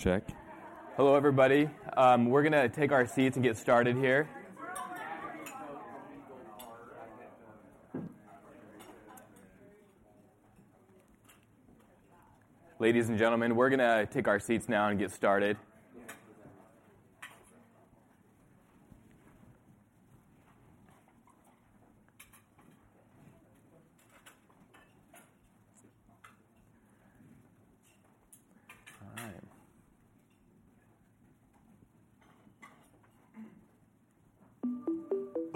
Check. Hello, everybody. We're gonna take our seats and get started here. Ladies and gentlemen, we're gonna take our seats now and get started.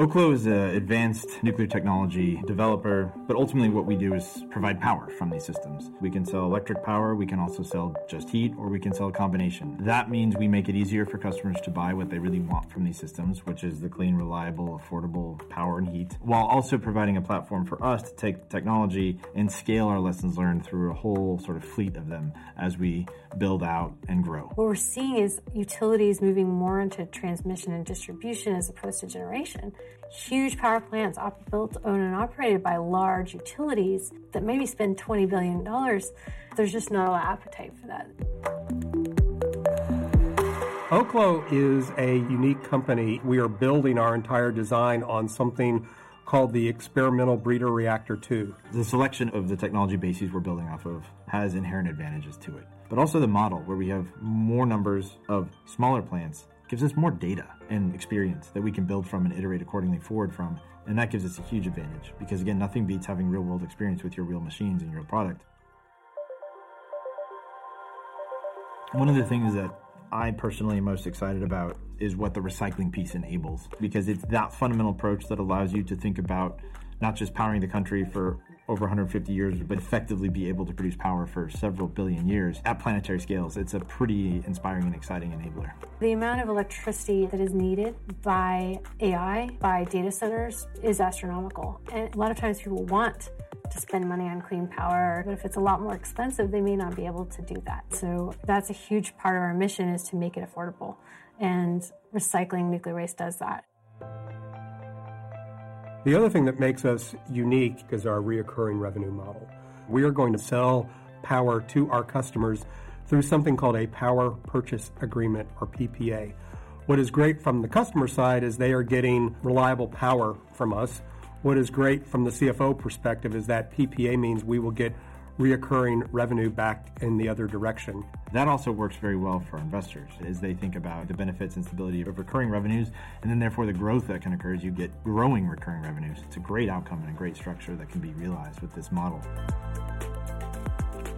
All right. Oklo is an advanced nuclear technology developer, but ultimately what we do is provide power from these systems. We can sell electric power, we can also sell just heat, or we can sell a combination. That means we make it easier for customers to buy what they really want from these systems, which is the clean, reliable, affordable power and heat, while also providing a platform for us to take the technology and scale our lessons learned through a whole sort of fleet of them as we build out and grow. What we're seeing is utilities moving more into transmission and distribution as opposed to generation. Huge power plants, often built, owned, and operated by large utilities that maybe spend $20 billion, there's just no appetite for that. Oklo is a unique company. We are building our entire design on something called the Experimental Breeder Reactor-II. The selection of the technology bases we're building off of has inherent advantages to it. But also the model, where we have more numbers of smaller plants, gives us more data and experience that we can build from and iterate accordingly forward from, and that gives us a huge advantage. Because, again, nothing beats having real-world experience with your real machines and your product. One of the things that I personally am most excited about is what the recycling piece enables, because it's that fundamental approach that allows you to think about not just powering the country for over 150 years, but effectively be able to produce power for several billion years at planetary scales. It's a pretty inspiring and exciting enabler. The amount of electricity that is needed by AI, by data centers, is astronomical, and a lot of times people want to spend money on clean power, but if it's a lot more expensive, they may not be able to do that. That's a huge part of our mission, is to make it affordable, and recycling nuclear waste does that. The other thing that makes us unique is our recurring revenue model. We are going to sell power to our customers through something called a Power Purchase Agreement, or PPA. What is great from the customer side is they are getting reliable power from us. What is great from the CFO perspective is that PPA means we will get recurring revenue back in the other direction. That also works very well for investors as they think about the benefits and stability of recurring revenues, and then therefore the growth that can occur as you get growing recurring revenues. It's a great outcome and a great structure that can be realized with this model.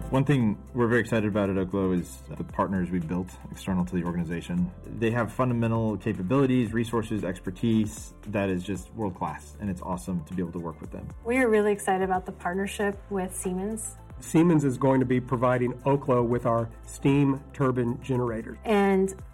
One thing we're very excited about at Oklo is the partners we've built external to the organization. They have fundamental capabilities, resources, expertise that is just world-class, and it's awesome to be able to work with them. We are really excited about the partnership with Siemens. Siemens is going to be providing Oklo with our steam turbine generator.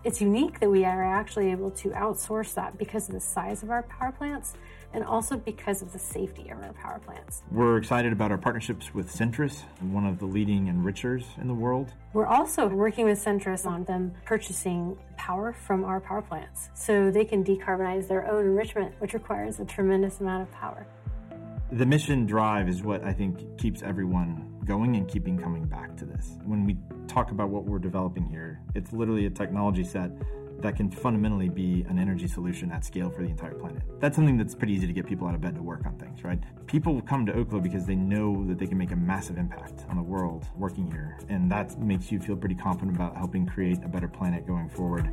It's unique that we are actually able to outsource that because of the size of our power plants and also because of the safety of our power plants. We're excited about our partnerships with Centrus, and one of the leading enrichers in the world. We're also working with Centrus on them purchasing power from our power plants, so they can decarbonize their own enrichment, which requires a tremendous amount of power. The mission drive is what I think keeps everyone going and keeping coming back to this. When we talk about what we're developing here, it's literally a technology set that can fundamentally be an energy solution at scale for the entire planet. That's something that's pretty easy to get people out of bed to work on things, right? People come to Oklo because they know that they can make a massive impact on the world working here, and that makes you feel pretty confident about helping create a better planet going forward.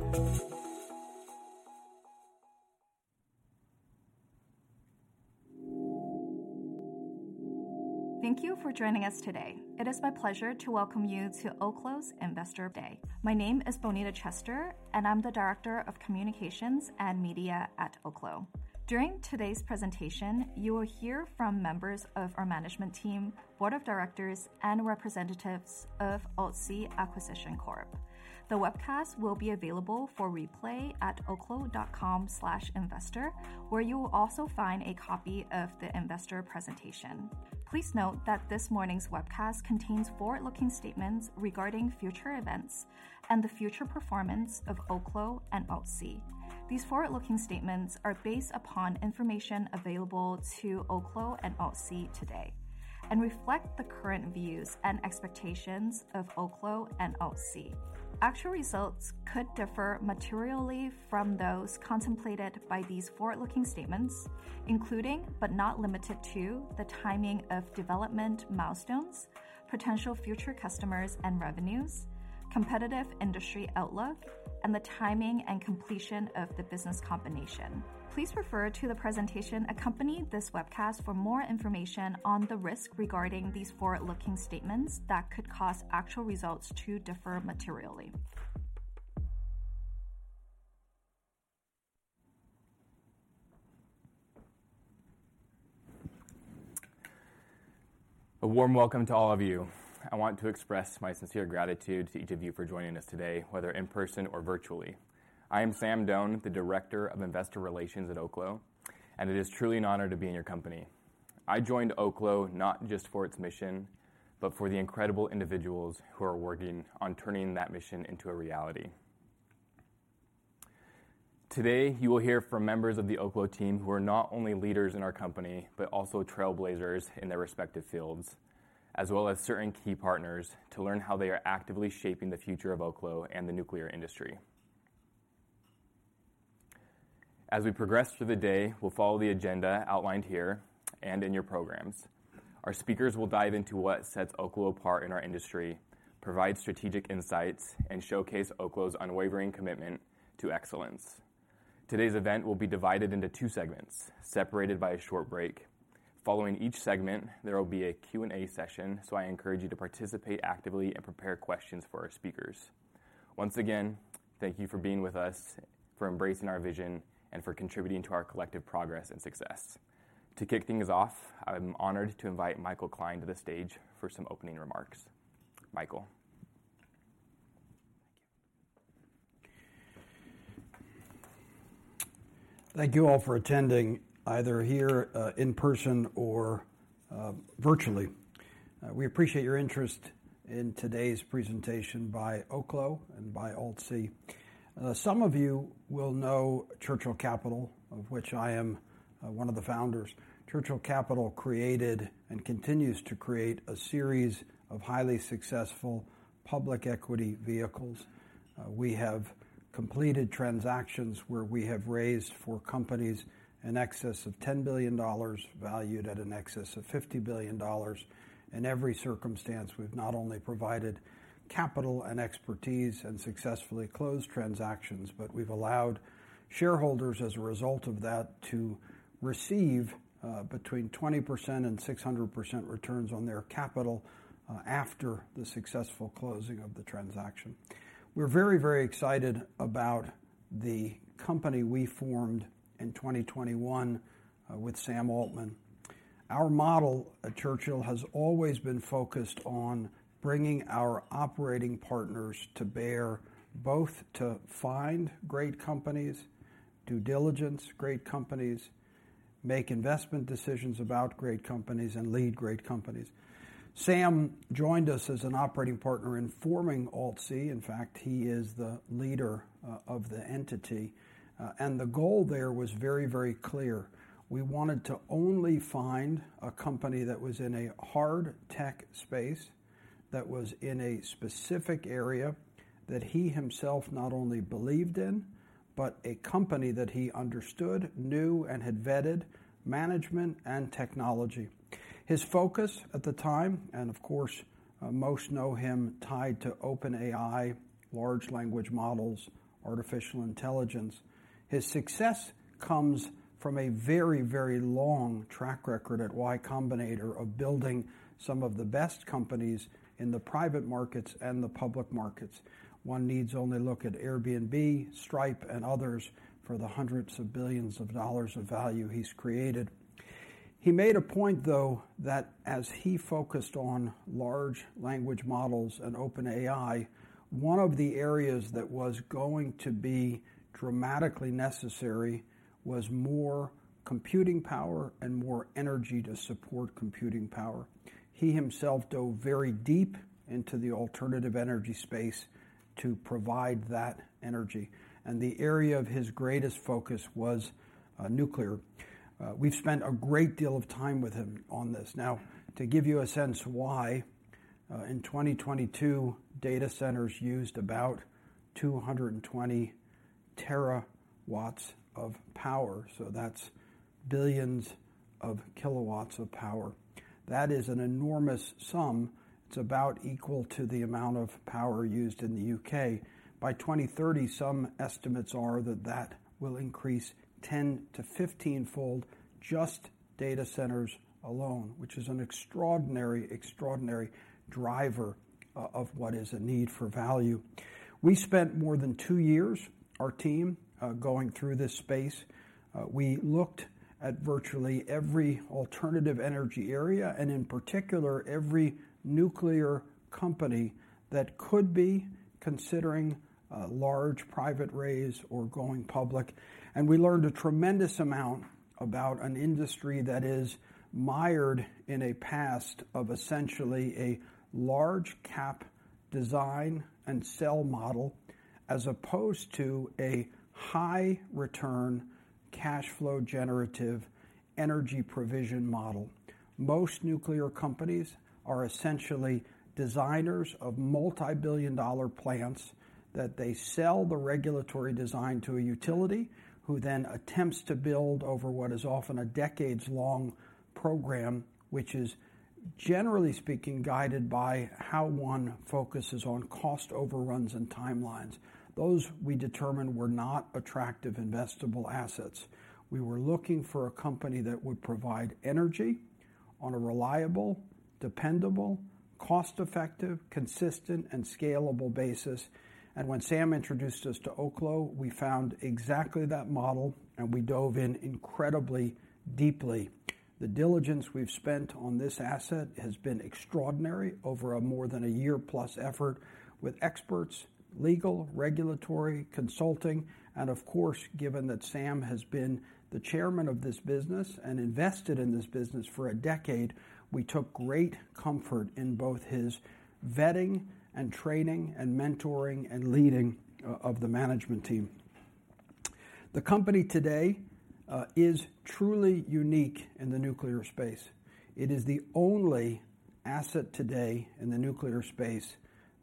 Thank you for joining us today. It is my pleasure to welcome you to Oklo's Investor Day. My name is Bonita Chester, and I'm the Director of Communications and Media at Oklo. During today's presentation, you will hear from members of our management team, board of directors, and representatives of AltC Acquisition Corp. The webcast will be available for replay at oklo.com/investor, where you will also find a copy of the investor presentation. Please note that this morning's webcast contains forward-looking statements regarding future events and the future performance of Oklo and AltC. These forward-looking statements are based upon information available to Oklo and AltC today and reflect the current views and expectations of Oklo and AltC. Actual results could differ materially from those contemplated by these forward-looking statements, including but not limited to, the timing of development milestones, potential future customers and revenues, competitive industry outlook, and the timing and completion of the business combination. Please refer to the presentation accompanying this webcast for more information on the risk regarding these forward-looking statements that could cause actual results to differ materially. A warm welcome to all of you. I want to express my sincere gratitude to each of you for joining us today, whether in person or virtually. I am Sam Doane, the Director of Investor Relations at Oklo, and it is truly an honor to be in your company. I joined Oklo not just for its mission, but for the incredible individuals who are working on turning that mission into a reality. Today, you will hear from members of the Oklo team who are not only leaders in our company, but also trailblazers in their respective fields, as well as certain key partners, to learn how they are actively shaping the future of Oklo and the nuclear industry. As we progress through the day, we'll follow the agenda outlined here and in your programs. Our speakers will dive into what sets Oklo apart in our industry, provide strategic insights, and showcase Oklo's unwavering commitment to excellence. Today's event will be divided into two segments, separated by a short break. Following each segment, there will be a Q&A session, so I encourage you to participate actively and prepare questions for our speakers. Once again, thank you for being with us, for embracing our vision, and for contributing to our collective progress and success. To kick things off, I'm honored to invite Michael Klein to the stage for some opening remarks. Michael. Thank you all for attending, either here in person or virtually. We appreciate your interest in today's presentation by Oklo and by AltC. Some of you will know Churchill Capital, of which I am one of the founders. Churchill Capital created and continues to create a series of highly successful public equity vehicles. We have completed transactions where we have raised for companies in excess of $10 billion, valued at an excess of $50 billion. In every circumstance, we've not only provided capital and expertise and successfully closed transactions, but we've allowed shareholders, as a result of that, to receive between 20% and 600% returns on their capital after the successful closing of the transaction. We're very, very excited about the company we formed in 2021 with Sam Altman. Our model at Churchill has always been focused on bringing our operating partners to bear, both to find great companies, due diligence great companies, make investment decisions about great companies, and lead great companies. Sam joined us as an operating partner in forming AltC. In fact, he is the leader of the entity. The goal there was very, very clear: We wanted to only find a company that was in a hard tech space, that was in a specific area, that he himself not only believed in, but a company that he understood, knew, and had vetted management and technology. His focus at the time, and of course, most know him tied to OpenAI, large language models, artificial intelligence. His success comes from a very, very long track record at Y Combinator of building some of the best companies in the private markets and the public markets. One needs only look at Airbnb, Stripe, and others for the hundreds of billions of dollars of value he's created. He made a point, though, that as he focused on large language models and OpenAI, one of the areas that was going to be dramatically necessary was more computing power and more energy to support computing power. He himself dove very deep into the alternative energy space to provide that energy, and the area of his greatest focus was nuclear. We've spent a great deal of time with him on this. Now, to give you a sense why in 2022, data centers used about 220 TW of power, so that's billions of kW of power. That is an enormous sum. It's about equal to the amount of power used in the U.K. By 2030, some estimates are that that will increase 10 to 15-fold, just data centers alone, which is an extraordinary, extraordinary driver of what is a need for value. We spent more than two years, our team, going through this space. We looked at virtually every alternative energy area, and in particular, every nuclear company that could be considering a large private raise or going public. We learned a tremendous amount about an industry that is mired in a past of essentially a large cap design and sell model, as opposed to a high return, cash flow generative, energy provision model. Most nuclear companies are essentially designers of multi-billion dollar plants that they sell the regulatory design to a utility, who then attempts to build over what is often a decades-long program, which is, generally speaking, guided by how one focuses on cost overruns and timelines. Those we determined were not attractive, investable assets. We were looking for a company that would provide energy on a reliable, dependable, cost-effective, consistent, and scalable basis. When Sam introduced us to Oklo, we found exactly that model, and we dove in incredibly deeply. The diligence we've spent on this asset has been extraordinary over a more than a year-plus effort with experts, legal, regulatory, consulting, and of course, given that Sam has been the chairman of this business and invested in this business for a decade, we took great comfort in both his vetting and training and mentoring and leading of the management team. The company today is truly unique in the nuclear space. It is the only asset today in the nuclear space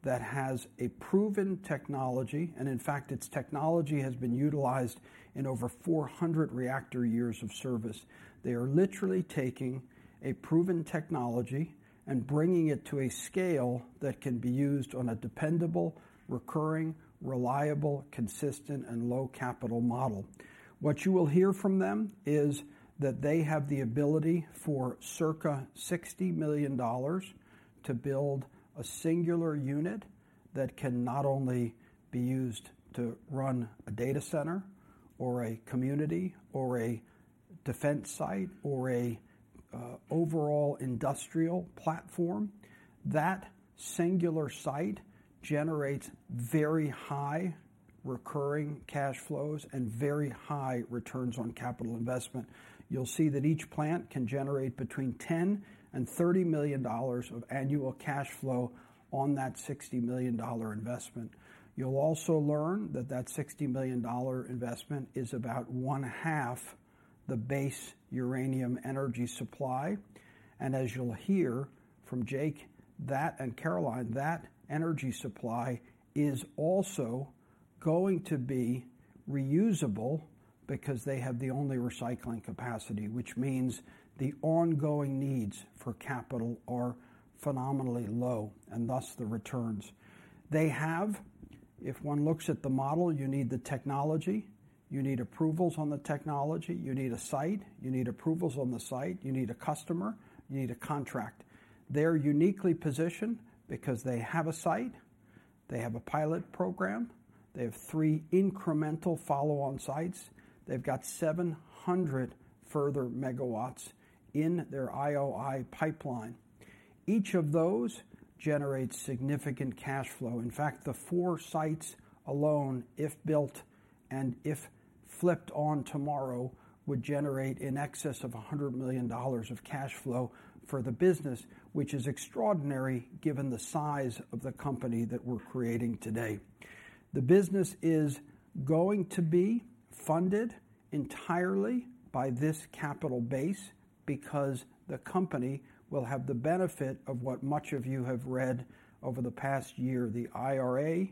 that has a proven technology, and in fact, its technology has been utilized in over 400 reactor years of service. They are literally taking a proven technology and bringing it to a scale that can be used on a dependable, recurring, reliable, consistent, and low-capital model. What you will hear from them is that they have the ability for circa $60 million to build a singular unit that can not only be used to run a data center or a community or a defense site or a overall industrial platform. That singular site generates very high recurring cash flows and very high returns on capital investment. You'll see that each plant can generate between $10 million and $30 million of annual cash flow on that $60 million investment. You'll also learn that that $60 million investment is about one-half the base uranium energy supply, and as you'll hear from Jake, that, and Caroline, that energy supply is also going to be reusable because they have the only recycling capacity, which means the ongoing needs for capital are phenomenally low, and thus the returns. They have, if one looks at the model, you need the technology, you need approvals on the technology, you need a site, you need approvals on the site, you need a customer, you need a contract. They're uniquely positioned because they have a site, they have a pilot program, they have three incremental follow-on sites. They've got 700 further MW in their IOI pipeline. Each of those generates significant cash flow. In fact, the four sites alone, if built and if flipped on tomorrow, would generate in excess of $100 million of cash flow for the business, which is extraordinary given the size of the company that we're creating today. The business is going to be funded entirely by this capital base because the company will have the benefit of what much of you have read over the past year, the IRA,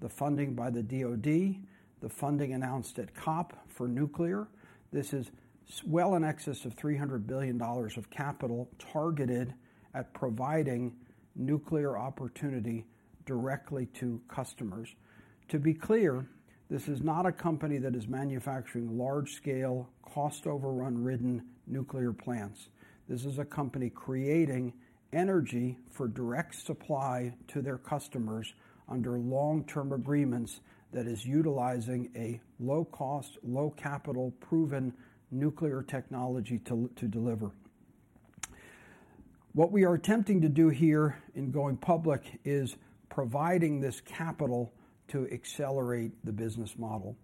the funding by the DOD, the funding announced at COP for nuclear. This is well in excess of $300 billion of capital targeted at providing nuclear opportunity directly to customers. To be clear, this is not a company that is manufacturing large-scale, cost overrun-ridden nuclear plants. This is a company creating energy for direct supply to their customers under long-term agreements that is utilizing a low-cost, low-capital, proven nuclear technology to deliver. What we are attempting to do here in going public is providing this capital to accelerate the business model.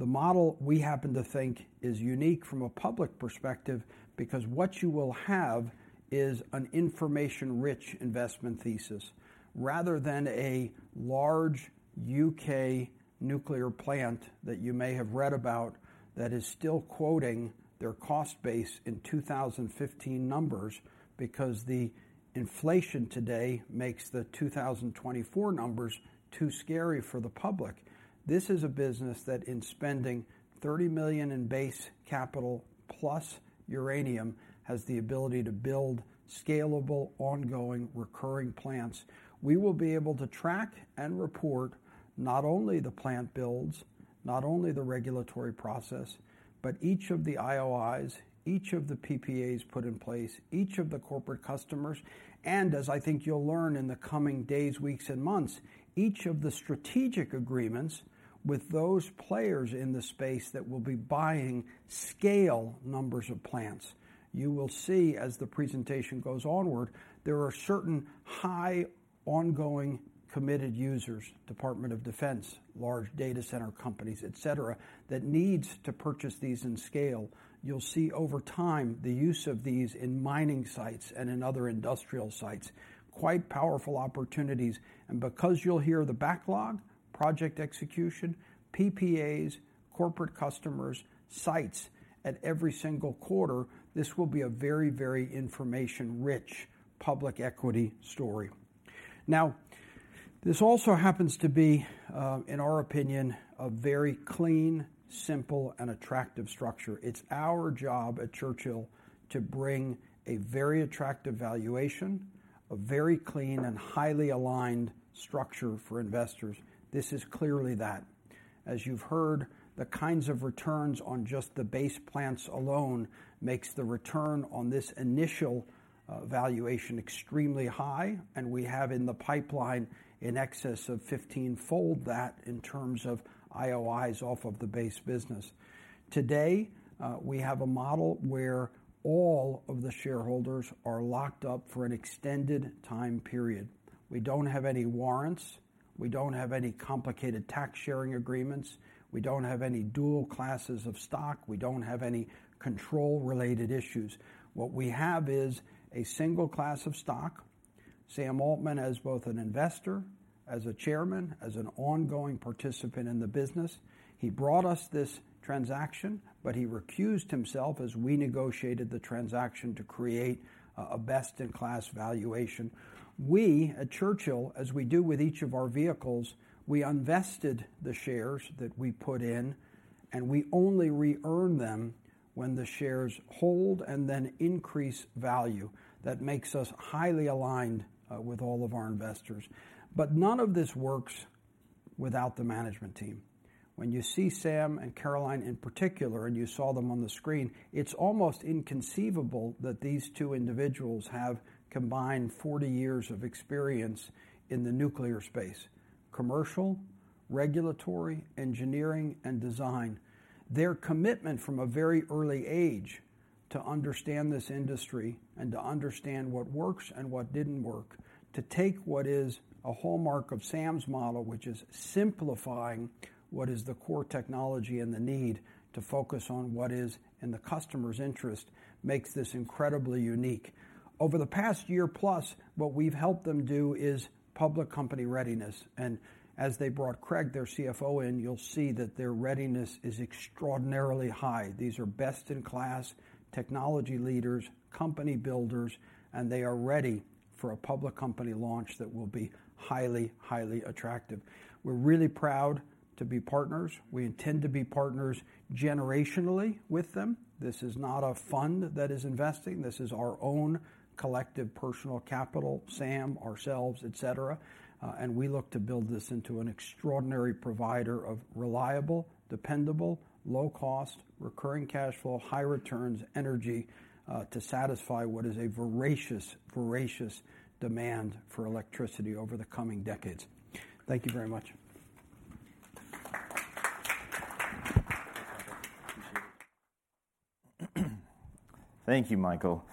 The model we happen to think is unique from a public perspective, because what you will have is an information-rich investment thesis, rather than a large U.K. nuclear plant that you may have read about that is still quoting their cost base in 2015 numbers, because the inflation today makes the 2024 numbers too scary for the public. This is a business that in spending $30 million in base capital plus uranium, has the ability to build scalable, ongoing, recurring plants. We will be able to track and report not only the plant builds, not only the regulatory process, but each of the IOIs, each of the PPAs put in place, each of the corporate customers, and as I think you'll learn in the coming days, weeks, and months, each of the strategic agreements with those players in the space that will be buying scale numbers of plants. You will see, as the presentation goes onward, there are certain high, ongoing, committed users, Department of Defense, large data center companies, et cetera, that needs to purchase these in scale. You'll see over time the use of these in mining sites and in other industrial sites, quite powerful opportunities. And because you'll hear the backlog, project execution, PPAs, corporate customers, sites at every single quarter, this will be a very, very information-rich public equity story. Now, this also happens to be, in our opinion, a very clean, simple, and attractive structure. It's our job at Churchill to bring a very attractive valuation, a very clean and highly aligned structure for investors. This is clearly that. As you've heard, the kinds of returns on just the base plants alone makes the return on this initial, valuation extremely high, and we have in the pipeline in excess of 15-fold that in terms of IOIs off of the base business. Today, we have a model where all of the shareholders are locked up for an extended time period. We don't have any warrants. We don't have any complicated tax-sharing agreements. We don't have any dual classes of stock. We don't have any control-related issues. What we have is a single class of stock. Sam Altman as both an Investor, as a Chairman, as an ongoing participant in the business. He brought us this transaction, but he recused himself as we negotiated the transaction to create a best-in-class valuation. We, at Churchill, as we do with each of our vehicles, we unvested the shares that we put in, and we only re-earn them when the shares hold and then increase value. That makes us highly aligned with all of our investors. But none of this works without the management team. When you see Sam and Caroline in particular, and you saw them on the screen, it's almost inconceivable that these two individuals have combined 40 years of experience in the nuclear space: commercial, regulatory, engineering, and design. Their commitment from a very early age to understand this industry and to understand what works and what didn't work, to take what is a hallmark of Sam's model, which is simplifying what is the core technology and the need to focus on what is in the customer's interest, makes this incredibly unique. Over the past year, plus, what we've helped them do is public company readiness, and as they brought Craig, their CFO, in, you'll see that their readiness is extraordinarily high. These are best-in-class technology leaders, company builders, and they are ready for a public company launch that will be highly, highly attractive. We're really proud to be partners. We intend to be partners generationally with them. This is not a fund that is investing. This is our own collective personal capital, Sam, ourselves, et cetera, and we look to build this into an extraordinary provider of reliable, dependable, low-cost, recurring cash flow, high returns, energy, to satisfy what is a voracious, voracious demand for electricity over the coming decades. Thank you very much. Thank you, Michael.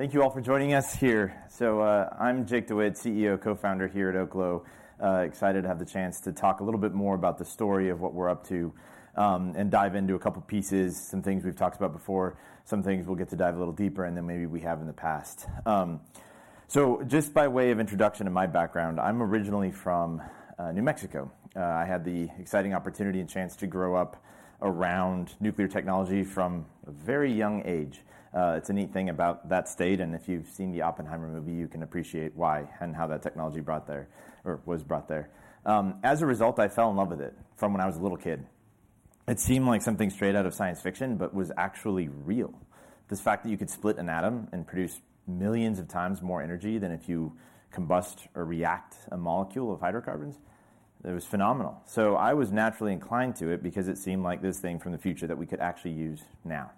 Thank you all for joining us here. So, I'm Jacob DeWitte, CEO, Co-Founder here at Oklo. Excited to have the chance to talk a little bit more about the story of what we're up to, and dive into a couple of pieces, some things we've talked about before, some things we'll get to dive a little deeper in than maybe we have in the past. So just by way of introduction to my background, I'm originally from, New Mexico. I had the exciting opportunity and chance to grow up around nuclear technology from a very young age. It's a neat thing about that state, and if you've seen the Oppenheimer movie, you can appreciate why and how that technology brought there or was brought there. As a result, I fell in love with it from when I was a little kid. It seemed like something straight out of science fiction, but was actually real. This fact that you could split an atom and produce millions of times more energy than if you combust or react a molecule of hydrocarbons, it was phenomenal. So I was naturally inclined to it because it seemed like this thing from the future that we could actually use now.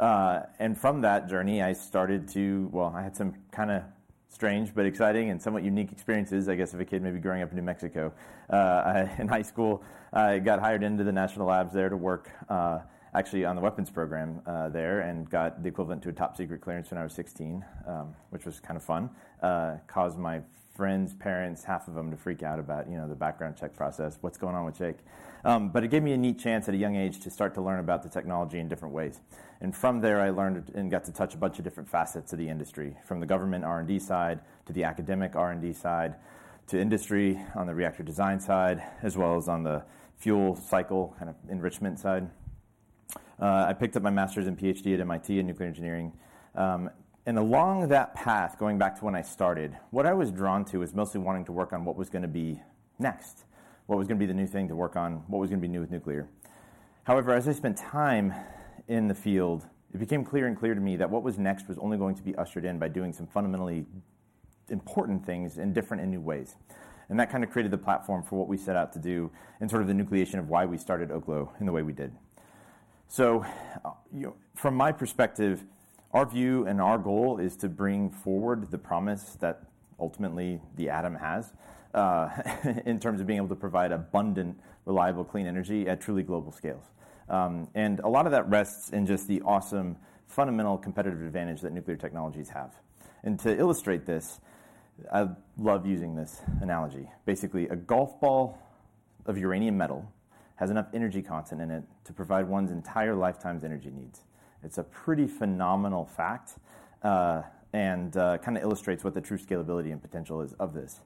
And from that journey, I started to, well, I had some kinda strange but exciting and somewhat unique experiences, I guess, of a kid maybe growing up in New Mexico. In high school, I got hired into the national labs there to work, actually on the weapons program, there, and got the equivalent to a top-secret clearance when I was 16, which was kind of fun, caused my friends' parents, half of them, to freak out about, you know, the background check process. "What's going on with Jake?" But it gave me a neat chance at a young age to start to learn about the technology in different ways. And from there, I learned and got to touch a bunch of different facets of the industry, from the government R&D side, to the academic R&D side, to industry on the reactor design side, as well as on the fuel cycle, kind of enrichment side. I picked up my master's and PhD at MIT in nuclear engineering. And along that path, going back to when I started, what I was drawn to was mostly wanting to work on what was gonna be next, what was gonna be the new thing to work on, what was gonna be new with nuclear. However, as I spent time in the field, it became clear and clear to me that what was next was only going to be ushered in by doing some fundamentally important things in different and new ways. And that kind of created the platform for what we set out to do and sort of the nucleation of why we started Oklo in the way we did. So, from my perspective, our view and our goal is to bring forward the promise that ultimately the atom has in terms of being able to provide abundant, reliable, clean energy at truly global scales. And a lot of that rests in just the awesome, fundamental competitive advantage that nuclear technologies have. To illustrate this, I love using this analogy. Basically, a golf ball of uranium metal has enough energy content in it to provide one's entire lifetime's energy needs. It's a pretty phenomenal fact, and kind of illustrates what the true scalability and potential is of this.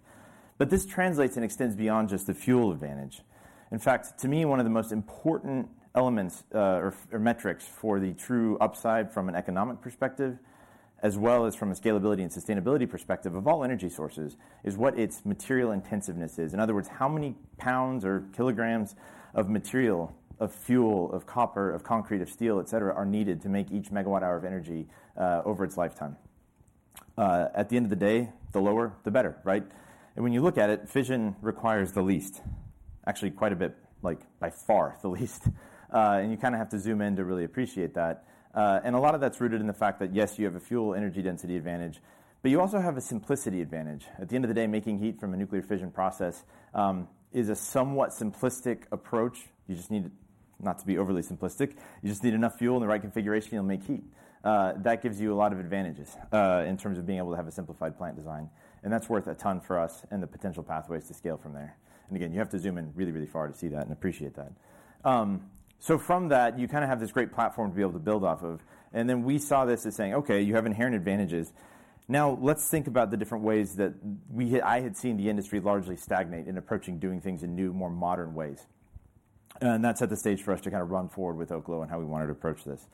But this translates and extends beyond just the fuel advantage. In fact, to me, one of the most important elements, or metrics for the true upside from an economic perspective, as well as from a scalability and sustainability perspective of all energy sources, is what its material intensiveness is. In other words, how many pounds or kilograms of material, of fuel, of copper, of concrete, of steel, et cetera, are needed to make each megawatt-hour of energy, over its lifetime? At the end of the day, the lower, the better, right? And when you look at it, fission requires the least, actually, quite a bit, like, by far, the least. And you kinda have to zoom in to really appreciate that. And a lot of that's rooted in the fact that, yes, you have a fuel energy density advantage, but you also have a simplicity advantage. At the end of the day, making heat from a nuclear fission process is a somewhat simplistic approach. You just need to not to be overly simplistic, you just need enough fuel in the right configuration, and you'll make heat. That gives you a lot of advantages in terms of being able to have a simplified plant design, and that's worth a ton for us and the potential pathways to scale from there. Again, you have to zoom in really, really far to see that and appreciate that. So from that, you kinda have this great platform to be able to build off of, and then we saw this as saying, "Okay, you have inherent advantages. Now, let's think about the different ways that I had seen the industry largely stagnate in approaching doing things in new, more modern ways." That set the stage for us to kind of run forward with Oklo and how we wanted to approach this.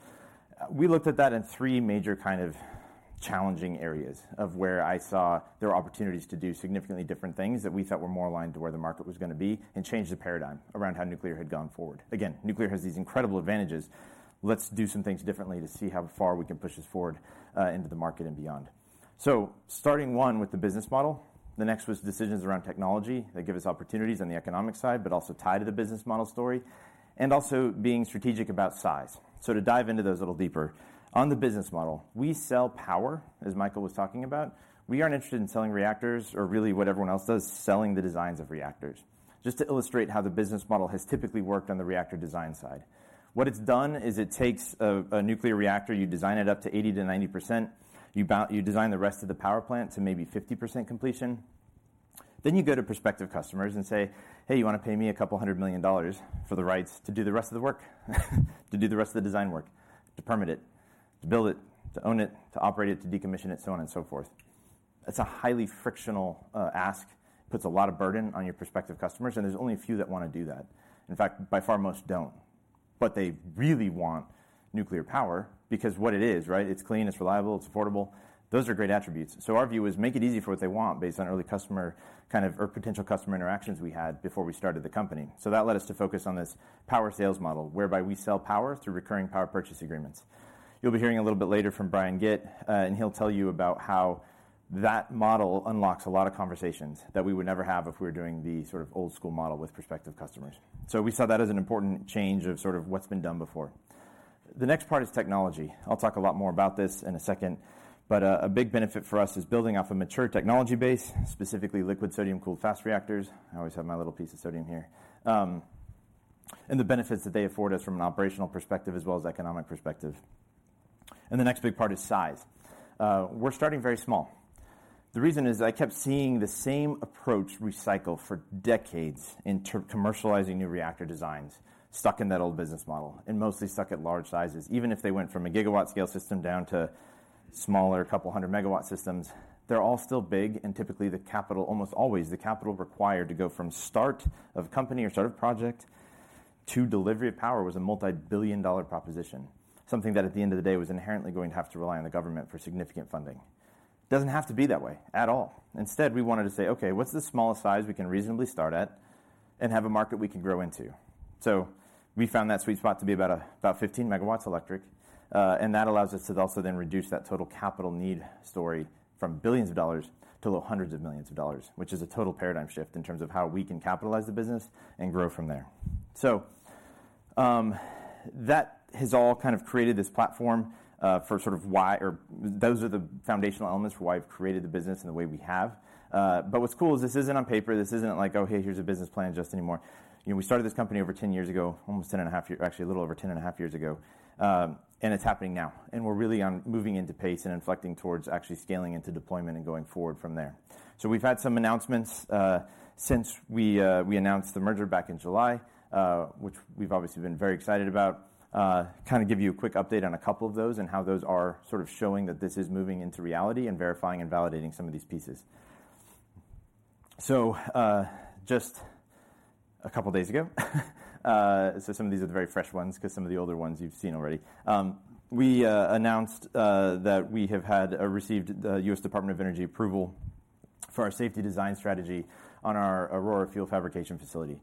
We looked at that in three major kind of challenging areas of where I saw there were opportunities to do significantly different things that we thought were more aligned to where the market was gonna be and change the paradigm around how nuclear had gone forward. Again, nuclear has these incredible advantages. Let's do some things differently to see how far we can push this forward into the market and beyond. Starting one with the business model, the next was decisions around technology that give us opportunities on the economic side, but also tie to the business model story, and also being strategic about size. So to dive into those a little deeper. On the business model, we sell power, as Michael was talking about. We aren't interested in selling reactors or really what everyone else does, selling the designs of reactors. Just to illustrate how the business model has typically worked on the reactor design side. What it's done is it takes a nuclear reactor, you design it up to 80%-90%, you design the rest of the power plant to maybe 50% completion, then you go to prospective customers and say, "Hey, you wanna pay me $200 million for the rights to do the rest of the work? To do the rest of the design work, to permit it, to build it, to own it, to operate it, to decommission it, so on and so forth." It's a highly frictional ask. Puts a lot of burden on your prospective customers, and there's only a few that wanna do that. In fact, by far, most don't. But they really want nuclear power because what it is, right? It's clean, it's reliable, it's affordable. Those are great attributes. So our view is make it easy for what they want based on early customer, kind of, or potential customer interactions we had before we started the company. So that led us to focus on this power sales model, whereby we sell power through recurring Power Purchase Agreements. You'll be hearing a little bit later from Brian Gitt, and he'll tell you about how that model unlocks a lot of conversations that we would never have if we were doing the sort of old-school model with prospective customers. So we saw that as an important change of sort of what's been done before. The next part is technology. I'll talk a lot more about this in a second, but a big benefit for us is building off a mature technology base, specifically liquid sodium-cooled fast reactors. I always have my little piece of sodium here. And the benefits that they afford us from an operational perspective as well as economic perspective. The next big part is size. We're starting very small. The reason is I kept seeing the same approach recycle for decades in terms of commercializing new reactor designs, stuck in that old business model, and mostly stuck at large sizes. Even if they went from a gigawatt-scale system down to smaller, a couple of 100 MW systems, they're all still big, and typically, almost always, the capital required to go from start of company or start of project to delivery of power was a multi-billion-dollar proposition. Something that, at the end of the day, was inherently going to have to rely on the government for significant funding. Doesn't have to be that way at all. Instead, we wanted to say, "Okay, what's the smallest size we can reasonably start at and have a market we can grow into?" So we found that sweet spot to be about, about 15 MW electric, and that allows us to also then reduce that total capital need story from billions of dollars to a hundreds of millions of dollars, which is a total paradigm shift in terms of how we can capitalize the business and grow from there. So, that has all kind of created this platform, for sort of why or those are the foundational elements for why I've created the business in the way we have. But what's cool is this isn't on paper. This isn't like, "Oh, hey, here's a business plan just anymore." You know, we started this company over 10 years ago, almost 10 and a half years—actually, a little over 10 and a half years ago, and it's happening now, and we're really on moving into pace and inflecting towards actually scaling into deployment and going forward from there. So we've had some announcements, since we announced the merger back in July, which we've obviously been very excited about. Kind of give you a quick update on a couple of those and how those are sort of showing that this is moving into reality and verifying and validating some of these pieces. So, just a couple of days ago, so some of these are the very fresh ones, 'cause some of the older ones you've seen already. We announced that we have received the U.S. Department of Energy approval for our Safety Design Strategy on our Aurora Fuel Fabrication Facility.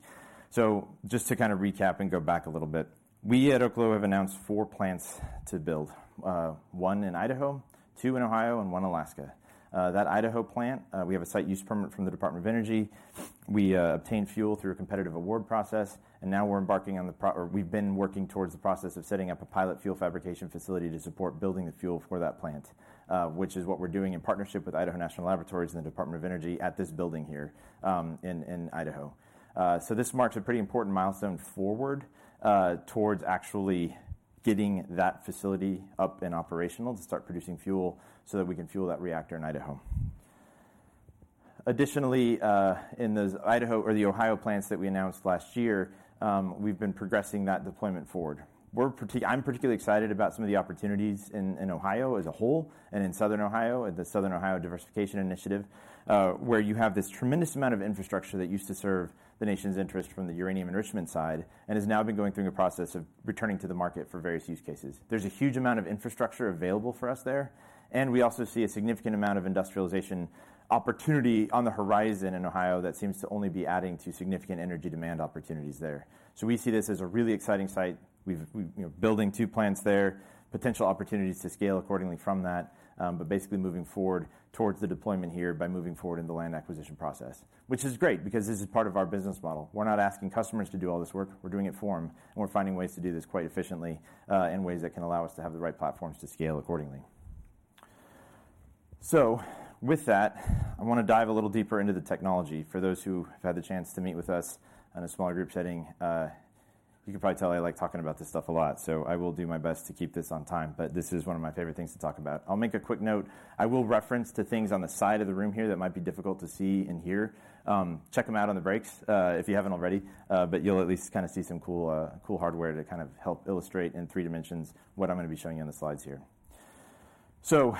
So just to kind of recap and go back a little bit, we at Oklo have announced four plants to build: one in Idaho, two in Ohio, and one in Alaska. That Idaho plant, we have a site use permit from the Department of Energy. We obtained fuel through a competitive award process, and now we're embarking on the process or we've been working towards the process of setting up a pilot fuel fabrication facility to support building the fuel for that plant, which is what we're doing in partnership with Idaho National Laboratory and the Department of Energy at this building here, in Idaho. So this marks a pretty important milestone forward towards actually getting that facility up and operational to start producing fuel, so that we can fuel that reactor in Idaho. Additionally, in those Idaho or the Ohio plants that we announced last year, we've been progressing that deployment forward. I'm particularly excited about some of the opportunities in Ohio as a whole, and in Southern Ohio, at the Southern Ohio Diversification Initiative, where you have this tremendous amount of infrastructure that used to serve the nation's interest from the uranium enrichment side, and has now been going through the process of returning to the market for various use cases. There's a huge amount of infrastructure available for us there, and we also see a significant amount of industrialization opportunity on the horizon in Ohio that seems to only be adding to significant energy demand opportunities there. So we see this as a really exciting site. We've you know building two plants there, potential opportunities to scale accordingly from that, but basically moving forward towards the deployment here by moving forward in the land acquisition process. Which is great, because this is part of our business model. We're not asking customers to do all this work, we're doing it for them, and we're finding ways to do this quite efficiently, in ways that can allow us to have the right platforms to scale accordingly. So with that, I want to dive a little deeper into the technology. For those who have had the chance to meet with us in a smaller group setting, you can probably tell I like talking about this stuff a lot, so I will do my best to keep this on time, but this is one of my favorite things to talk about. I'll make a quick note. I will reference to things on the side of the room here that might be difficult to see in here. Check them out on the breaks, if you haven't already, but you'll at least kind of see some cool, cool hardware to kind of help illustrate in three dimensions what I'm going to be showing you on the slides here. So,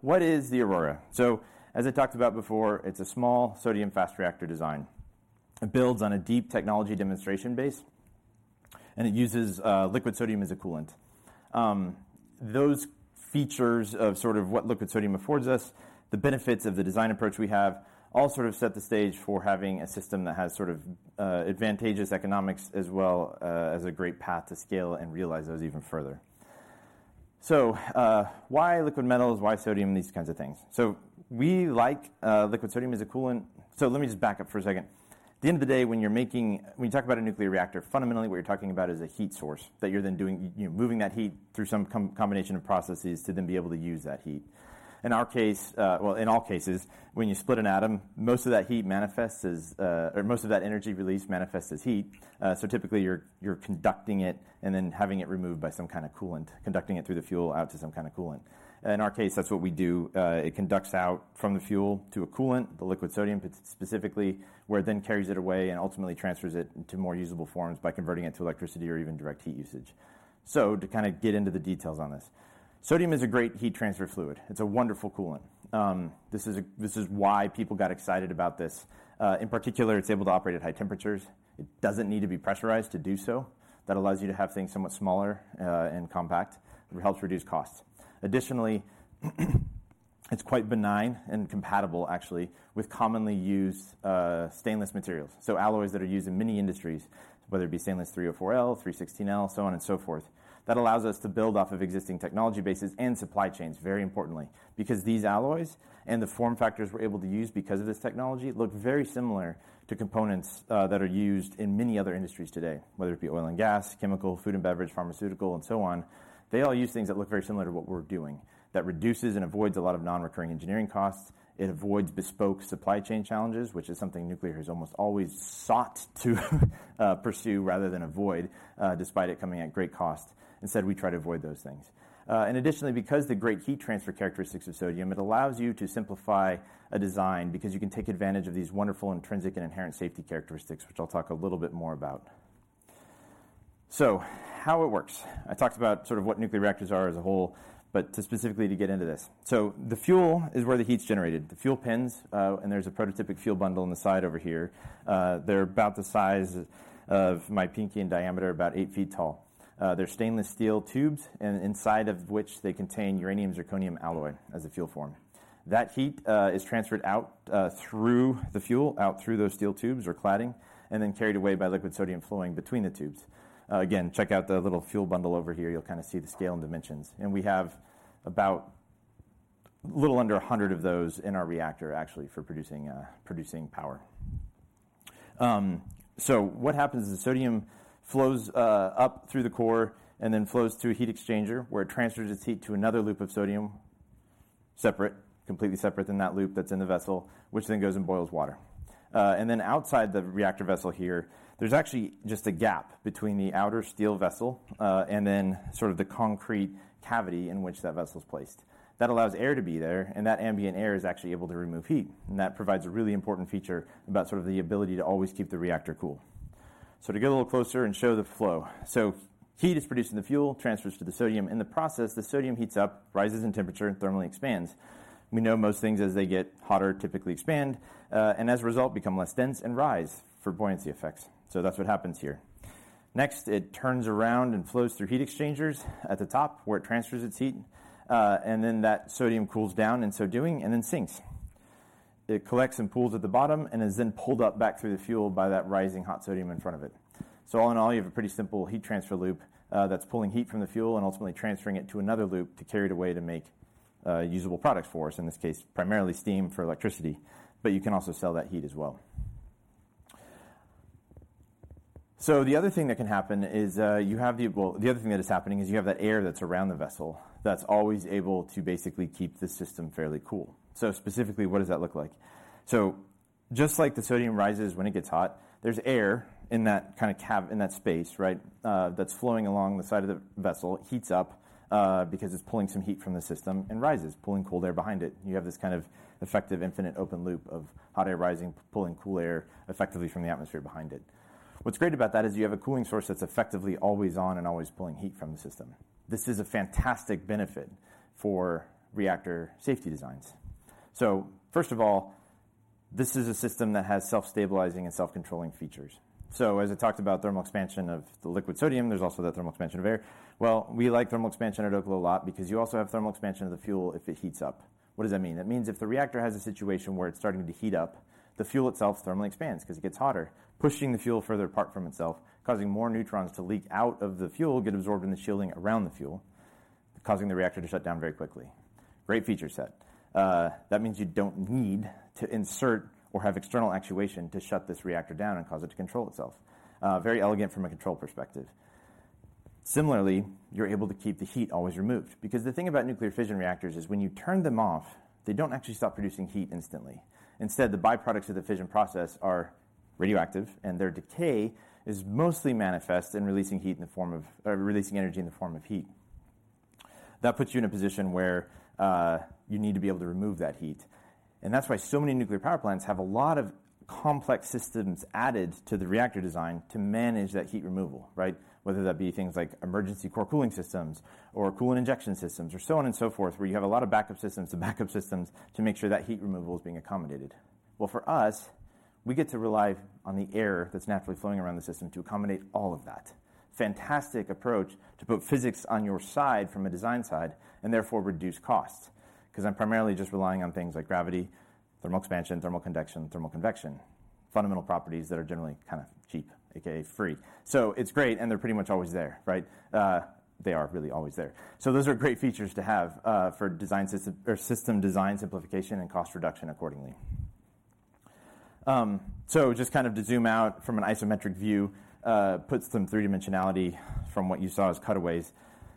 what is the Aurora? So as I talked about before, it's a small sodium fast reactor design. It builds on a deep technology demonstration base, and it uses liquid sodium as a coolant. Those features of sort of what liquid sodium affords us, the benefits of the design approach we have all sort of set the stage for having a system that has sort of advantageous economics as well as a great path to scale and realize those even further. So why liquid metals, why sodium, these kinds of things? So we like liquid sodium as a coolant. So let me just back up for a second. At the end of the day, when you talk about a nuclear reactor, fundamentally, what you're talking about is a heat source that you're then doing, you know, moving that heat through some combination of processes to then be able to use that heat. In our case, well, in all cases, when you split an atom, most of that heat manifests as, or most of that energy released manifests as heat. So typically you're conducting it and then having it removed by some kind of coolant, conducting it through the fuel out to some kind of coolant. In our case, that's what we do. It conducts out from the fuel to a coolant, the liquid sodium specifically, where it then carries it away and ultimately transfers it into more usable forms by converting it to electricity or even direct heat usage. So to kind of get into the details on this. Sodium is a great heat transfer fluid. It's a wonderful coolant. This is why people got excited about this. In particular, it's able to operate at high temperatures. It doesn't need to be pressurized to do so. That allows you to have things somewhat smaller, and compact, and helps reduce costs. Additionally, it's quite benign and compatible actually, with commonly used stainless materials. So alloys that are used in many industries, whether it be stainless 304L, 316L, so on and so forth. That allows us to build off of existing technology bases and supply chains, very importantly, because these alloys and the form factors we're able to use because of this technology look very similar to components that are used in many other industries today, whether it be oil and gas, chemical, food and beverage, pharmaceutical, and so on. They all use things that look very similar to what we're doing. That reduces and avoids a lot of non-recurring engineering costs. It avoids bespoke supply chain challenges, which is something nuclear has almost always sought to pursue rather than avoid, despite it coming at great cost. Instead, we try to avoid those things. And additionally, because the great heat transfer characteristics of sodium, it allows you to simplify a design, because you can take advantage of these wonderful intrinsic and inherent safety characteristics, which I'll talk a little bit more about. So how it works. I talked about sort of what nuclear reactors are as a whole, but to specifically to get into this. So the fuel is where the heat's generated, the fuel pins, and there's a prototypic fuel bundle on the side over here. They're about the size of my pinky in diameter, about 8 ft tall. They're stainless steel tubes, and inside of which they contain uranium zirconium alloy as a fuel form. That heat is transferred out through the fuel, out through those steel tubes or cladding, and then carried away by liquid sodium flowing between the tubes. Again, check out the little fuel bundle over here. You'll kind of see the scale and dimensions, and we have about a little under 100 of those in our reactor, actually, for producing power. So what happens is the sodium flows up through the core and then flows through a heat exchanger, where it transfers its heat to another loop of sodium, separate, completely separate than that loop that's in the vessel, which then goes and boils water. And then outside the reactor vessel here, there's actually just a gap between the outer steel vessel, and then sort of the concrete cavity in which that vessel is placed. That allows air to be there, and that ambient air is actually able to remove heat, and that provides a really important feature about sort of the ability to always keep the reactor cool. So to get a little closer and show the flow. So heat is produced in the fuel, transfers to the sodium. In the process, the sodium heats up, rises in temperature, and thermally expands. We know most things as they get hotter, typically expand, and as a result, become less dense and rise for buoyancy effects. So that's what happens here. Next, it turns around and flows through heat exchangers at the top, where it transfers its heat, and then that sodium cools down, in so doing, and then sinks. It collects and pools at the bottom and is then pulled up back through the fuel by that rising hot sodium in front of it. So all in all, you have a pretty simple heat transfer loop, that's pulling heat from the fuel and ultimately transferring it to another loop to carry it away to make usable products for us, in this case, primarily steam for electricity, but you can also sell that heat as well. So the other thing that can happen is, the other thing that is happening is you have that air that's around the vessel that's always able to basically keep the system fairly cool. So specifically, what does that look like? So just like the sodium rises when it gets hot, there's air in that kind of cavity in that space, right? That's flowing along the side of the vessel, heats up, because it's pulling some heat from the system and rises, pulling cold air behind it. You have this kind of effective, infinite open loop of hot air rising, pulling cool air effectively from the atmosphere behind it. What's great about that is you have a cooling source that's effectively always on and always pulling heat from the system. This is a fantastic benefit for reactor safety designs. So first of all, this is a system that has self-stabilizing and self-controlling features. So as I talked about thermal expansion of the liquid sodium, there's also the thermal expansion of air. Well, we like thermal expansion at Oklo a lot because you also have thermal expansion of the fuel if it heats up. What does that mean? That means if the reactor has a situation where it's starting to heat up, the fuel itself thermally expands because it gets hotter, pushing the fuel further apart from itself, causing more neutrons to leak out of the fuel, get absorbed in the shielding around the fuel, causing the reactor to shut down very quickly. Great feature set. That means you don't need to insert or have external actuation to shut this reactor down and cause it to control itself. Very elegant from a control perspective. Similarly, you're able to keep the heat always removed. Because the thing about nuclear fission reactors is when you turn them off, they don't actually stop producing heat instantly. Instead, the byproducts of the fission process are radioactive, and their decay is mostly manifest in releasing heat in the form of, or releasing energy in the form of heat. That puts you in a position where you need to be able to remove that heat, and that's why so many nuclear power plants have a lot of complex systems added to the reactor design to manage that heat removal, right? Whether that be things like emergency core cooling systems or coolant injection systems or so on and so forth, where you have a lot of backup systems to backup systems to make sure that heat removal is being accommodated. Well, for us, we get to rely on the air that's naturally flowing around the system to accommodate all of that. Fantastic approach to put physics on your side from a design side and therefore reduce costs, 'cause I'm primarily just relying on things like gravity, thermal expansion, thermal conduction, thermal convection, fundamental properties that are generally kind of cheap aka free. So it's great, and they're pretty much always there, right? They are really always there. So those are great features to have, for design system or system design simplification and cost reduction accordingly. So just kind of to zoom out from an isometric view, puts some three-dimensionality from what you saw as cutaways.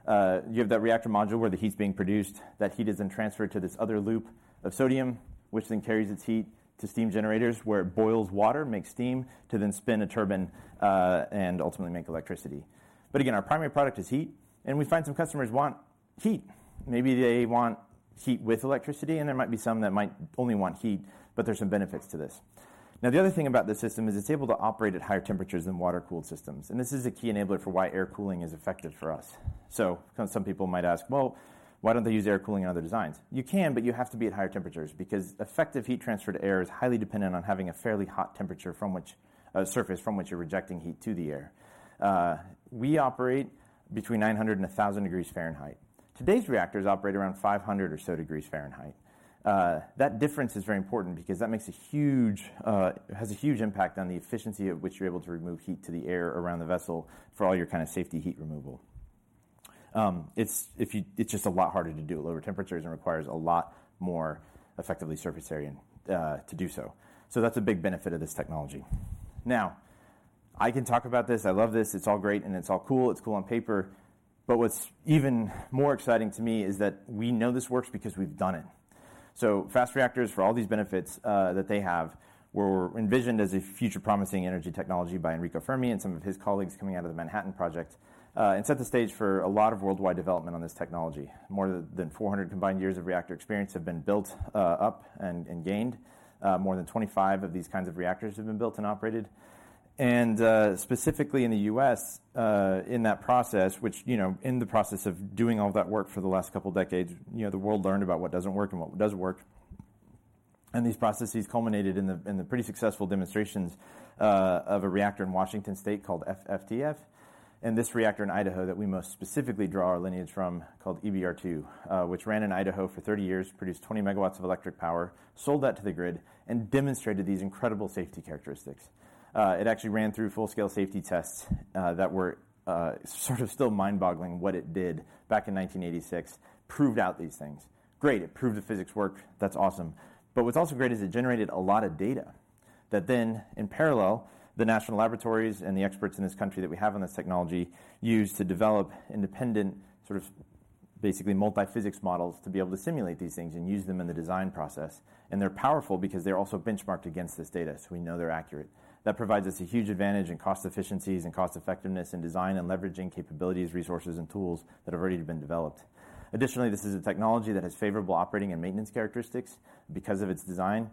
You have that reactor module where the heat's being produced. That heat is then transferred to this other loop of sodium, which then carries its heat to steam generators, where it boils water, makes steam, to then spin a turbine, and ultimately make electricity. But again, our primary product is heat, and we find some customers want heat. Maybe they want heat with electricity, and there might be some that might only want heat, but there are some benefits to this. Now, the other thing about this system is it's able to operate at higher temperatures than water-cooled systems, and this is a key enabler for why air cooling is effective for us. So some people might ask: Well, why don't they use air cooling in other designs? You can, but you have to be at higher temperatures because effective heat transfer to air is highly dependent on having a fairly hot temperature from which surface from which you're rejecting heat to the air. We operate between 900 degrees Fahrenheit and 1,000 degrees Fahrenheit. Today's reactors operate around 500 or so degrees Fahrenheit. That difference is very important because that makes a huge has a huge impact on the efficiency at which you're able to remove heat to the air around the vessel for all your kind of safety heat removal. It's just a lot harder to do at lower temperatures and requires a lot more effectively surface area to do so. So that's a big benefit of this technology. Now, I can talk about this, I love this, it's all great, and it's all cool. It's cool on paper, but what's even more exciting to me is that we know this works because we've done it. So fast reactors, for all these benefits that they have, were envisioned as a future promising energy technology by Enrico Fermi and some of his colleagues coming out of the Manhattan Project, and set the stage for a lot of worldwide development on this technology. More than 400 combined years of reactor experience have been built up and gained. More than 25 of these kinds of reactors have been built and operated. And specifically in the U.S., in that process, which, you know, in the process of doing all that work for the last couple of decades, you know, the world learned about what doesn't work and what does work. These processes culminated in the pretty successful demonstrations of a reactor in Washington state called FFTF, and this reactor in Idaho that we most specifically draw our lineage from, called EBR-II, which ran in Idaho for 30 years, produced 20 MW of electric power, sold that to the grid, and demonstrated these incredible safety characteristics. It actually ran through full-scale safety tests that were sort of still mind-boggling what it did back in 1986, proved out these things. Great, it proved the physics worked. That's awesome. But what's also great is it generated a lot of data that then in parallel, the national laboratories and the experts in this country that we have on this technology, used to develop independent, sort of basically multiphysics models, to be able to simulate these things and use them in the design process, and they're powerful because they're also benchmarked against this data, so we know they're accurate. That provides us a huge advantage in cost efficiencies and cost-effectiveness in design and leveraging capabilities, resources, and tools that have already been developed. Additionally, this is a technology that has favorable operating and maintenance characteristics because of its design,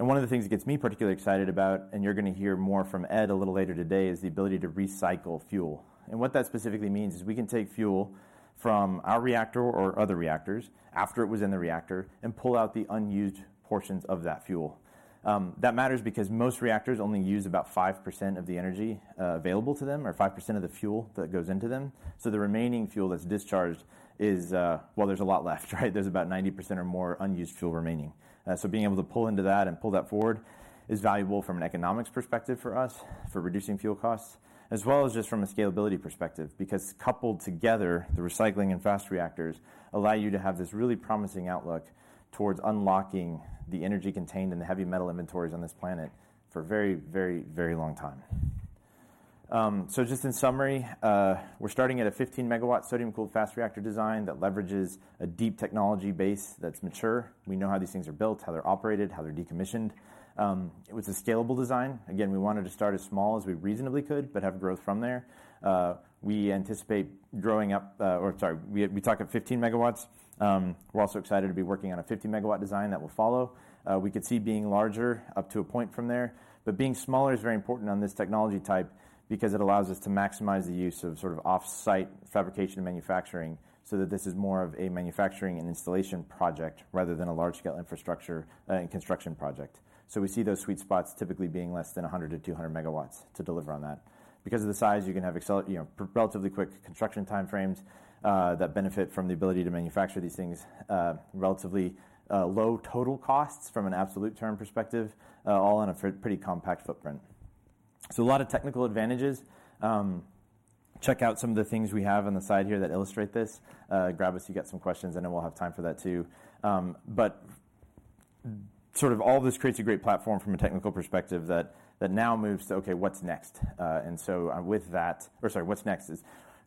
and one of the things that gets me particularly excited about, and you're gonna hear more from Ed a little later today, is the ability to recycle fuel. What that specifically means is we can take fuel from our reactor or other reactors after it was in the reactor and pull out the unused portions of that fuel. That matters because most reactors only use about 5% of the energy available to them, or 5% of the fuel that goes into them. So the remaining fuel that's discharged is. Well, there's a lot left, right? There's about 90% or more unused fuel remaining. So being able to pull into that and pull that forward is valuable from an economics perspective for us, for reducing fuel costs, as well as just from a scalability perspective, because coupled together, the recycling and fast reactors allow you to have this really promising outlook towards unlocking the energy contained in the heavy metal inventories on this planet for a very, very, very long time. So just in summary, we're starting at a 15 MW sodium-cooled fast reactor design that leverages a deep technology base that's mature. We know how these things are built, how they're operated, how they're decommissioned. It was a scalable design. Again, we wanted to start as small as we reasonably could, but have growth from there. We anticipate growing up, or sorry, we talked at 15 MW. We're also excited to be working on a 50 MW design that will follow. We could see being larger up to a point from there, but being smaller is very important on this technology type because it allows us to maximize the use of sort of off-site fabrication and manufacturing, so that this is more of a manufacturing and installation project rather than a large-scale infrastructure and construction project. So we see those sweet spots typically being less than 100 MW-200 MW to deliver on that. Because of the size, you can accelerated, you know, relatively quick construction time frames, that benefit from the ability to manufacture these things, relatively, low total costs from an absolute term perspective, all in a pretty compact footprint. So a lot of technical advantages. Check out some of the things we have on the side here that illustrate this. Grab us if you get some questions, and then we'll have time for that too. Sort of all this creates a great platform from a technical perspective that, that now moves to, okay, what's next? And so, with that, or sorry, what's next is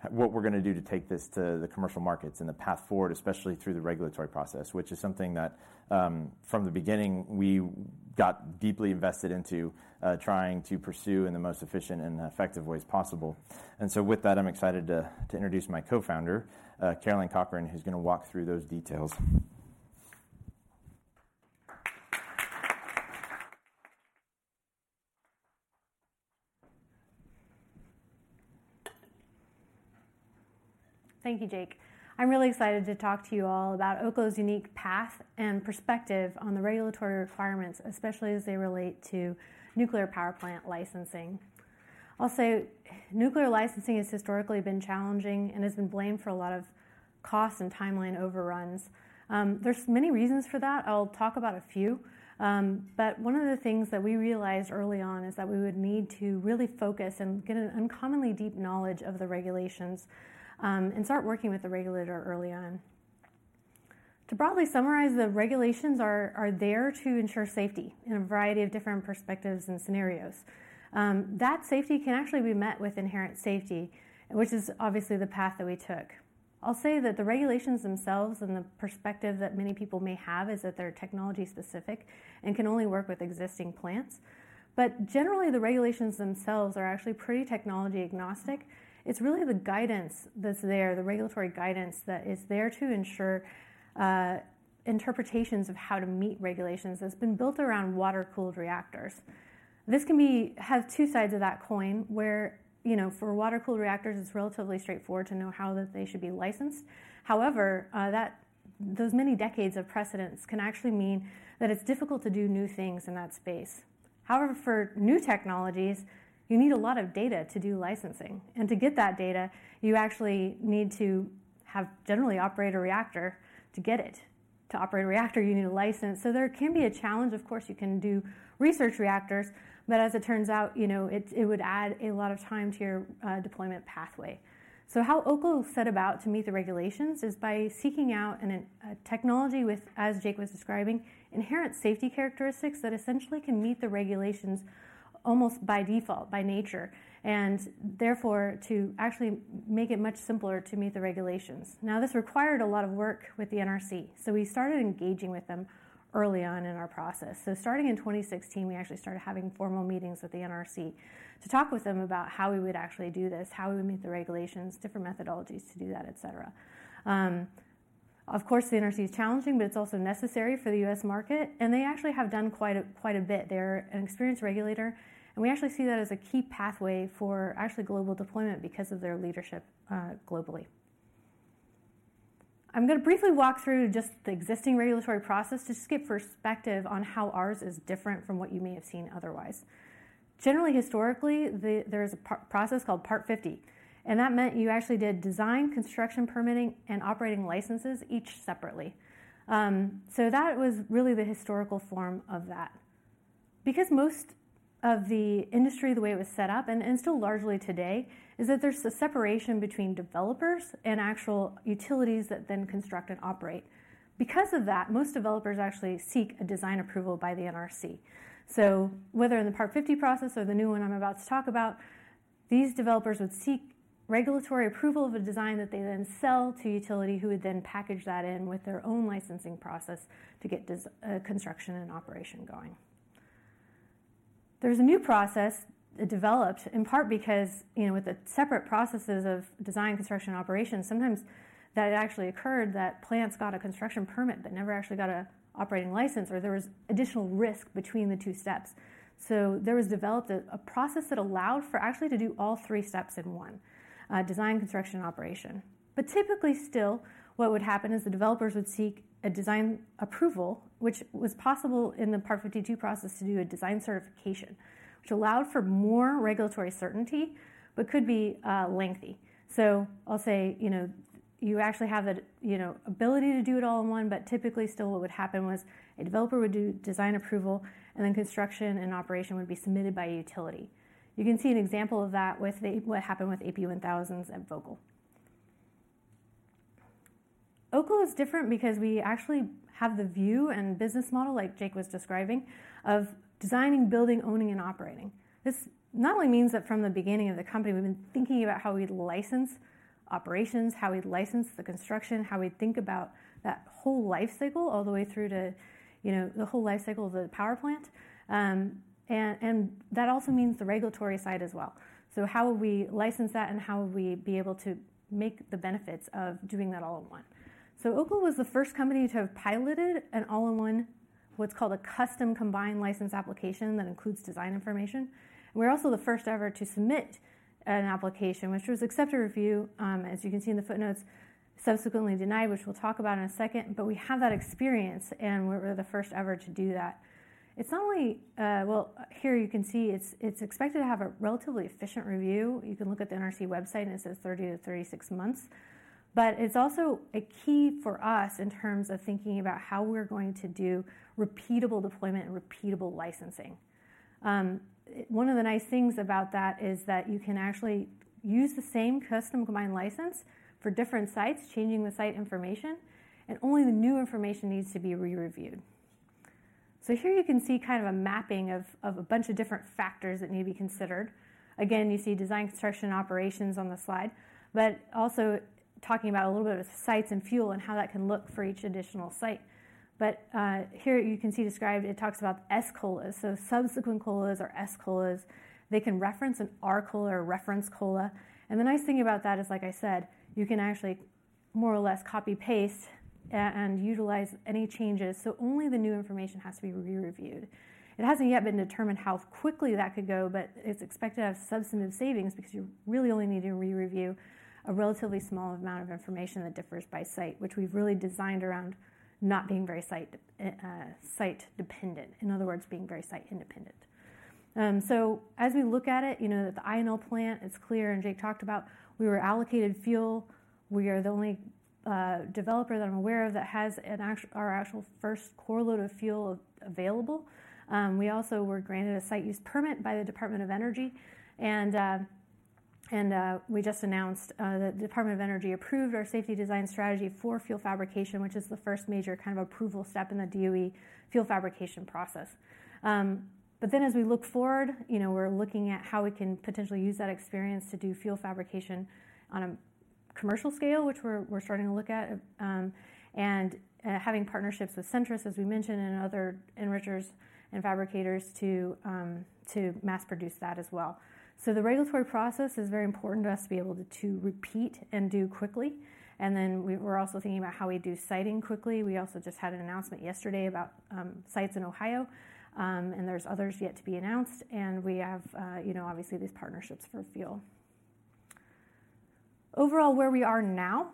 what we're gonna do to take this to the commercial markets and the path forward, especially through the regulatory process, which is something that, from the beginning, we got deeply invested into, trying to pursue in the most efficient and effective ways possible. And so with that, I'm excited to, to introduce my Co-Founder, Caroline Cochran, who's gonna walk through those details. Thank you, Jake. I'm really excited to talk to you all about Oklo's unique path and perspective on the regulatory requirements, especially as they relate to nuclear power plant licensing. I'll say nuclear licensing has historically been challenging and has been blamed for a lot of costs and timeline overruns. There's many reasons for that. I'll talk about a few. But one of the things that we realized early on is that we would need to really focus and get an uncommonly deep knowledge of the regulations, and start working with the regulator early on. To broadly summarize, the regulations are there to ensure safety in a variety of different perspectives and scenarios. That safety can actually be met with inherent safety, which is obviously the path that we took. I'll say that the regulations themselves and the perspective that many people may have is that they're technology-specific, and can only work with existing plants. But generally, the regulations themselves are actually pretty technology-agnostic. It's really the guidance that's there, the regulatory guidance that is there to ensure interpretations of how to meet regulations that's been built around water-cooled reactors. This has two sides of that coin, where, you know, for water-cooled reactors, it's relatively straightforward to know how that they should be licensed. However, those many decades of precedents can actually mean that it's difficult to do new things in that space. However, for new technologies, you need a lot of data to do licensing, and to get that data, you actually need to have generally operate a reactor to get it. To operate a reactor, you need a license. So there can be a challenge. Of course, you can do research reactors, but as it turns out, you know, it, it would add a lot of time to your deployment pathway. So how Oklo set about to meet the regulations is by seeking out an, a technology with, as Jake was describing, inherent safety characteristics that essentially can meet the regulations almost by default, by nature, and therefore to actually make it much simpler to meet the regulations. Now, this required a lot of work with the NRC, so we started engaging with them early on in our process. So starting in 2016, we actually started having formal meetings with the NRC to talk with them about how we would actually do this, how we would meet the regulations, different methodologies to do that, et cetera. Of course, the NRC is challenging, but it's also necessary for the U.S. market, and they actually have done quite a bit. They're an experienced regulator, and we actually see that as a key pathway for actually global deployment because of their leadership globally. I'm gonna briefly walk through just the existing regulatory process to just give perspective on how ours is different from what you may have seen otherwise. Generally, historically, there's a process called Part 50, and that meant you actually did design, construction, permitting, and operating licenses each separately. So that was really the historical form of that. Because most of the industry, the way it was set up and still largely today, is that there's a separation between developers and actual utilities that then construct and operate. Because of that, most developers actually seek a design approval by the NRC. So whether in the Part 50 process or the new one I'm about to talk about, these developers would seek regulatory approval of a design that they then sell to a utility, who would then package that in with their own licensing process to get construction and operation going. There's a new process that developed, in part because, you know, with the separate processes of design, construction, and operation, sometimes that it actually occurred that plants got a construction permit but never actually got an operating license, or there was additional risk between the two steps. So there was developed a process that allowed for actually to do all three steps in one, design, construction, and operation. But typically still, what would happen is the developers would seek a design approval, which was possible in the Part 52 process to do a Design Certification, which allowed for more regulatory certainty, but could be lengthy. So I'll say, you know, you actually have the, you know, ability to do it all in one, but typically still what would happen was a developer would do design approval, and then construction and operation would be submitted by a utility. You can see an example of that with the, what happened with AP1000s at Vogtle. Oklo is different because we actually have the view and business model, like Jake was describing, of designing, building, owning, and operating. This not only means that from the beginning of the company, we've been thinking about how we'd license operations, how we'd license the construction, how we think about that whole life cycle all the way through to, you know, the whole life cycle of the power plant. And that also means the regulatory side as well. So how would we license that, and how would we be able to make the benefits of doing that all in one? So Oklo was the first company to have piloted an all-in-one, what's called a custom Combined License application that includes design information. We're also the first ever to submit an application, which was accepted for review, as you can see in the footnotes, subsequently denied, which we'll talk about in a second, but we have that experience, and we're the first ever to do that. It's not only. Well, here you can see it's expected to have a relatively efficient review. You can look at the NRC website, and it says 30-36 months, but it's also a key for us in terms of thinking about how we're going to do repeatable deployment and repeatable licensing. One of the nice things about that is that you can actually use the same custom combined license for different sites, changing the site information, and only the new information needs to be re-reviewed. So here you can see kind of a mapping of a bunch of different factors that need to be considered. Again, you see design, construction, and operations on the slide, but also talking about a little bit of sites and fuel and how that can look for each additional site. But, here you can see described, it talks about SCOLAs. So subsequent COLAs or SCOLAs, they can reference an RCOLA or Reference COLA, and the nice thing about that is, like I said, you can actually more or less copy-paste and utilize any changes, so only the new information has to be re-reviewed. It hasn't yet been determined how quickly that could go, but it's expected to have substantive savings because you really only need to re-review a relatively small amount of information that differs by site, which we've really designed around not being very site, site dependent, in other words, being very site independent. So as we look at it, you know that the INL plant, it's clear, and Jake talked about, we were allocated fuel. We are the only developer that I'm aware of that has an actual. Our actual first core load of fuel available. We also were granted a site use permit by the Department of Energy, and we just announced the Department of Energy approved our Safety Design Strategy for fuel fabrication, which is the first major kind of approval step in the DOE fuel fabrication process. But then as we look forward, you know, we're looking at how we can potentially use that experience to do fuel fabrication on a commercial scale, which we're starting to look at, and having partnerships with Centrus, as we mentioned, and other enrichers and fabricators to mass produce that as well. So the regulatory process is very important to us to be able to repeat and do quickly, and we're also thinking about how we do siting quickly. We also just had an announcement yesterday about sites in Ohio, and there's others yet to be announced, and we have, you know, obviously, these partnerships for fuel. Overall, where we are now,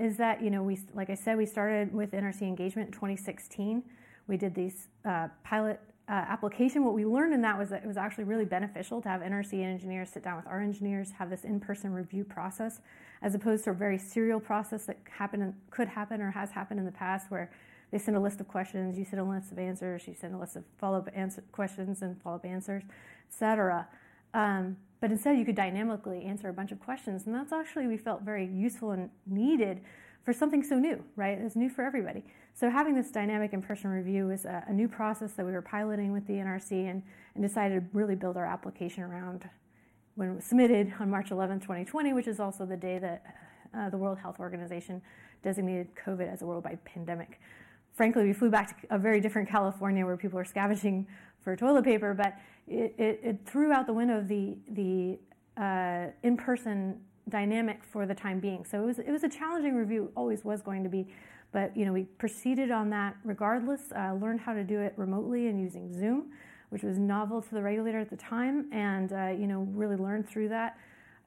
is that, you know, we, like I said, we started with NRC engagement in 2016. We did this pilot application. What we learned in that was that it was actually really beneficial to have NRC engineers sit down with our engineers, have this in-person review process, as opposed to a very serial process that happened and could happen or has happened in the past, where they send a list of questions, you send a list of answers, you send a list of follow-up questions and follow-up answers, et cetera. But instead, you could dynamically answer a bunch of questions, and that's actually, we felt, very useful and needed for something so new, right? It's new for everybody. So having this dynamic in-person review is a new process that we were piloting with the NRC and decided to really build our application around when it was submitted on March 11, 2020, which is also the day that the World Health Organization designated COVID as a worldwide pandemic. Frankly, we flew back to a very different California, where people were scavenging for toilet paper, but it threw out the window the in-person dynamic for the time being. So it was a challenging review. Always was going to be, but, you know, we proceeded on that regardless, learned how to do it remotely and using Zoom, which was novel to the regulator at the time, and, you know, really learned through that.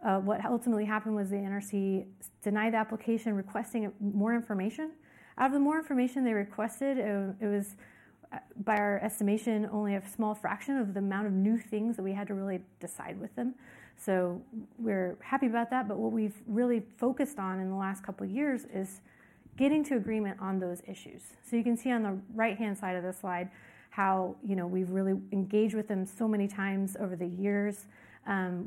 What ultimately happened was the NRC denied the application, requesting more information. Out of the more information they requested, it was, by our estimation, only a small fraction of the amount of new things that we had to really decide with them. So we're happy about that, but what we've really focused on in the last couple of years is getting to agreement on those issues. So you can see on the right-hand side of the slide how, you know, we've really engaged with them so many times over the years.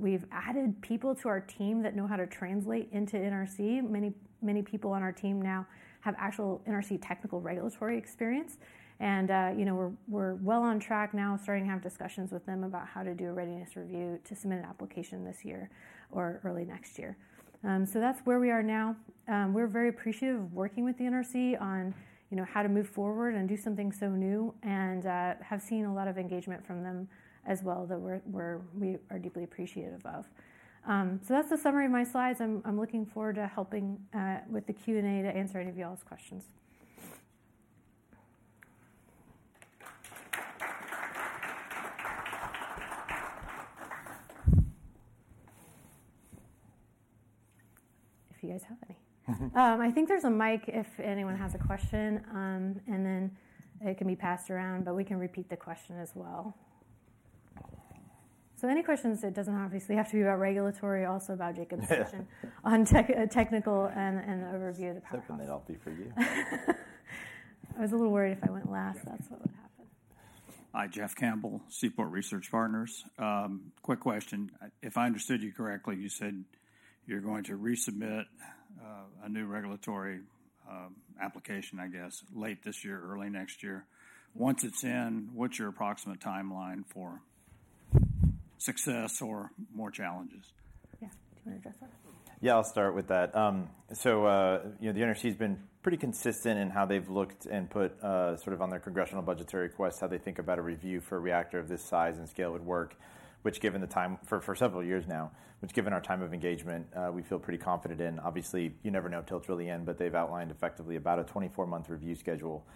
We've added people to our team that know how to translate into NRC. Many, many people on our team now have actual NRC technical regulatory experience, and, you know, we're well on track now, starting to have discussions with them about how to do a readiness review to submit an application this year or early next year. So that's where we are now. We're very appreciative of working with the NRC on, you know, how to move forward and do something so new, and have seen a lot of engagement from them as well, that we are deeply appreciative of. So that's the summary of my slides. I'm looking forward to helping with the Q&A to answer any of y'all's questions. If you guys have any. I think there's a mic if anyone has a question, and then it can be passed around, but we can repeat the question as well. So, any questions? It doesn't obviously have to be about regulatory, also about Jacob's question- Yeah. on tech, technical and overview of the power. Thinking they'll all be for you. I was a little worried if I went last, that's what would happen. Hi, Jeff Campbell, Seaport Research Partners. Quick question. If I understood you correctly, you said you're going to resubmit a new regulatory application, I guess, late this year, early next year. Once it's in, what's your approximate timeline for success or more challenges? Yeah. Do you want to address that? Yeah, I'll start with that. So, you know, the NRC has been pretty consistent in how they've looked and put sort of on their congressional budgetary request, how they think about a review for a reactor of this size and scale would work, which given the time for several years now. Which, given our time of engagement, we feel pretty confident in. Obviously, you never know till it's really end, but they've outlined effectively about a 24-month review schedule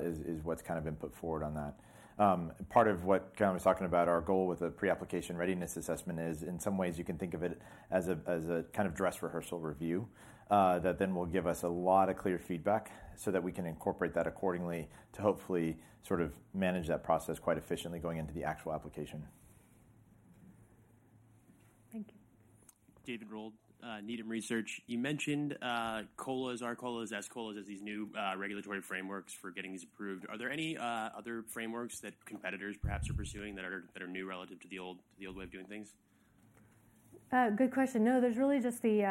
is what's kind of been put forward on that. Part of what Caroline was talking about, our goal with the pre-application readiness assessment is, in some ways you can think of it as a, as a kind of dress rehearsal review, that then will give us a lot of clear feedback so that we can incorporate that accordingly to hopefully sort of manage that process quite efficiently going into the actual application. Thank you. David Rold, Needham Research. You mentioned COLAs, RCOLAs, SCOLAs as these new regulatory frameworks for getting these approved. Are there any other frameworks that competitors perhaps are pursuing that are new relative to the old, the old way of doing things? Good question. No, there's really just the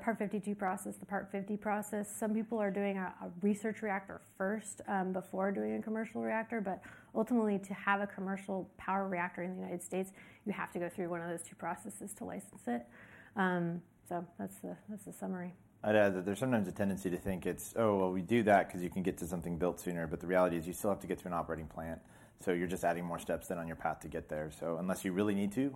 Part 52 process, the Part 50 process. Some people are doing a research reactor first before doing a commercial reactor. But ultimately, to have a commercial power reactor in the United States, you have to go through one of those two processes to license it. So that's the summary. I'd add that there's sometimes a tendency to think it's, "Oh, well, we do that 'cause you can get to something built sooner," but the reality is you still have to get to an operating plant, so you're just adding more steps then on your path to get there. So unless you really need to,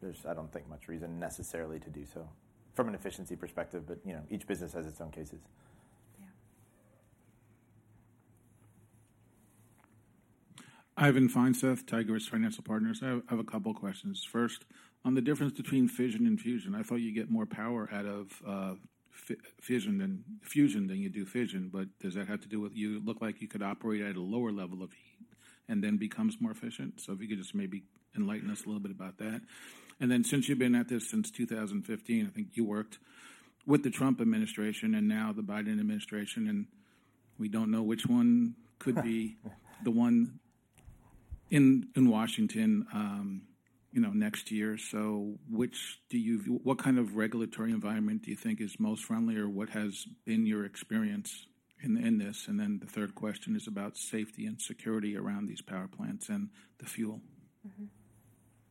there's, I don't think, much reason necessarily to do so from an efficiency perspective, but, you know, each business has its own cases. Yeah. Ivan Feinseth, Tigress Financial Partners. I have a couple questions. First, on the difference between fission and fusion, I thought you'd get more power out of fission than fusion than you do fission, but does that have to do with you look like you could operate at a lower level of heat and then becomes more efficient? So if you could just maybe enlighten us a little bit about that. And then, since you've been at this since 2015, I think you worked with the Trump administration and now the Biden administration, and we don't know which one could be the one in Washington, you know, next year. So what kind of regulatory environment do you think is most friendly or what has been your experience in this? And then the third question is about safety and security around these power plants and the fuel. Mm-hmm.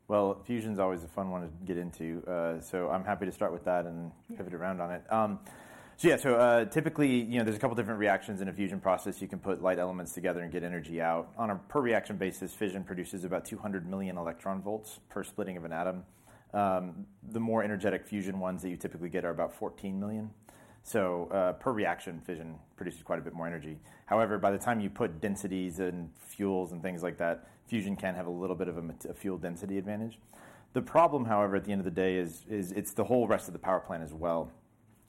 Well, fusion's always a fun one to get into, so I'm happy to start with that and- Yeah Pivot around on it. So, typically, you know, there's a couple different reactions in a fusion process. You can put light elements together and get energy out. On a per reaction basis, fission produces about 200 million eV per splitting of an atom. The more energetic fusion ones that you typically get are about 14 million eV. So, per reaction, fission produces quite a bit more energy. However, by the time you put densities and fuels and things like that, fusion can have a little bit of a fuel density advantage. The problem, however, at the end of the day is it's the whole rest of the power plant as well.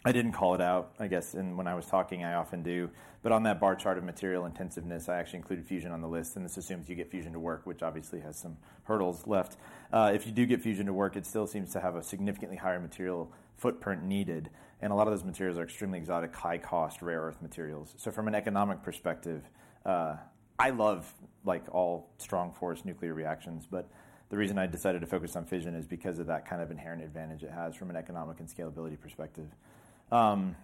I didn't call it out, I guess, and when I was talking, I often do, but on that bar chart of material intensiveness, I actually included fusion on the list, and this assumes you get fusion to work, which obviously has some hurdles left. If you do get fusion to work, it still seems to have a significantly higher material footprint needed, and a lot of those materials are extremely exotic, high-cost, rare earth materials. So from an economic perspective, I love, like, all strong force nuclear reactions, but the reason I decided to focus on fission is because of that kind of inherent advantage it has from an economic and scalability perspective. So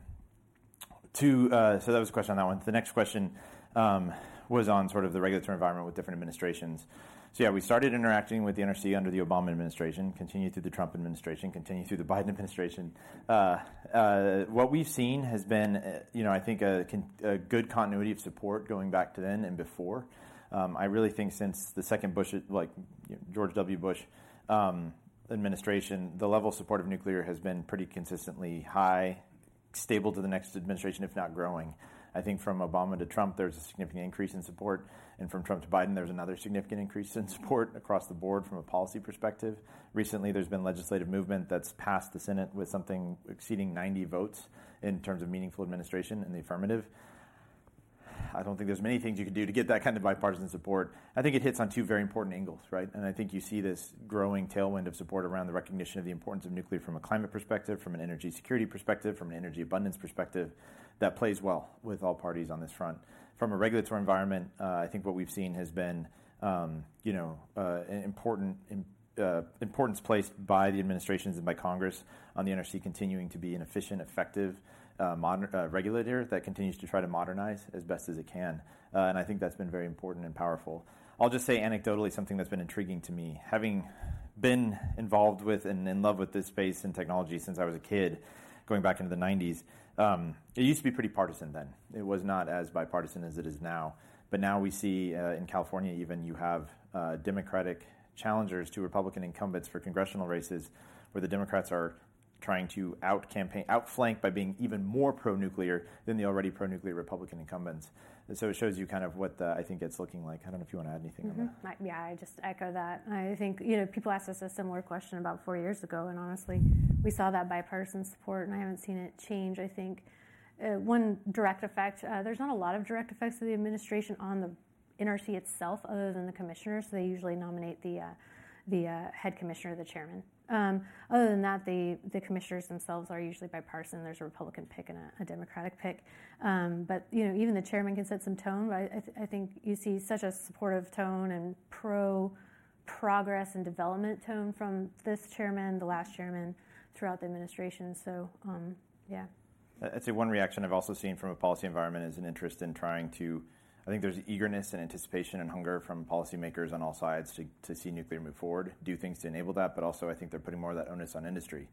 that was a question on that one. The next question was on sort of the regulatory environment with different administrations. So yeah, we started interacting with the NRC under the Obama administration, continued through the Trump administration, continued through the Biden administration. What we've seen has been, you know, I think a good continuity of support going back to then and before. I really think since the second Bush, like George W. Bush, administration, the level of support of nuclear has been pretty consistently high, stable to the next administration, if not growing. I think from Obama to Trump, there was a significant increase in support, and from Trump to Biden, there was another significant increase in support across the board from a policy perspective. Recently, there's been legislative movement that's passed the Senate with something exceeding 90 votes in terms of meaningful administration in the affirmative. I don't think there's many things you can do to get that kind of bipartisan support. I think it hits on two very important angles, right? And I think you see this growing tailwind of support around the recognition of the importance of nuclear from a climate perspective, from an energy security perspective, from an energy abundance perspective. That plays well with all parties on this front. From a regulatory environment, I think what we've seen has been, you know, importance placed by the administrations and by Congress on the NRC continuing to be an efficient, effective, modern regulator that continues to try to modernize as best as it can. And I think that's been very important and powerful. I'll just say anecdotally, something that's been intriguing to me, having been involved with and in love with this space and technology since I was a kid, going back into the 1990s. It used to be pretty partisan then. It was not as bipartisan as it is now, but now we see in California, even you have Democratic challengers to Republican incumbents for congressional races, where the Democrats are trying to outflank by being even more pro-nuclear than the already pro-nuclear Republican incumbents. And so it shows you kind of what I think it's looking like. I don't know if you want to add anything on that. Mm-hmm. Yeah, I just echo that. I think, you know, people asked us a similar question about four years ago, and honestly, we saw that bipartisan support, and I haven't seen it change. I think, one direct effect, there's not a lot of direct effects of the administration on the NRC itself other than the commissioners, so they usually nominate the head commissioner or the chairman. Other than that, the commissioners themselves are usually bipartisan. There's a Republican pick and a Democratic pick. But, you know, even the chairman can set some tone, but I think you see such a supportive tone and pro-progress and development tone from this chairman, the last chairman, throughout the administration. So, yeah. I'd say one reaction I've also seen from a policy environment is an interest in trying to, I think there's eagerness and anticipation and hunger from policymakers on all sides to see nuclear move forward, do things to enable that, but also, I think they're putting more of that onus on industry.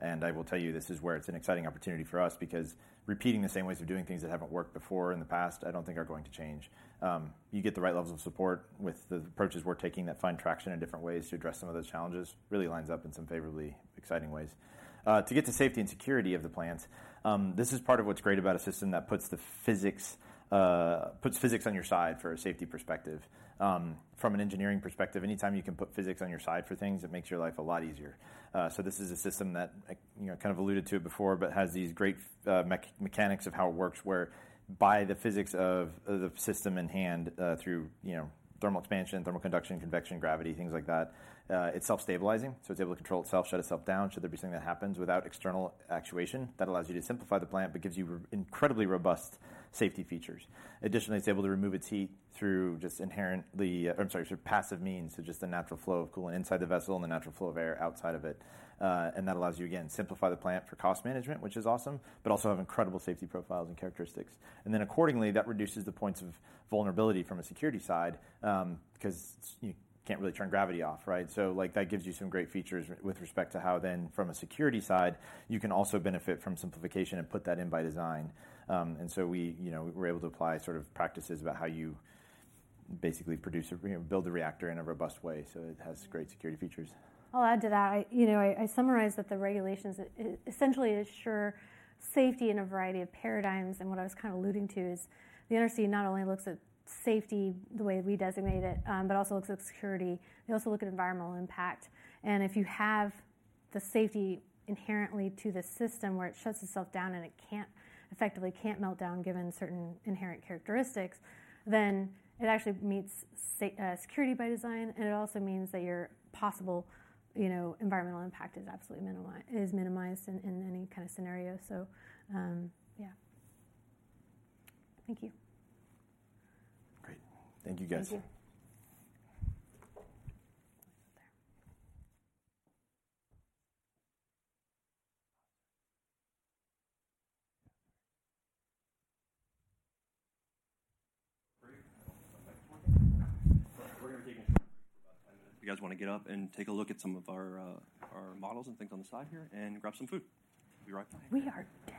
And I will tell you, this is where it's an exciting opportunity for us because repeating the same ways of doing things that haven't worked before in the past, I don't think are going to change. You get the right levels of support with the approaches we're taking that find traction in different ways to address some of those challenges, really lines up in some favorably exciting ways. To get to safety and security of the plants, this is part of what's great about a system that puts the physics, puts physics on your side for a safety perspective. From an engineering perspective, anytime you can put physics on your side for things, it makes your life a lot easier. So this is a system that, you know, kind of alluded to it before, but has these great, mechanics of how it works, whereby the physics of the system in hand, through, you know, thermal expansion, thermal conduction, convection, gravity, things like that, it's self-stabilizing, so it's able to control itself, shut itself down, should there be something that happens without external actuation. That allows you to simplify the plant, but gives you incredibly robust safety features. Additionally, it's able to remove its heat through just inherently, I'm sorry, sort of passive means, so just the natural flow of coolant inside the vessel and the natural flow of air outside of it. And that allows you, again, simplify the plant for cost management, which is awesome, but also have incredible safety profiles and characteristics. And then accordingly, that reduces the points of vulnerability from a security side, because you can't really turn gravity off, right? So, like, that gives you some great features with respect to how then, from a security side, you can also benefit from simplification and put that in by design. And so we, you know, we were able to apply sort of practices about how you basically produce or, you know, build a reactor in a robust way, so it has great security features. I'll add to that. I, you know, summarized that the regulations essentially ensure safety in a variety of paradigms, and what I was kind of alluding to is the NRC not only looks at safety the way we designate it, but also looks at security. They also look at environmental impact, and if you have the safety inherently to the system where it shuts itself down, and it can't effectively melt down, given certain inherent characteristics, then it actually meets safety, security by design, and it also means that your possible, you know, environmental impact is absolutely minimized in any kind of scenario. So, yeah. Thank you. Great. Thank you, guys. Thank you. If you guys want to get up and take a look at some of our, our models and things on the side here and grab some food. Be right back. We are dead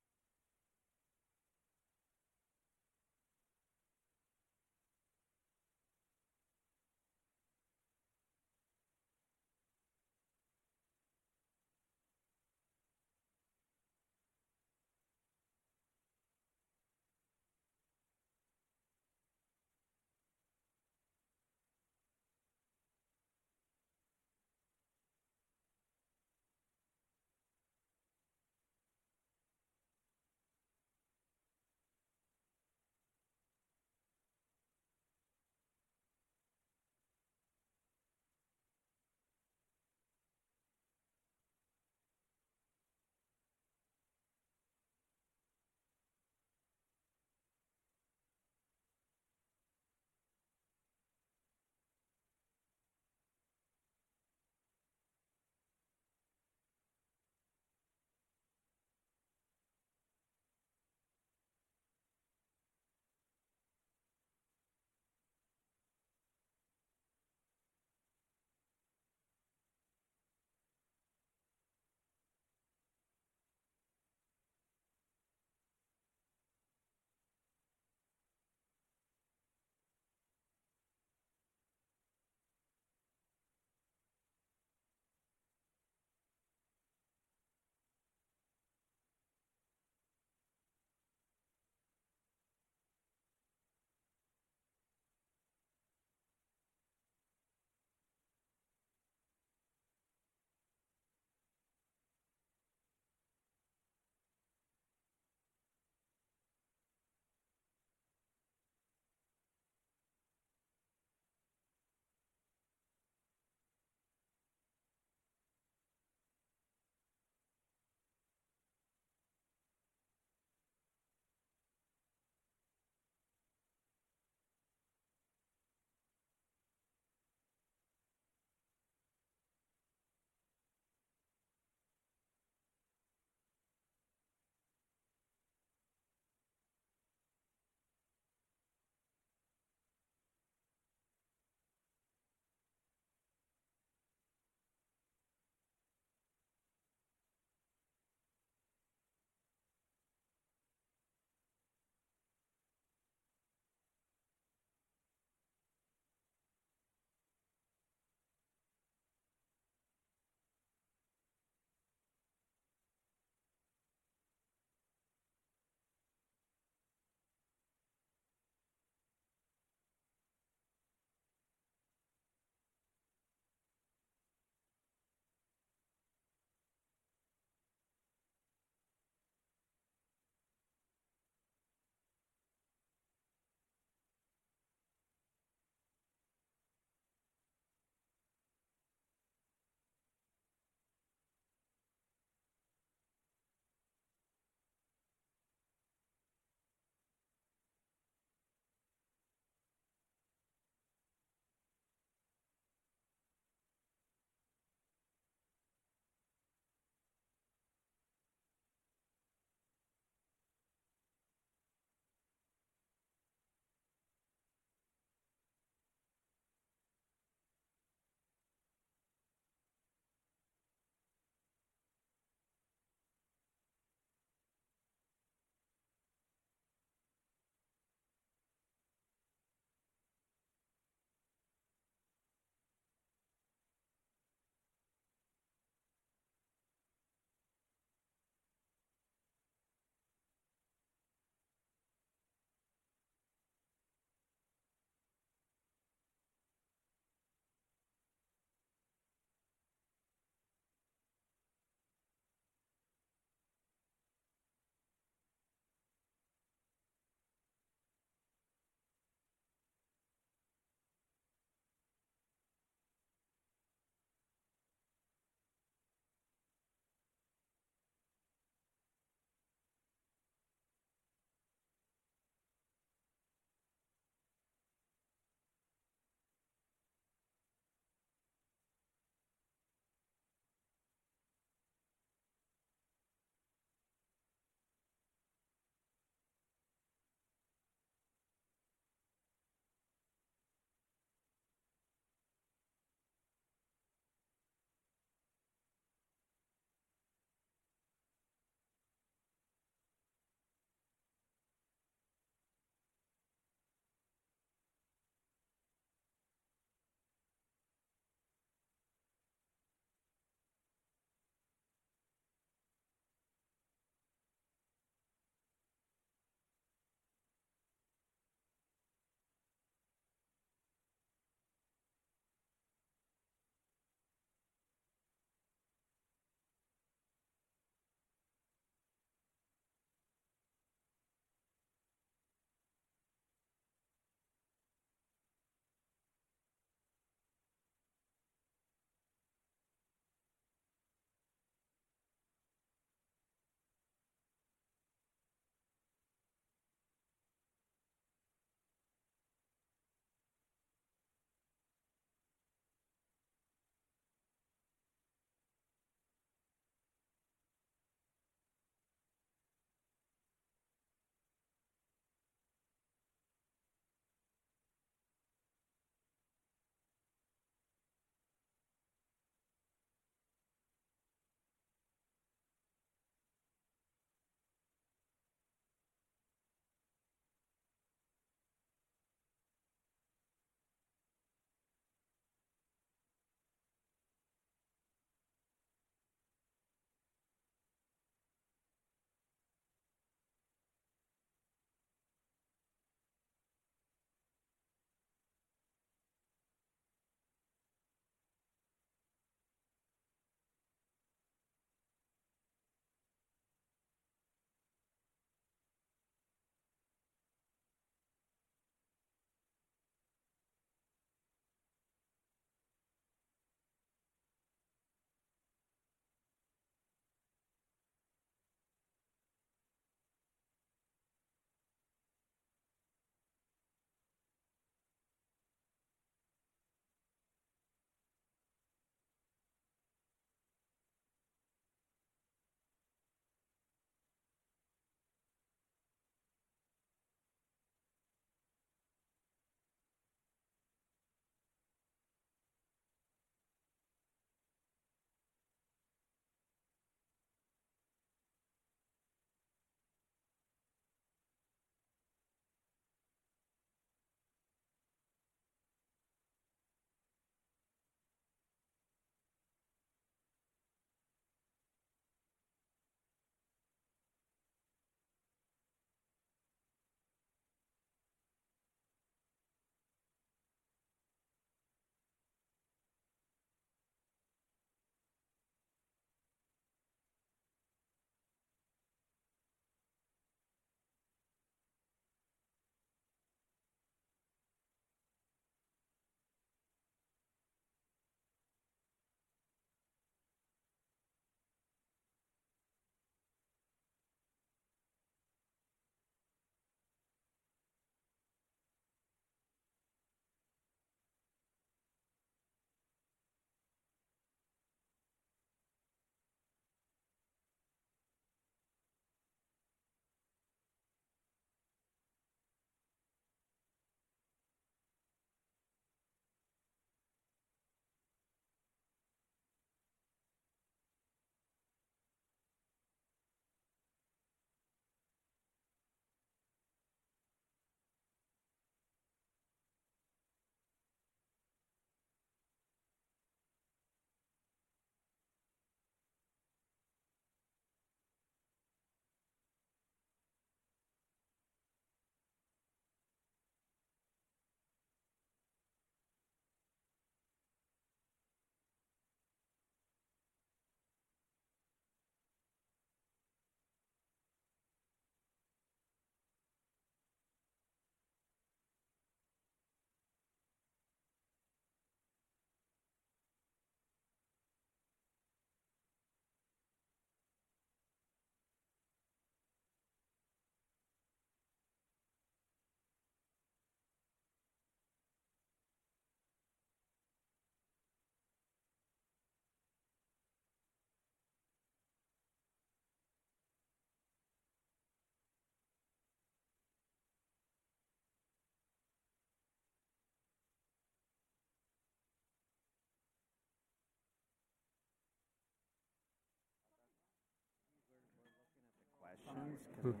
on time.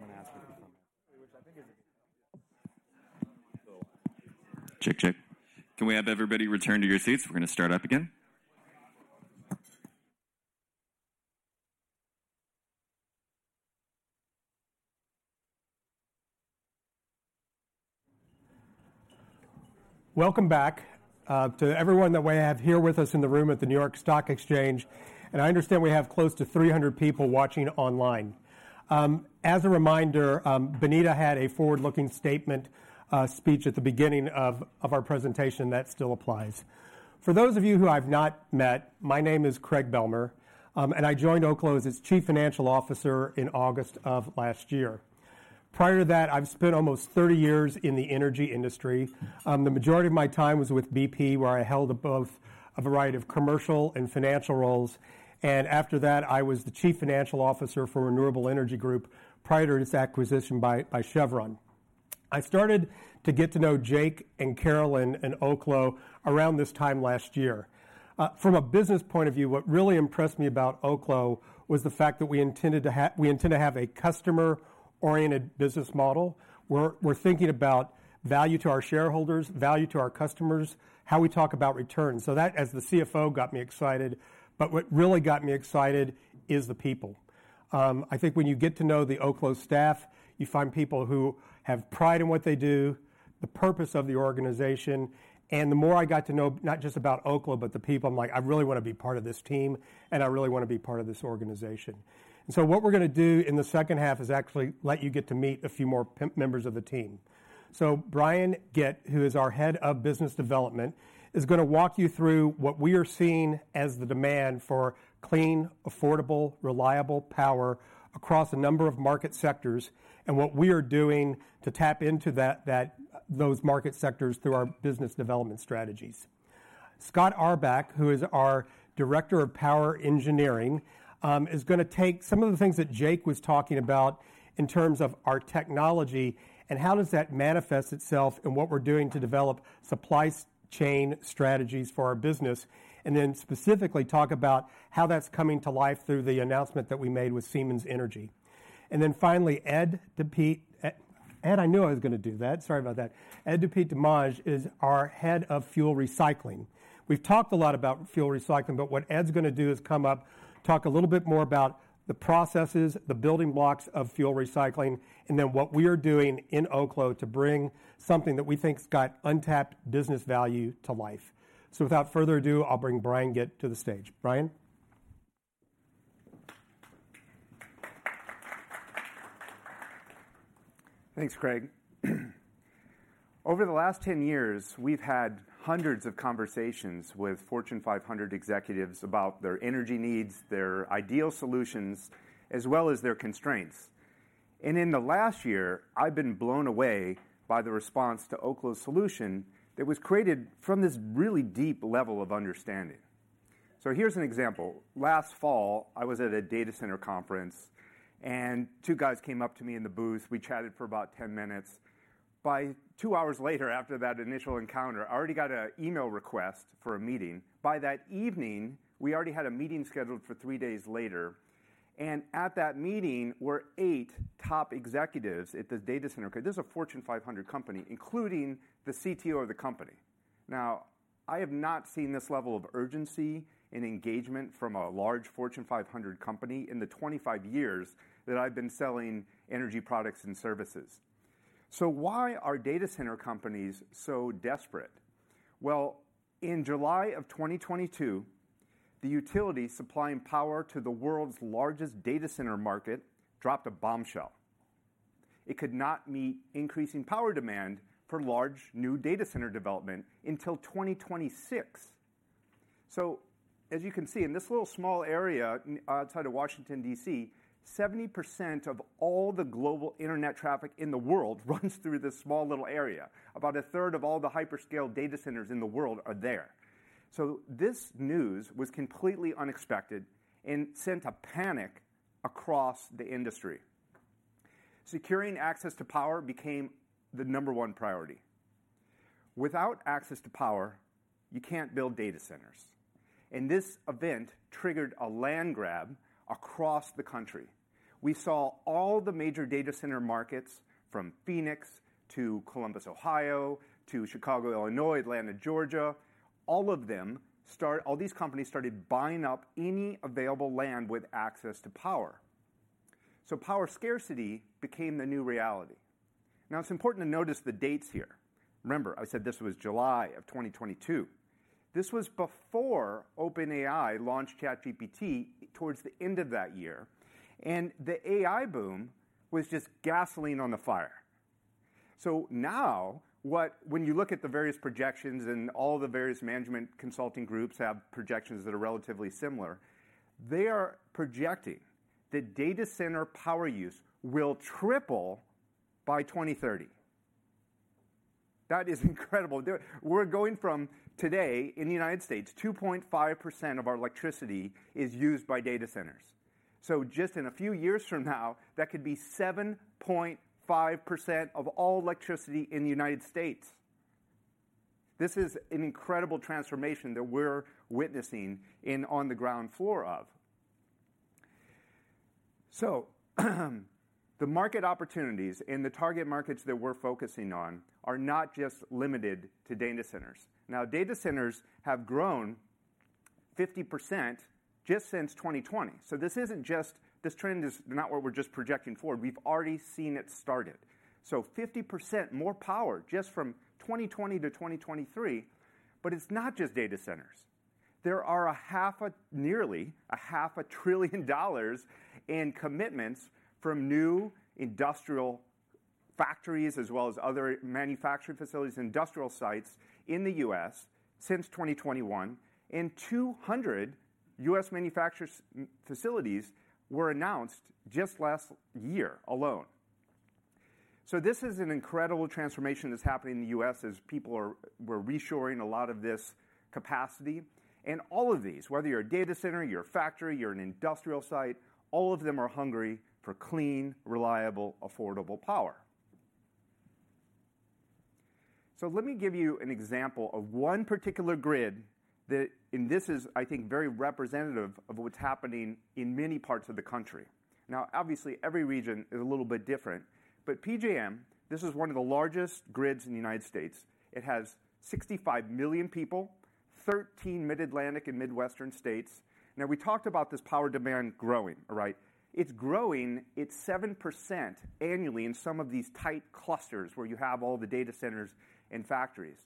Check, check. Can we have everybody return to your seats? We're gonna start up again. Welcome back to everyone that we have here with us in the room at the New York Stock Exchange, and I understand we have close to 300 people watching online. As a reminder, Bonita had a forward-looking statement speech at the beginning of our presentation that still applies. For those of you who I've not met, my name is Craig Bealmear, and I joined Oklo as its Chief Financial Officer in August of last year. Prior to that, I've spent almost 30 years in the energy industry. The majority of my time was with BP, where I held a variety of commercial and financial roles, and after that, I was the Chief Financial Officer for Renewable Energy Group prior to its acquisition by Chevron. I started to get to know Jake and Caroline and Oklo around this time last year. From a business point of view, what really impressed me about Oklo was the fact that we intend to have a customer-oriented business model, where we're thinking about value to our shareholders, value to our customers, how we talk about returns. So that, as the CFO, got me excited, but what really got me excited is the people. I think when you get to know the Oklo staff, you find people who have pride in what they do, the purpose of the organization, and the more I got to know not just about Oklo, but the people, I'm like: I really wanna be part of this team, and I really wanna be part of this organization. And so what we're gonna do in the second half is actually let you get to meet a few more prime members of the team. So Brian Gitt, who is our head of business development, is gonna walk you through what we are seeing as the demand for clean, affordable, reliable power across a number of market sectors and what we are doing to tap into that, those market sectors through our business development strategies. Scott Auerbach, who is our director of power engineering, is gonna take some of the things that Jake was talking about in terms of our technology and how does that manifest itself in what we're doing to develop supply chain strategies for our business, and then specifically talk about how that's coming to life through the announcement that we made with Siemens Energy. Then finally, Ed Petit, Ed, I knew I was gonna do that. Sorry about that. Ed Petit de Mange is our head of fuel recycling. We've talked a lot about fuel recycling, but what Ed's gonna do is come up, talk a little bit more about the processes, the building blocks of fuel recycling, and then what we are doing in Oklo to bring something that we think has got untapped business value to life. So without further ado, I'll bring Brian Gitt to the stage. Brian? Thanks, Craig. Over the last 10 years, we've had hundreds of conversations with Fortune 500 executives about their energy needs, their ideal solutions, as well as their constraints. And in the last year, I've been blown away by the response to Oklo's solution that was created from this really deep level of understanding. So here's an example: Last fall, I was at a data center conference, and two guys came up to me in the booth. We chatted for about 10 minutes. By two hours later, after that initial encounter, I already got a email request for a meeting. By that evening, we already had a meeting scheduled for three days later, and at that meeting were eight top executives at this data center, 'cause this is a Fortune 500 company, including the CTO of the company. Now, I have not seen this level of urgency and engagement from a large Fortune 500 company in the 25 years that I've been selling energy products and services. So why are data center companies so desperate? Well, in July of 2022, the utility supplying power to the world's largest data center market dropped a bombshell. It could not meet increasing power demand for large, new data center development until 2026. So, as you can see, in this little, small area outside of Washington, D.C., 70% of all the global internet traffic in the world runs through this small, little area. About a third of all the hyperscale data centers in the world are there. So this news was completely unexpected and sent a panic across the industry. Securing access to power became the number one priority. Without access to power, you can't build data centers, and this event triggered a land grab across the country. We saw all the major data center markets, from Phoenix to Columbus, Ohio, to Chicago, Illinois, Atlanta, Georgia, all of them. All these companies started buying up any available land with access to power. So power scarcity became the new reality. Now, it's important to notice the dates here. Remember, I said this was July of 2022. This was before OpenAI launched ChatGPT towards the end of that year, and the AI boom was just gasoline on the fire. So now, when you look at the various projections and all the various management consulting groups have projections that are relatively similar, they are projecting that data center power use will triple by 2030. That is incredible. We're going from today, in the United States, 2.5% of our electricity is used by data centers. So just in a few years from now, that could be 7.5% of all electricity in the United States. This is an incredible transformation that we're witnessing and on the ground floor of. So, the market opportunities and the target markets that we're focusing on are not just limited to data centers. Now, data centers have grown 50% just since 2020. So this isn't just, this trend is not what we're just projecting forward, we've already seen it started. So 50% more power just from 2020 to 2023, but it's not just data centers. There are nearly $500 billion in commitments from new industrial factories, as well as other manufacturing facilities and industrial sites in the U.S. since 2021, and 200 U.S. manufacturers' facilities were announced just last year alone. So this is an incredible transformation that's happening in the U.S. as people are—we're reshoring a lot of this capacity, and all of these, whether you're a data center, you're a factory, you're an industrial site, all of them are hungry for clean, reliable, affordable power. So let me give you an example of one particular grid, and this is, I think, very representative of what's happening in many parts of the country. Now, obviously, every region is a little bit different, but PJM, this is one of the largest grids in the United States. It has 65 million people, 13 Mid-Atlantic and Midwestern states. Now, we talked about this power demand growing, right? It's growing at 7% annually in some of these tight clusters where you have all the data centers and factories.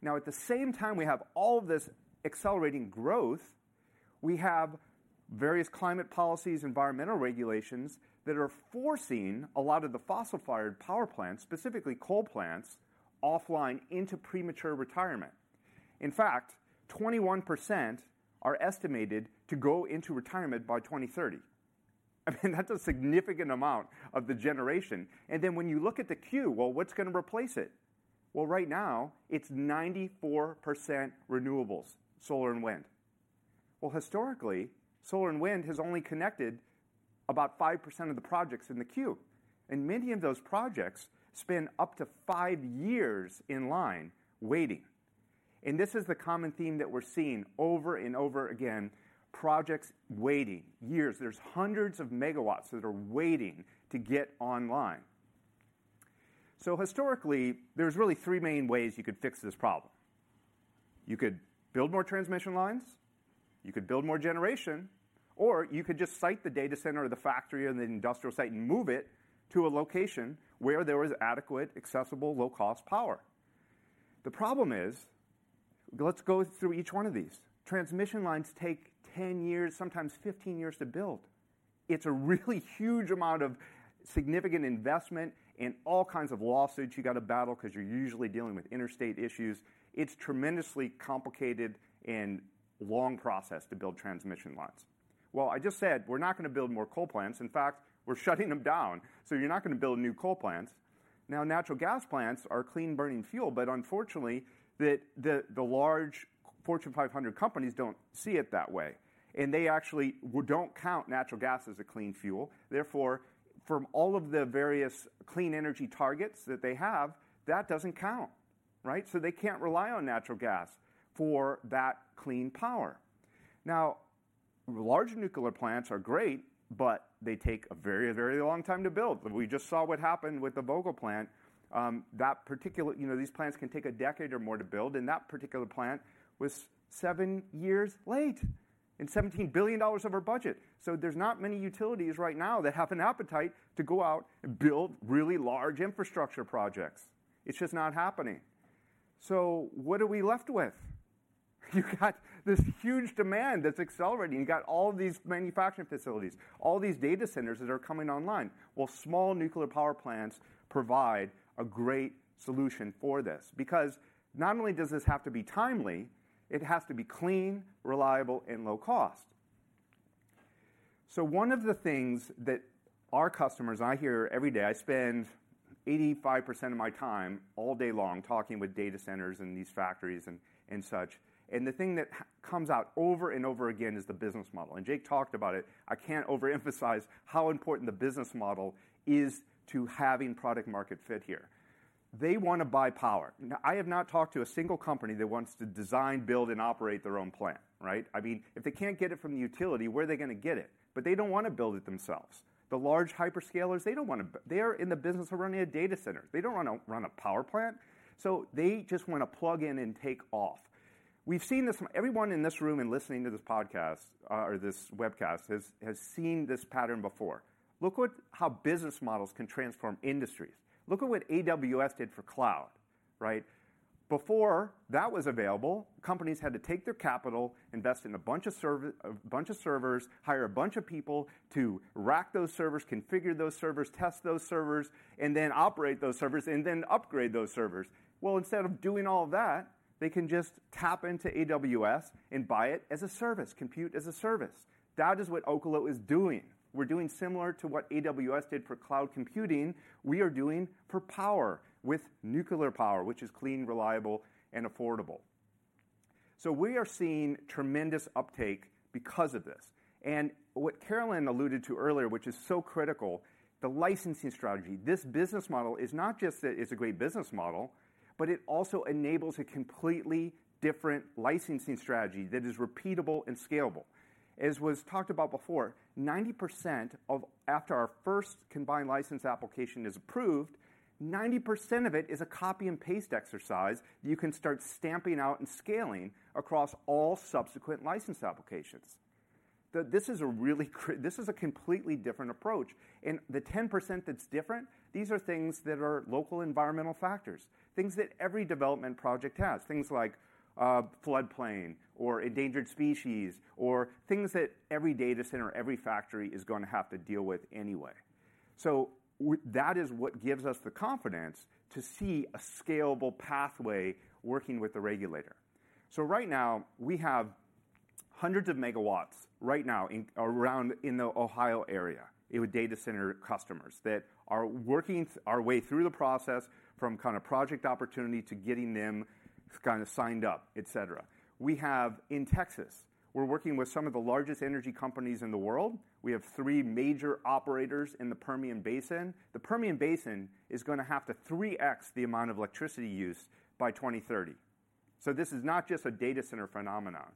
Now, at the same time we have all of this accelerating growth, we have various climate policies, environmental regulations, that are forcing a lot of the fossil-fired power plants, specifically coal plants, offline into premature retirement. In fact, 21% are estimated to go into retirement by 2030. I mean, that's a significant amount of the generation, and then when you look at the queue, well, what's gonna replace it? Well, right now, it's 94% renewables, solar and wind. Well, historically, solar and wind has only connected about 5% of the projects in the queue, and many of those projects spend up to five years in line waiting. This is the common theme that we're seeing over and over again, projects waiting, years. There's hundreds of megawatts that are waiting to get online. Historically, there's really three main ways you could fix this problem: You could build more transmission lines, you could build more generation, or you could just site the data center or the factory or the industrial site and move it to a location where there is adequate, accessible, low-cost power. The problem is, let's go through each one of these. Transmission lines take 10 years, sometimes 15 years to build. It's a really huge amount of significant investment and all kinds of lawsuits you've got to battle 'cause you're usually dealing with interstate issues. It's tremendously complicated and long process to build transmission lines. Well, I just said we're not gonna build more coal plants. In fact, we're shutting them down, so you're not gonna build new coal plants. Now, natural gas plants are clean-burning fuel, but unfortunately, the large Fortune 500 companies don't see it that way, and they actually don't count natural gas as a clean fuel. Therefore, from all of the various clean energy targets that they have, that doesn't count, right? So they can't rely on natural gas for that clean power. Now, large nuclear plants are great, but they take a very, very long time to build. We just saw what happened with the Vogtle plant. That particular, you know, these plants can take a decade or more to build, and that particular plant was seven years late and $17 billion over budget. So there's not many utilities right now that have an appetite to go out and build really large infrastructure projects. It's just not happening. So what are we left with? You've got this huge demand that's accelerating. You've got all these manufacturing facilities, all these data centers that are coming online. Well, small nuclear power plants provide a great solution for this, because not only does this have to be timely, it has to be clean, reliable, and low cost. One of the things that our customers, I hear every day, I spend 85% of my time, all day long, talking with data centers and these factories and, and such, and the thing that comes out over and over again is the business model, and Jake talked about it. I can't overemphasize how important the business model is to having product market fit here. They wanna buy power. Now, I have not talked to a single company that wants to design, build, and operate their own plant, right? I mean, if they can't get it from the utility, where are they gonna get it? But they don't wanna build it themselves. The large hyperscalers, they don't wanna They are in the business of running a data center. They don't wanna run a power plant, so they just wanna plug in and take off. We've seen this. Everyone in this room and listening to this podcast or this webcast has seen this pattern before. Look at how business models can transform industries. Look at what AWS did for cloud, right? Before that was available, companies had to take their capital, invest in a bunch of servers, hire a bunch of people to rack those servers, configure those servers, test those servers, and then operate those servers, and then upgrade those servers. Well, instead of doing all of that, they can just tap into AWS and buy it as a service, compute as a service. That is what Oklo is doing. We're doing similar to what AWS did for cloud computing, we are doing for power, with nuclear power, which is clean, reliable, and affordable. So we are seeing tremendous uptake because of this. And what Caroline alluded to earlier, which is so critical, the licensing strategy. This business model is not just that it's a great business model, but it also enables a completely different licensing strategy that is repeatable and scalable. As was talked about before, after our first Combined License application is approved, 90% of it is a copy and paste exercise you can start stamping out and scaling across all subsequent license applications. This is a completely different approach, and the 10% that's different, these are things that are local environmental factors, things that every development project has, things like, floodplain or endangered species, or things that every data center, every factory is gonna have to deal with anyway. So that is what gives us the confidence to see a scalable pathway working with the regulator. So right now, we have hundreds of megawatts right now in around in the Ohio area, with data center customers that are working our way through the process from kind of project opportunity to getting them kind of signed up, et cetera. We have in Texas, we're working with some of the largest energy companies in the world. We have three major operators in the Permian Basin. The Permian Basin is gonna have to 3x the amount of electricity used by 2030. So this is not just a data center phenomenon.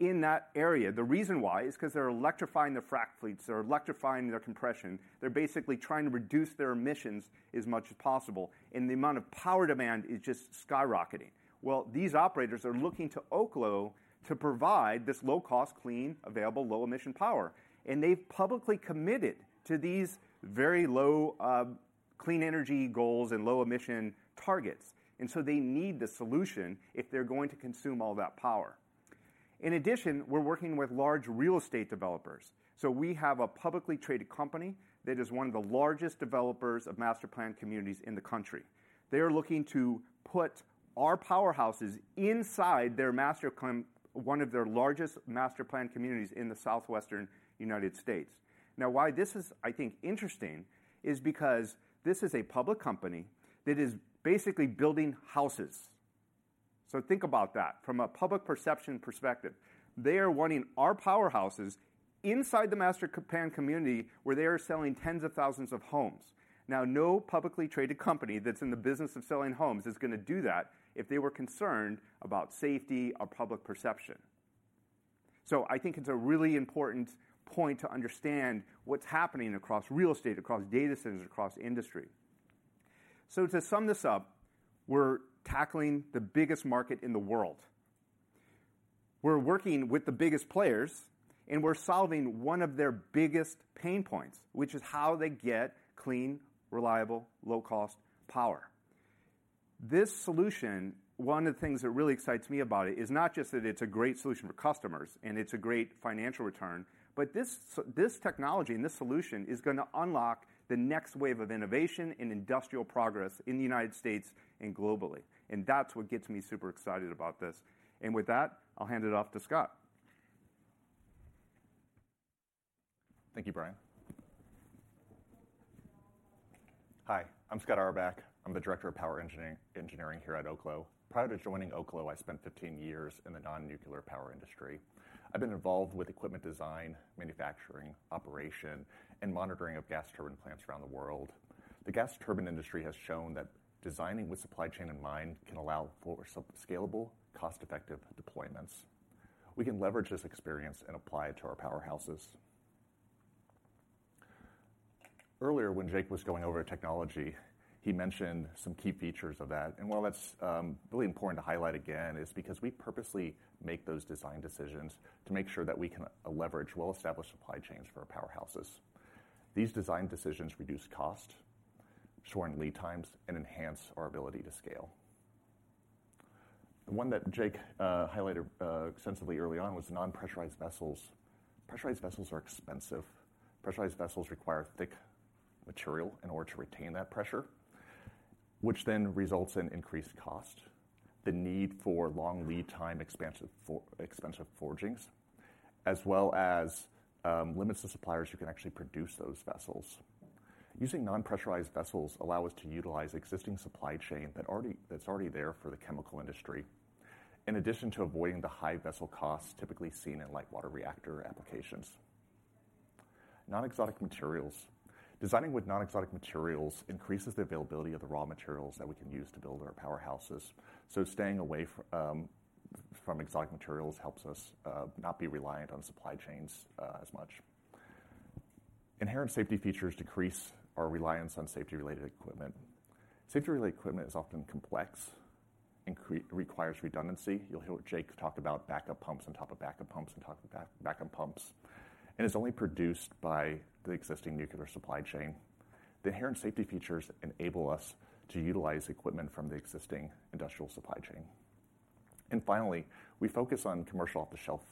In that area, the reason why is 'cause they're electrifying their frack fleets, they're electrifying their compression. They're basically trying to reduce their emissions as much as possible, and the amount of power demand is just skyrocketing. Well, these operators are looking to Oklo to provide this low-cost, clean, available, low-emission power, and they've publicly committed to these very low clean energy goals and low-emission targets, and so they need the solution if they're going to consume all that power. In addition, we're working with large real estate developers. So we have a publicly traded company that is one of the largest developers of master planned communities in the country. They are looking to put our powerhouses inside one of their largest master planned communities in the southwestern United States. Now, why this is, I think, interesting is because this is a public company that is basically building houses. So think about that from a public perception perspective. They are wanting our powerhouses inside the master planned community, where they are selling tens of thousands of homes. Now, no publicly traded company that's in the business of selling homes is gonna do that if they were concerned about safety or public perception. So I think it's a really important point to understand what's happening across real estate, across data centers, across industry. So to sum this up, we're tackling the biggest market in the world. We're working with the biggest players, and we're solving one of their biggest pain points, which is how they get clean, reliable, low-cost power. This solution, one of the things that really excites me about it, is not just that it's a great solution for customers and it's a great financial return, but this technology and this solution is gonna unlock the next wave of innovation and industrial progress in the United States and globally, and that's what gets me super excited about this. With that, I'll hand it off to Scott. Thank you, Brian. Hi, I'm Scott Auerbach. I'm the Director of Power Engineering here at Oklo. Prior to joining Oklo, I spent 15 years in the non-nuclear power industry. I've been involved with equipment design, manufacturing, operation, and monitoring of gas turbine plants around the world. The gas turbine industry has shown that designing with supply chain in mind can allow for scalable, cost-effective deployments. We can leverage this experience and apply it to our powerhouses. Earlier, when Jake was going over technology, he mentioned some key features of that. And while that's really important to highlight again, is because we purposely make those design decisions to make sure that we can leverage well-established supply chains for our powerhouses. These design decisions reduce cost, shorten lead times, and enhance our ability to scale. The one that Jake highlighted extensively early on was non-pressurized vessels. Pressurized vessels are expensive. Pressurized vessels require thick material in order to retain that pressure, which then results in increased cost, the need for long lead time expensive forgings, as well as limits the suppliers who can actually produce those vessels. Using non-pressurized vessels allow us to utilize existing supply chain that's already there for the chemical industry, in addition to avoiding the high vessel costs typically seen in light water reactor applications. Non-exotic materials. Designing with non-exotic materials increases the availability of the raw materials that we can use to build our powerhouses. So staying away from exotic materials helps us not be reliant on supply chains as much. Inherent safety features decrease our reliance on safety-related equipment. Safety-related equipment is often complex, requires redundancy. You'll hear Jake talk about backup pumps on top of backup pumps on top of backup pumps, and is only produced by the existing nuclear supply chain. The inherent safety features enable us to utilize equipment from the existing industrial supply chain. And finally, we focus on commercial off-the-shelf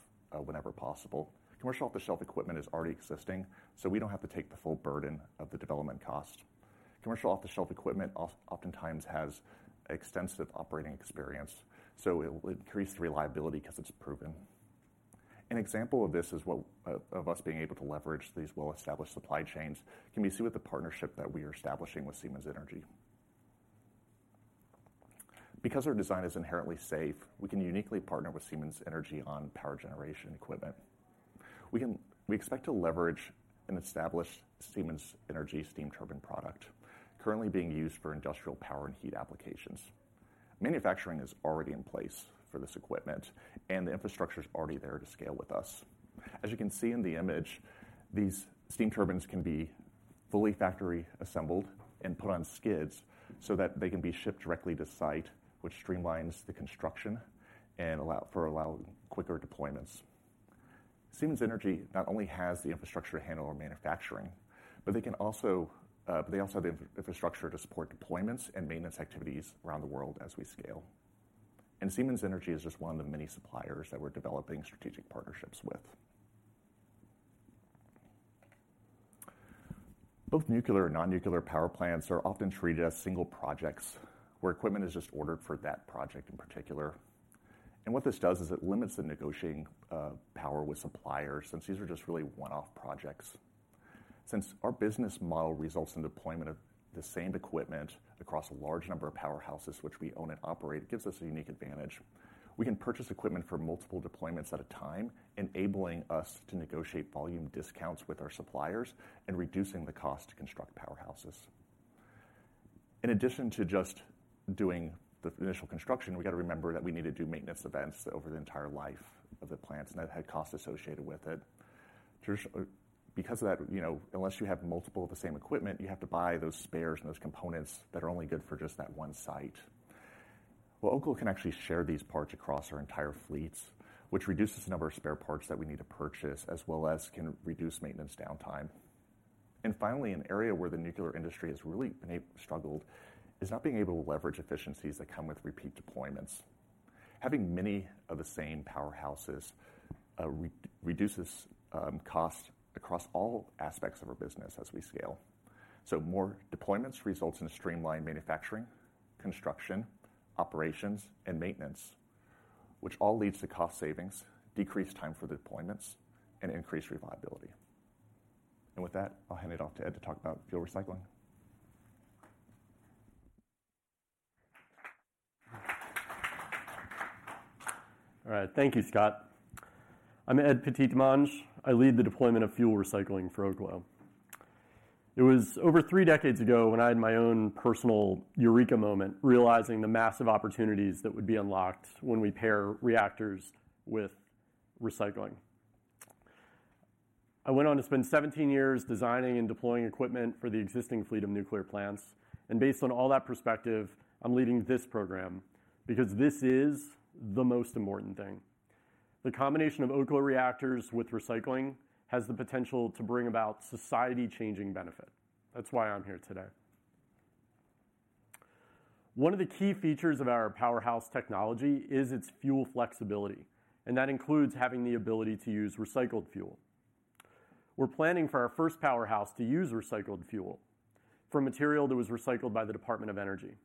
whenever possible. Commercial off-the-shelf equipment is already existing, so we don't have to take the full burden of the development cost. Commercial off-the-shelf equipment oftentimes has extensive operating experience, so it will increase the reliability 'cause it's proven. An example of this is of us being able to leverage these well-established supply chains can be seen with the partnership that we are establishing with Siemens Energy. Because our design is inherently safe, we can uniquely partner with Siemens Energy on power generation equipment. We expect to leverage and establish Siemens Energy steam turbine product, currently being used for industrial power and heat applications. Manufacturing is already in place for this equipment, and the infrastructure is already there to scale with us. As you can see in the image, these steam turbines can be fully factory-assembled and put on skids so that they can be shipped directly to site, which streamlines the construction and allows for quicker deployments. Siemens Energy not only has the infrastructure to handle our manufacturing, but they can also but they also have the infrastructure to support deployments and maintenance activities around the world as we scale. And Siemens Energy is just one of the many suppliers that we're developing strategic partnerships with. Both nuclear and non-nuclear power plants are often treated as single projects, where equipment is just ordered for that project in particular, and what this does is it limits the negotiating power with suppliers, since these are just really one-off projects. Since our business model results in deployment of the same equipment across a large number of powerhouses which we own and operate, it gives us a unique advantage. We can purchase equipment for multiple deployments at a time, enabling us to negotiate volume discounts with our suppliers and reducing the cost to construct powerhouses. In addition to just doing the initial construction, we've got to remember that we need to do maintenance events over the entire life of the plants, and that had costs associated with it. Because of that, you know, unless you have multiple of the same equipment, you have to buy those spares and those components that are only good for just that one site. Well, Oklo can actually share these parts across our entire fleets, which reduces the number of spare parts that we need to purchase, as well as can reduce maintenance downtime. And finally, an area where the nuclear industry has really struggled is not being able to leverage efficiencies that come with repeat deployments. Having many of the same powerhouses reduces costs across all aspects of our business as we scale. So more deployments results in streamlined manufacturing, construction, operations, and maintenance, which all leads to cost savings, decreased time for the deployments, and increased reliability. And with that, I'll hand it off to Ed to talk about fuel recycling. All right. Thank you, Scott. I'm Ed Petit de Mange. I lead the deployment of fuel recycling for Oklo. It was over three decades ago when I had my own personal eureka moment, realizing the massive opportunities that would be unlocked when we pair reactors with recycling. I went on to spend 17 years designing and deploying equipment for the existing fleet of nuclear plants, and based on all that perspective, I'm leading this program because this is the most important thing. The combination of Oklo reactors with recycling has the potential to bring about society-changing benefit. That's why I'm here today. One of the key features of our powerhouse technology is its fuel flexibility, and that includes having the ability to use recycled fuel. We're planning for our first powerhouse to use recycled fuel from material that was recycled by the Department of Energy.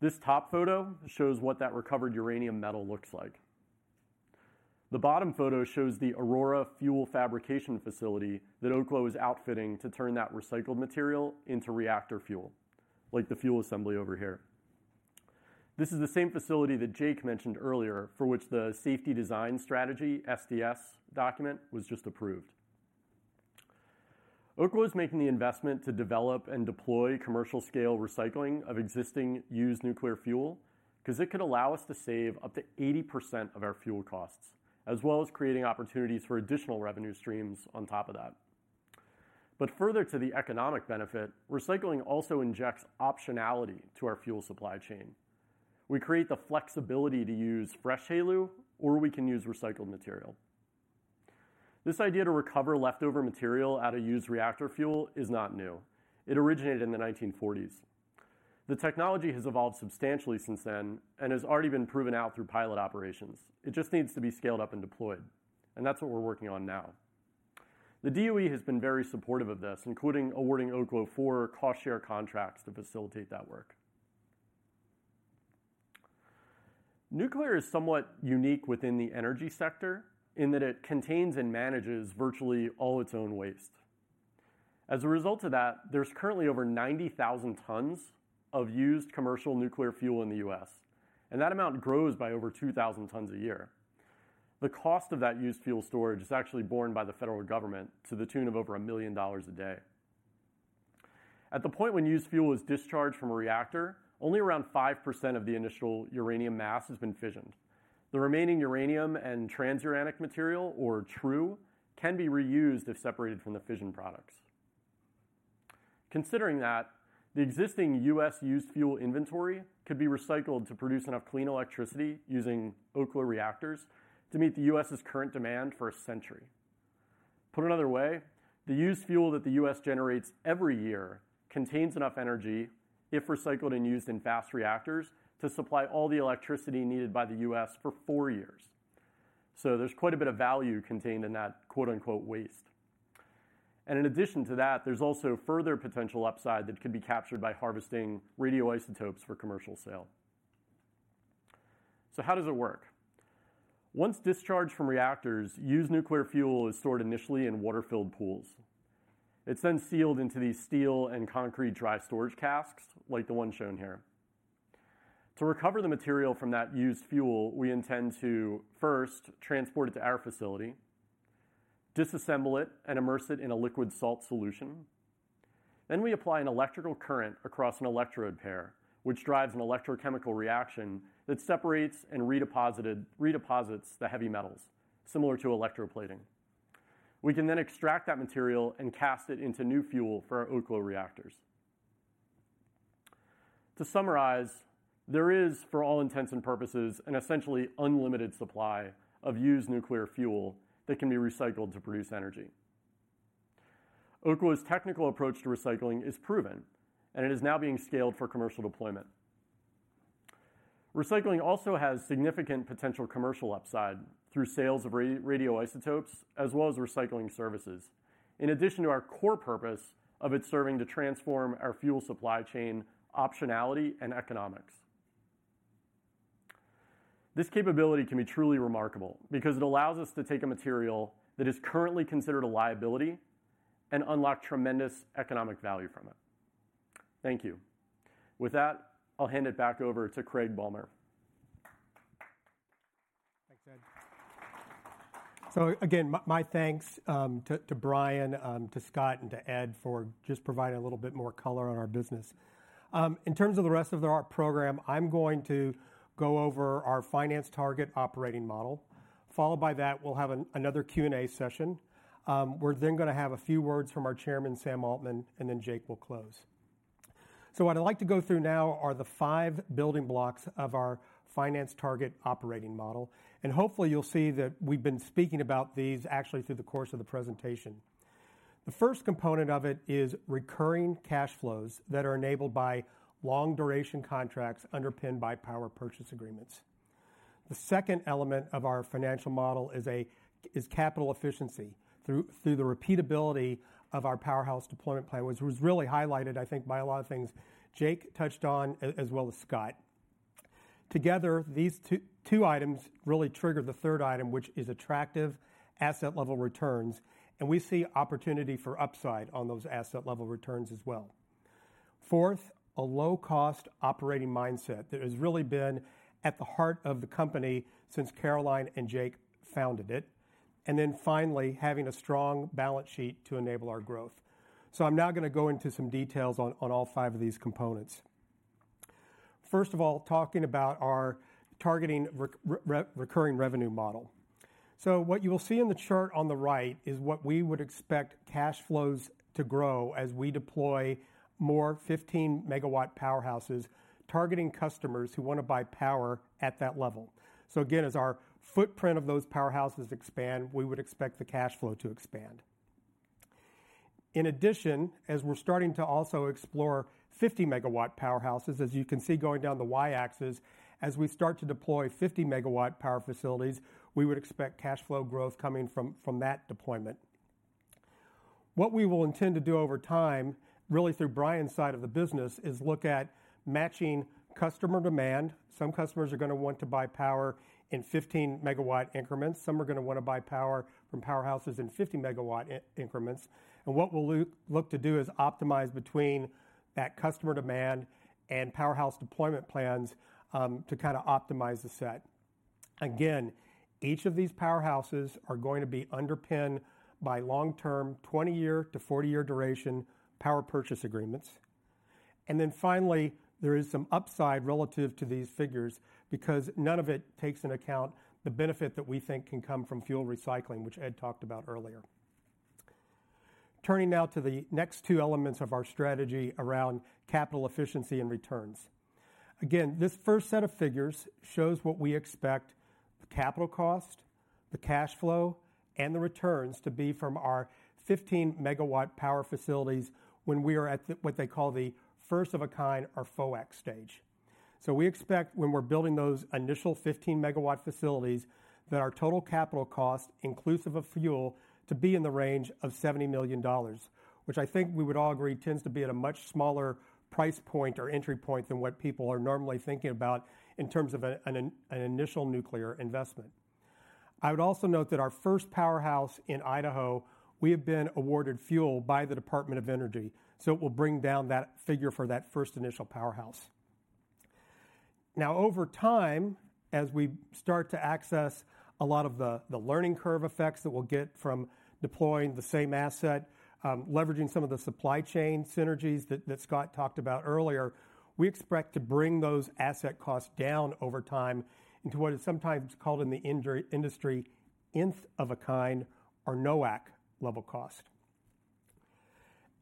This top photo shows what that recovered uranium metal looks like. The bottom photo shows the Aurora Fuel Fabrication Facility that Oklo is outfitting to turn that recycled material into reactor fuel, like the fuel assembly over here. This is the same facility that Jake mentioned earlier, for which the Safety Design Strategy, SDS, document was just approved. Oklo is making the investment to develop and deploy commercial-scale recycling of existing used nuclear fuel, 'cause it could allow us to save up to 80% of our fuel costs, as well as creating opportunities for additional revenue streams on top of that. But further to the economic benefit, recycling also injects optionality to our fuel supply chain. We create the flexibility to use fresh HALEU, or we can use recycled material. This idea to recover leftover material out of used reactor fuel is not new. It originated in the 1940s. The technology has evolved substantially since then and has already been proven out through pilot operations. It just needs to be scaled up and deployed, and that's what we're working on now. The DOE has been very supportive of this, including awarding Oklo four cost-share contracts to facilitate that work. Nuclear is somewhat unique within the energy sector in that it contains and manages virtually all its own waste. As a result of that, there's currently over 90,000 tons of used commercial nuclear fuel in the U.S., and that amount grows by over 2,000 tons a year. The cost of that used fuel storage is actually borne by the federal government to the tune of over $1 million a day. At the point when used fuel is discharged from a reactor, only around 5% of the initial uranium mass has been fissioned. The remaining uranium and transuranic material, or TRU, can be reused if separated from the fission products. Considering that, the existing U.S. used fuel inventory could be recycled to produce enough clean electricity using Oklo reactors to meet the U.S.'s current demand for a century. Put another way, the used fuel that the U.S. generates every year contains enough energy, if recycled and used in fast reactors, to supply all the electricity needed by the U.S. for four years. So there's quite a bit of value contained in that, quote-unquote, waste. And in addition to that, there's also further potential upside that could be captured by harvesting radioisotopes for commercial sale. So how does it work? Once discharged from reactors, used nuclear fuel is stored initially in water-filled pools. It's then sealed into these steel and concrete dry storage casks, like the one shown here. To recover the material from that used fuel, we intend to first transport it to our facility, disassemble it, and immerse it in a liquid salt solution. Then we apply an electrical current across an electrode pair, which drives an electrochemical reaction that separates and redeposits the heavy metals, similar to electroplating. We can then extract that material and cast it into new fuel for our Oklo reactors. To summarize, there is, for all intents and purposes, an essentially unlimited supply of used nuclear fuel that can be recycled to produce energy. Oklo's technical approach to recycling is proven, and it is now being scaled for commercial deployment. Recycling also has significant potential commercial upside through sales of radioisotopes, as well as recycling services, in addition to our core purpose of it serving to transform our fuel supply chain optionality and economics. This capability can be truly remarkable because it allows us to take a material that is currently considered a liability and unlock tremendous economic value from it. Thank you. With that, I'll hand it back over to Craig Bealmear. Thanks, Ed. So again, my thanks to Brian, to Scott, and to Ed for just providing a little bit more color on our business. In terms of the rest of our program, I'm going to go over our finance target operating model. Followed by that, we'll have another Q&A session. We're then gonna have a few words from our chairman, Sam Altman, and then Jake will close. So what I'd like to go through now are the five building blocks of our finance target operating model, and hopefully, you'll see that we've been speaking about these actually through the course of the presentation. The first component of it is recurring cash flows that are enabled by long-duration contracts underpinned by Power Purchase Agreements. The second element of our financial model is capital efficiency through the repeatability of our powerhouse deployment plan, which was really highlighted, I think, by a lot of things Jake touched on, as well as Scott. Together, these two items really trigger the third item, which is attractive asset-level returns, and we see opportunity for upside on those asset-level returns as well. Fourth, a low-cost operating mindset that has really been at the heart of the company since Caroline and Jake founded it. And then finally, having a strong balance sheet to enable our growth. So I'm now gonna go into some details on all five of these components. First of all, talking about our targeting recurring revenue model. So what you will see in the chart on the right is what we would expect cash flows to grow as we deploy more 15 MW powerhouses, targeting customers who wanna buy power at that level. So again, as our footprint of those powerhouses expand, we would expect the cash flow to expand. In addition, as we're starting to also explore 50 MW powerhouses, as you can see, going down the y-axis, as we start to deploy 50 MW power facilities, we would expect cash flow growth coming from that deployment. What we will intend to do over time, really through Brian's side of the business, is look at matching customer demand. Some customers are gonna want to buy power in 15 MW increments. Some are gonna wanna buy power from powerhouses in 50 MW increments. What we'll look to do is optimize between that customer demand and powerhouse deployment plans, to kinda optimize the set. Again, each of these powerhouses are going to be underpinned by long-term, 20-year to 40-year duration Power Purchase Agreements. And then finally, there is some upside relative to these figures, because none of it takes into account the benefit that we think can come from fuel recycling, which Ed talked about earlier. Turning now to the next two elements of our strategy around capital efficiency and returns. Again, this first set of figures shows what we expect the capital cost, the cash flow, and the returns to be from our 15 MW power facilities when we are at the, what they call the first-of-a-kind or FOAK stage. So we expect when we're building those initial 15 MW facilities, that our total capital cost, inclusive of fuel, to be in the range of $70 million, which I think we would all agree tends to be at a much smaller price point or entry point than what people are normally thinking about in terms of an initial nuclear investment. I would also note that our first powerhouse in Idaho, we have been awarded fuel by the Department of Energy, so it will bring down that figure for that first initial powerhouse. Now, over time, as we start to access a lot of the learning curve effects that we'll get from deploying the same asset, leveraging some of the supply chain synergies that Scott talked about earlier, we expect to bring those asset costs down over time into what is sometimes called in the industry, nth-of-a-kind or NOAK level cost.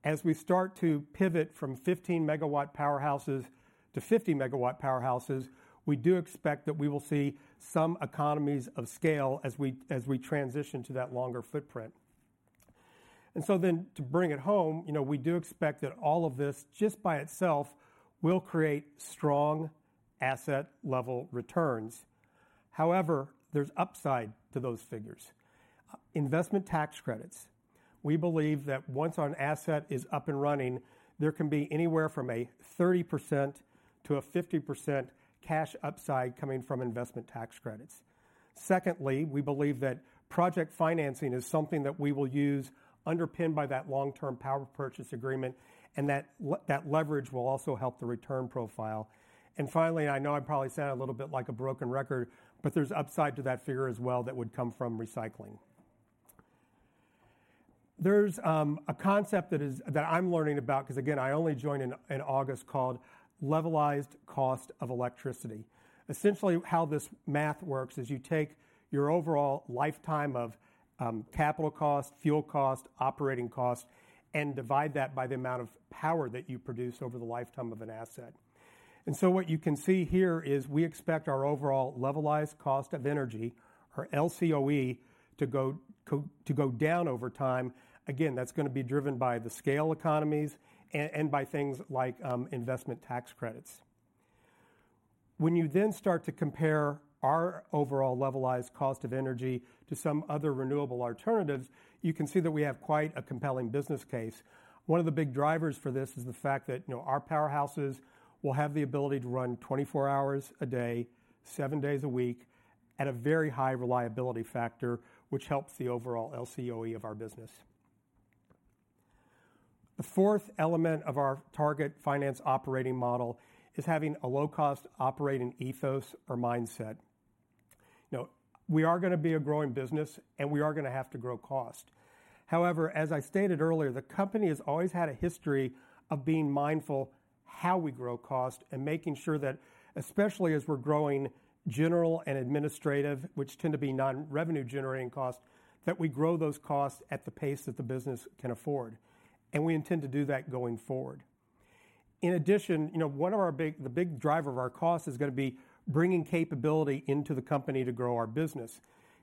As we start to pivot from 15 MW powerhouses to 50 MW powerhouses, we do expect that we will see some economies of scale as we transition to that longer footprint. And so then to bring it home, you know, we do expect that all of this, just by itself, will create strong asset-level returns. However, there's upside to those figures. Investment tax credits. We believe that once our asset is up and running, there can be anywhere from 30%-50% cash upside coming from investment tax credits. Secondly, we believe that project financing is something that we will use underpinned by that long-term Power Purchase Agreement, and that leverage will also help the return profile. And finally, I know I probably sound a little bit like a broken record, but there's upside to that figure as well that would come from recycling. There's a concept that I'm learning about, because again, I only joined in August, called levelized cost of electricity. Essentially, how this math works is you take your overall lifetime of capital cost, fuel cost, operating cost, and divide that by the amount of power that you produce over the lifetime of an asset. What you can see here is we expect our overall levelized cost of energy, or LCOE, to go to go down over time. Again, that's gonna be driven by the scale economies and by things like investment tax credits. When you then start to compare our overall levelized cost of energy to some other renewable alternatives, you can see that we have quite a compelling business case. One of the big drivers for this is the fact that, you know, our powerhouses will have the ability to run 24 hours a day, seven days a week, at a very high reliability factor, which helps the overall LCOE of our business. The fourth element of our target finance operating model is having a low-cost operating ethos or mindset. You know, we are gonna be a growing business, and we are gonna have to grow cost. However, as I stated earlier, the company has always had a history of being mindful how we grow cost and making sure that, especially as we're growing general and administrative, which tend to be non-revenue-generating costs, that we grow those costs at the pace that the business can afford, and we intend to do that going forward. In addition, you know, the big driver of our cost is gonna be bringing capability into the company to grow our business.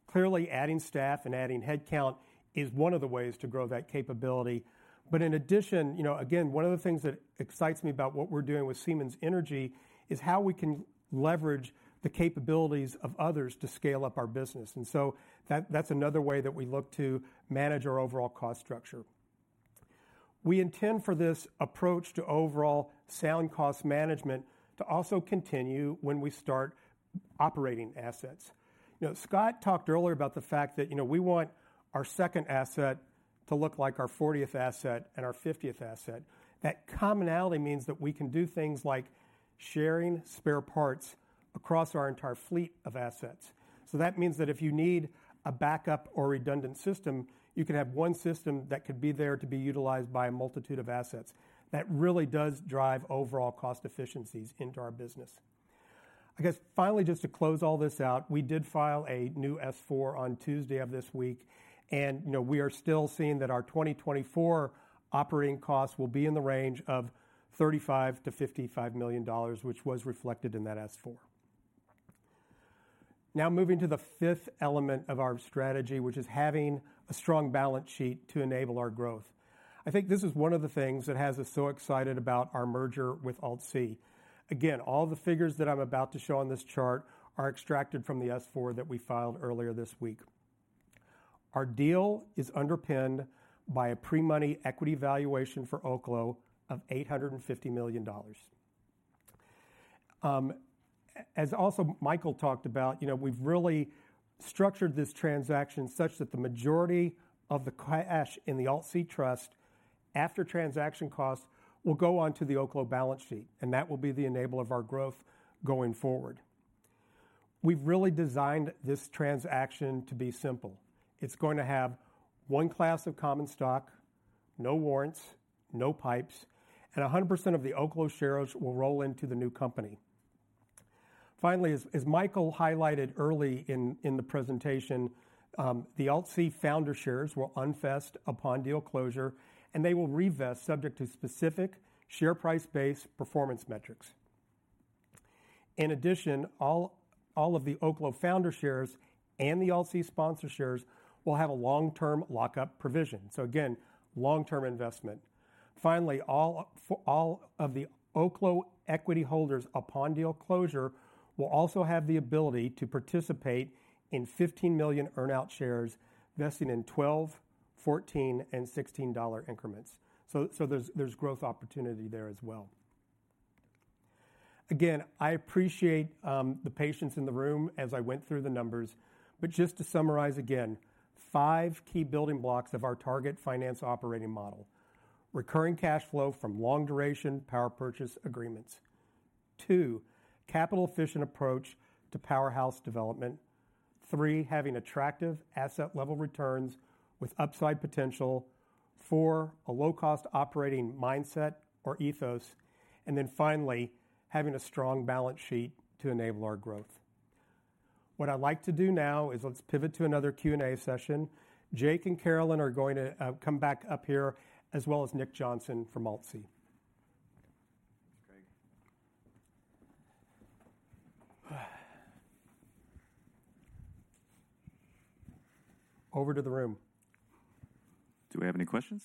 Clearly, adding staff and adding headcount is one of the ways to grow that capability. But in addition, you know, again, one of the things that excites me about what we're doing with Siemens Energy is how we can leverage the capabilities of others to scale up our business, and so that, that's another way that we look to manage our overall cost structure. We intend for this approach to overall selling cost management to also continue when we start operating assets. You know, Scott talked earlier about the fact that, you know, we want our second asset to look like our fortieth asset and our fiftieth asset. That commonality means that we can do things like sharing spare parts across our entire fleet of assets. So that means that if you need a backup or redundant system, you can have one system that could be there to be utilized by a multitude of assets. That really does drive overall cost efficiencies into our business. I guess, finally, just to close all this out, we did file a new S-4 on Tuesday of this week, and, you know, we are still seeing that our 2024 operating costs will be in the range of $35 million-$55 million, which was reflected in that S-4. Now, moving to the fifth element of our strategy, which is having a strong balance sheet to enable our growth. I think this is one of the things that has us so excited about our merger with AltC. Again, all the figures that I'm about to show on this chart are extracted from the S-4 that we filed earlier this week. Our deal is underpinned by a pre-money equity valuation for Oklo of $850 million. As also Michael talked about, you know, we've really structured this transaction such that the majority of the cash in the AltC trust, after transaction costs, will go onto the Oklo balance sheet, and that will be the enabler of our growth going forward. We've really designed this transaction to be simple. It's going to have one class of common stock, no warrants, no PIPEs, and 100% of the Oklo shares will roll into the new company. Finally, as Michael highlighted early in the presentation, the AltC founder shares will unvest upon deal closure, and they will re-vest subject to specific share price-based performance metrics. In addition, all of the Oklo founder shares and the AltC sponsor shares will have a long-term lock-up provision. So again, long-term investment. Finally, all of the Oklo equity holders upon deal closure will also have the ability to participate in 15 million earn-out shares, vesting in $12, $14, and $16 increments. So, there's growth opportunity there as well. Again, I appreciate the patience in the room as I went through the numbers, but just to summarize again, five key building blocks of our target finance operating model: Recurring cash flow from long-duration Power Purchase Agreements. Two, capital-efficient approach to powerhouse development. Three, having attractive asset-level returns with upside potential. Four, a low-cost operating mindset or ethos, and then finally, having a strong balance sheet to enable our growth. What I'd like to do now is let's pivot to another Q&A session. Jake and Caroline are going to come back up here, as well as Nick Johnson from AltC. Over to the room. Do we have any questions?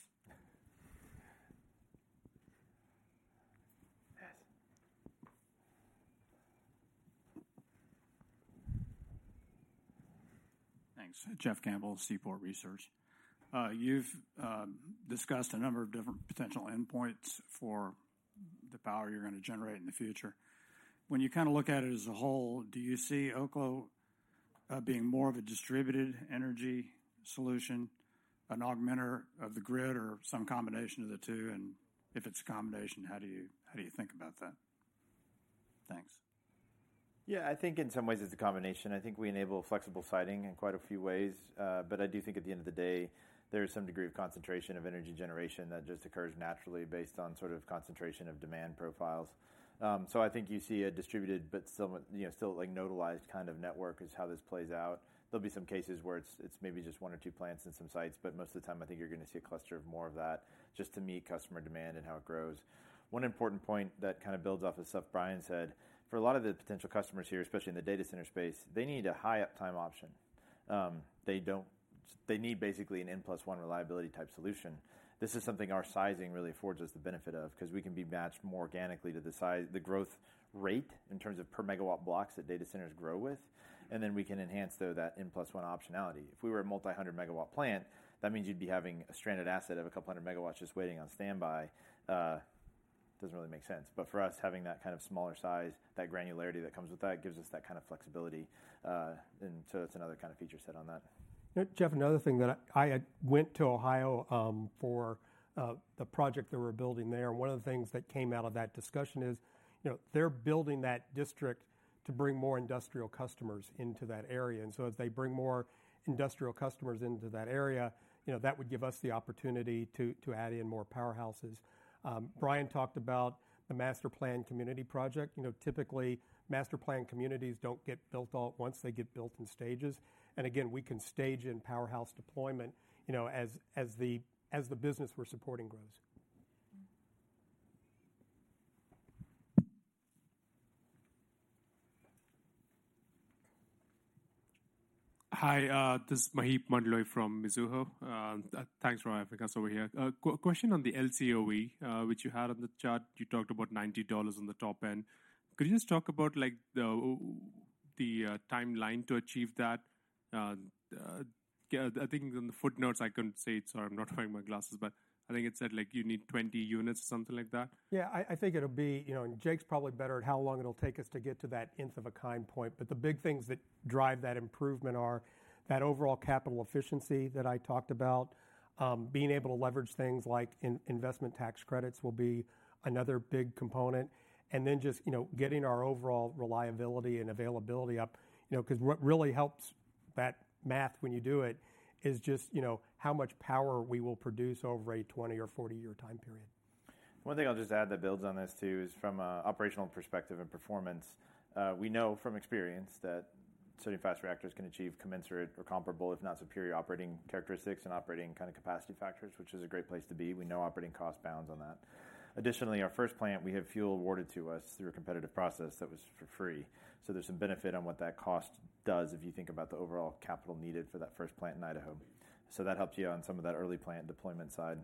Thanks. Jeff Campbell, Seaport Research. You've discussed a number of different potential endpoints for the power you're gonna generate in the future. When you kinda look at it as a whole, do you see Oklo being more of a distributed energy solution, an augmenter of the grid, or some combination of the two? And if it's a combination, how do you think about that? Thanks. Yeah, I think in some ways it's a combination. I think we enable flexible siting in quite a few ways, but I do think at the end of the day, there's some degree of concentration of energy generation that just occurs naturally based on sort of concentration of demand profiles. So I think you see a distributed but somewhat, you know, still, like, nodalized kind of network is how this plays out. There'll be some cases where it's, it's maybe just one or two plants in some sites, but most of the time, I think you're gonna see a cluster of more of that, just to meet customer demand and how it grows. One important point that kind of builds off the stuff Brian said, for a lot of the potential customers here, especially in the data center space, they need a high uptime option. They need basically an N+1 reliability type solution. This is something our sizing really affords us the benefit of, 'cause we can be matched more organically to the size, the growth rate in terms of per megawatt blocks that data centers grow with, and then we can enhance through that N+1 optionality. If we were a multi-hundred megawatt plant, that means you'd be having a stranded asset of a couple hundred megawatts just waiting on standby. Doesn't really make sense. But for us, having that kind of smaller size, that granularity that comes with that, gives us that kind of flexibility. And so that's another kind of feature set on that. Jeff, another thing that I had went to Ohio for the project that we're building there. One of the things that came out of that discussion is, you know, they're building that district to bring more industrial customers into that area. And so as they bring more industrial customers into that area, you know, that would give us the opportunity to add in more powerhouses. Brian talked about the master-planned community project. You know, typically, master-planned communities don't get built all at once. They get built in stages. And again, we can stage in powerhouse deployment, you know, as the business we're supporting grows. Hi, this is Maheep Mandloi from Mizuho. Thanks for having us over here. Question on the LCOE, which you had on the chart. You talked about $90 on the top end. Could you just talk about, like, the timeline to achieve that? I think in the footnotes, I couldn't see it, so I'm not finding my glasses, but I think it said, like, you need 20 units or something like that. Yeah, I think it'll be, you know, and Jake's probably better at how long it'll take us to get to that nth-of-a-kind point, but the big things that drive that improvement are that overall capital efficiency that I talked about. Being able to leverage things like investment tax credits will be another big component, and then just, you know, getting our overall reliability and availability up, you know, 'cause what really helps that math when you do it is just, you know, how much power we will produce over a 20 or 40 year time period. One thing I'll just add that builds on this, too, is from a operational perspective and performance, we know from experience that certain fast reactors can achieve commensurate or comparable, if not superior, operating characteristics and operating kind of capacity factors, which is a great place to be. We know operating cost bounds on that. Additionally, our first plant, we had fuel awarded to us through a competitive process that was for free. So there's some benefit on what that cost does if you think about the overall capital needed for that first plant in Idaho. So that helps you on some of that early plant deployment side.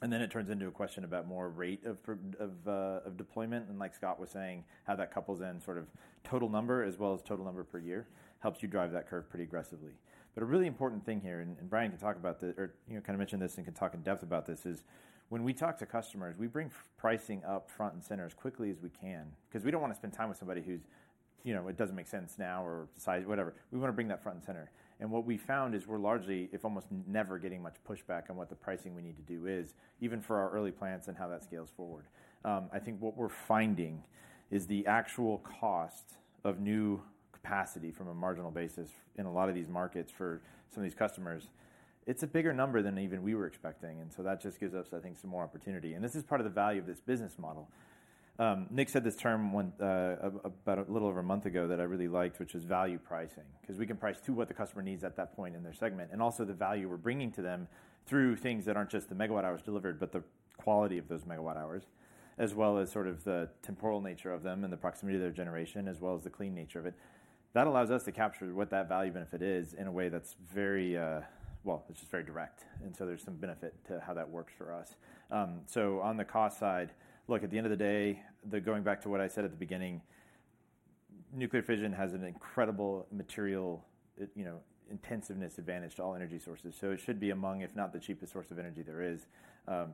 Then it turns into a question about more rate of deployment, and like Scott was saying, how that couples in sort of total number as well as total number per year, helps you drive that curve pretty aggressively. But a really important thing here, and, and Brian can talk about this, or, you know, kind of mentioned this and can talk in depth about this, is when we talk to customers, we bring pricing up front and center as quickly as we can, 'cause we don't wanna spend time with somebody who's you know, it doesn't make sense now or size, whatever. We wanna bring that front and center, and what we found is we're largely, if almost never, getting much pushback on what the pricing we need to do is, even for our early plants and how that scales forward. I think what we're finding is the actual cost of new capacity from a marginal basis in a lot of these markets for some of these customers, it's a bigger number than even we were expecting, and so that just gives us, I think, some more opportunity. This is part of the value of this business model. Nick said this term about a little over a month ago that I really liked, which is value pricing. 'Cause we can price to what the customer needs at that point in their segment, and also the value we're bringing to them through things that aren't just the megawatt hours delivered, but the quality of those megawatt hours, as well as sort of the temporal nature of them and the proximity of their generation, as well as the clean nature of it. That allows us to capture what that value benefit is in a way that's very, well, it's just very direct, and so there's some benefit to how that works for us. So on the cost side, look, at the end of the day, going back to what I said at the beginning, nuclear fission has an incredible material, it, you know, intensiveness advantage to all energy sources, so it should be among, if not the cheapest source of energy there is.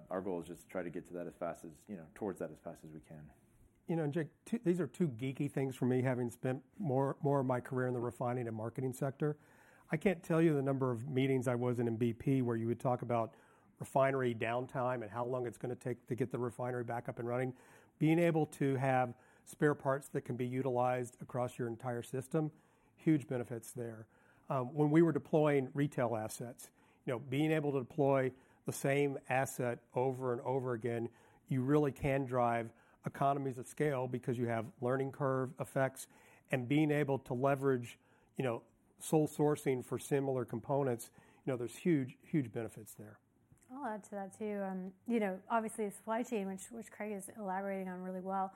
Our goal is just to try to get to that as fast as, you know, towards that as fast as we can. You know, and Jake, these are two geeky things for me, having spent more of my career in the refining and marketing sector. I can't tell you the number of meetings I was in in BP, where you would talk about refinery downtime and how long it's gonna take to get the refinery back up and running. Being able to have spare parts that can be utilized across your entire system, huge benefits there. When we were deploying retail assets, you know, being able to deploy the same asset over and over again, you really can drive economies of scale because you have learning curve effects. And being able to leverage, you know, sole sourcing for similar components, you know, there's huge, huge benefits there. I'll add to that, too. You know, obviously, the supply chain, which Craig is elaborating on really well,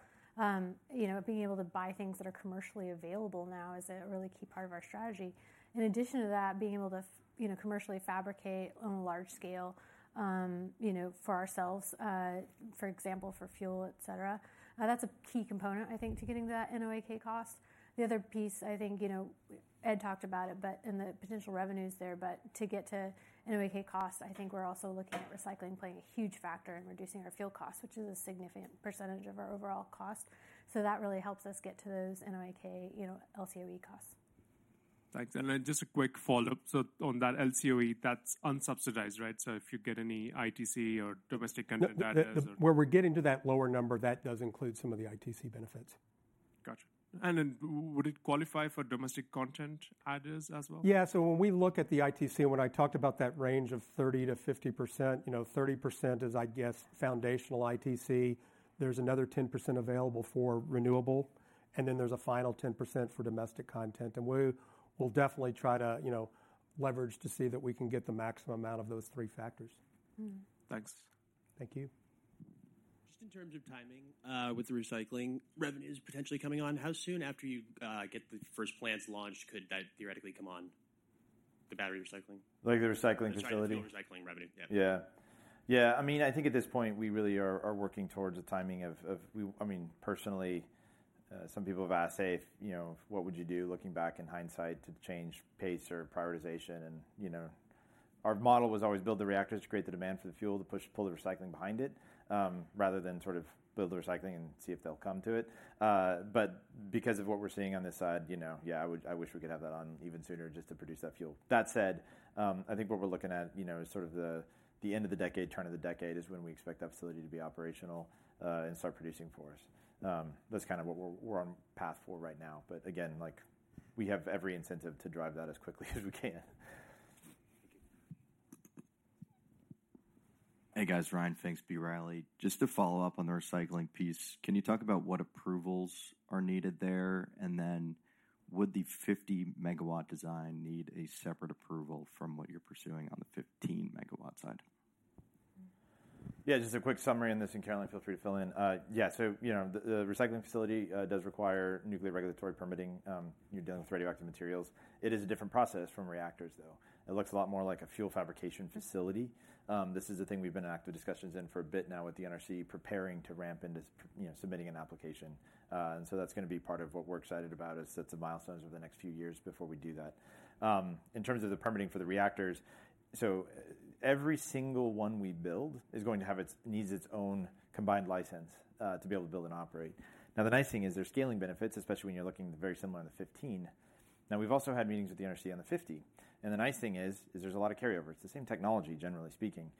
you know, being able to buy things that are commercially available now is a really key part of our strategy. In addition to that, being able to commercially fabricate on a large scale, you know, for ourselves, for example, for fuel, et cetera, that's a key component, I think, to getting to that NOAK cost. The other piece, I think, you know, Ed talked about it, but and the potential revenues there, but to get to NOAK cost, I think we're also looking at recycling playing a huge factor in reducing our fuel costs, which is a significant percentage of our overall cost. So that really helps us get to those NOAK, you know, LCOE costs. Thanks. And then just a quick follow-up. So on that LCOE, that's unsubsidized, right? So if you get any ITC or domestic content adders or- where we're getting to that lower number, that does include some of the ITC benefits. Gotcha. And then would it qualify for domestic content adders as well? Yeah. So when we look at the ITC, and when I talked about that range of 30%-50%, you know, 30% is, I guess, foundational ITC. There's another 10% available for renewable, and then there's a final 10% for domestic content, and we will definitely try to, you know, leverage to see that we can get the maximum out of those three factors. Mm-hmm. Thanks. Thank you. Just in terms of timing, with the recycling revenues potentially coming on, how soon after you get the first plants launched could that theoretically come on, the battery recycling? Like the recycling facility? The recycling, recycling revenue. Yeah. Yeah. Yeah, I mean, I think at this point, we really are working towards the timing of—we—I mean, personally, some people have asked, say, you know, "What would you do, looking back in hindsight, to change pace or prioritization?" And, you know, our model was always build the reactors to create the demand for the fuel, to pull the recycling behind it, rather than sort of build the recycling and see if they'll come to it. But because of what we're seeing on this side, you know, yeah, I would—I wish we could have that on even sooner just to produce that fuel. That said, I think what we're looking at, you know, is sort of the end of the decade, turn of the decade, is when we expect that facility to be operational, and start producing for us. That's kind of what we're on path for right now, but again, like, we have every incentive to drive that as quickly as we can. Thank you. Hey, guys, Ryan Pfingst, B. Riley. Just to follow up on the recycling piece, can you talk about what approvals are needed there? And then would the 50 MW design need a separate approval from what you're pursuing on the 15 MW side? Yeah, just a quick summary on this, and Caroline, feel free to fill in. Yeah, so, you know, the recycling facility does require nuclear regulatory permitting. You're dealing with radioactive materials. It is a different process from reactors, though. It looks a lot more like a fuel fabrication facility. This is the thing we've been in active discussions in for a bit now with the NRC, preparing to ramp into, you know, submitting an application. And so that's gonna be part of what we're excited about, is sets of milestones over the next few years before we do that. In terms of the permitting for the reactors, so every single one we build is going to have its needs its own combined license to be able to build and operate. Now, the nice thing is there's scaling benefits, especially when you're looking very similar in the 15 MW. Now, we've also had meetings with the NRC on the 50 MW, and the nice thing is there's a lot of carryover. It's the same technology, generally speaking.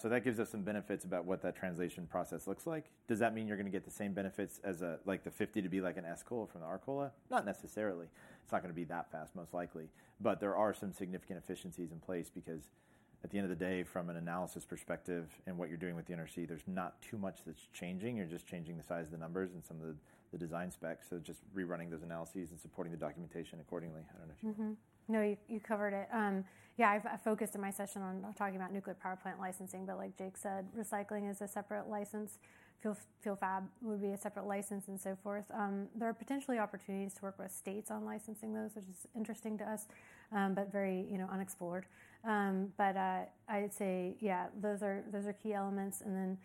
So that gives us some benefits about what that translation process looks like. Does that mean you're gonna get the same benefits as a, like, the 50 MW to be like an SCOLA from an RCOLA? Not necessarily. It's not gonna be that fast, most likely, but there are some significant efficiencies in place because at the end of the day, from an analysis perspective and what you're doing with the NRC, there's not too much that's changing. You're just changing the size of the numbers and some of the design specs, so just rerunning those analyses and supporting the documentation accordingly. I don't know if you- No, you covered it. Yeah, I focused in my session on talking about nuclear power plant licensing, but like Jake said, recycling is a separate license. Fuel, fuel fab would be a separate license and so forth. There are potentially opportunities to work with states on licensing those, which is interesting to us, but very, you know, unexplored. But I'd say, yeah, those are, those are key elements, and then,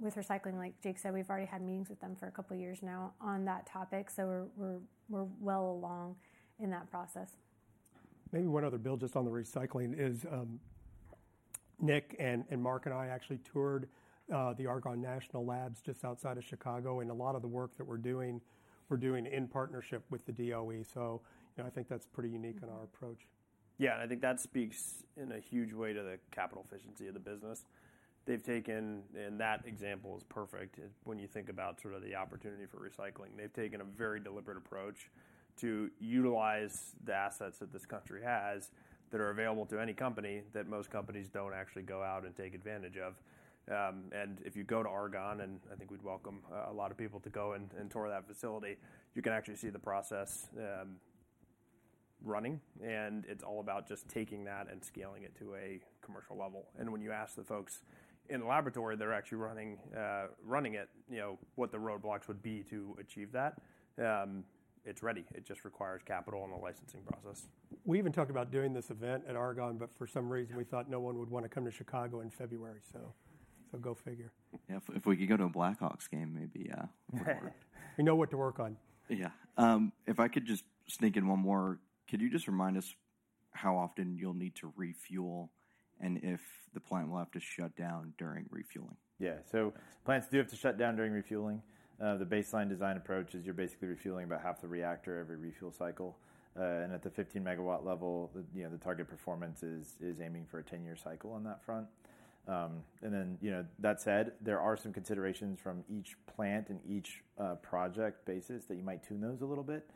with recycling, like Jake said, we've already had meetings with them for a couple of years now on that topic, so we're well along in that process. Maybe one other, Bill, just on the recycling, Nick and Mark and I actually toured the Argonne National Laboratory just outside of Chicago, and a lot of the work that we're doing, we're doing in partnership with the DOE. So, you know, I think that's pretty unique in our approach. Yeah, I think that speaks in a huge way to the capital efficiency of the business. They've taken, and that example is perfect when you think about sort of the opportunity for recycling. They've taken a very deliberate approach to utilize the assets that this country has, that are available to any company, that most companies don't actually go out and take advantage of. And if you go to Argonne, and I think we'd welcome a lot of people to go and tour that facility, you can actually see the process running, and it's all about just taking that and scaling it to a commercial level. And when you ask the folks in the laboratory, they're actually running it, you know, what the roadblocks would be to achieve that, it's ready. It just requires capital and the licensing process. We even talked about doing this event at Argonne, but for some reason, we thought no one would want to come to Chicago in February. So, so go figure. Yeah, if we could go to a Blackhawks game, maybe it would work. Right. We know what to work on. Yeah. If I could just sneak in one more. Could you just remind us how often you'll need to refuel, and if the plant will have to shut down during refueling? Yeah. So plants do have to shut down during refueling. The baseline design approach is you're basically refueling about half the reactor every refuel cycle. And at the 15 MW level, you know, the target performance is aiming for a 10-year cycle on that front. And then, you know, that said, there are some considerations from each plant and each project basis, that you might tune those a little bit,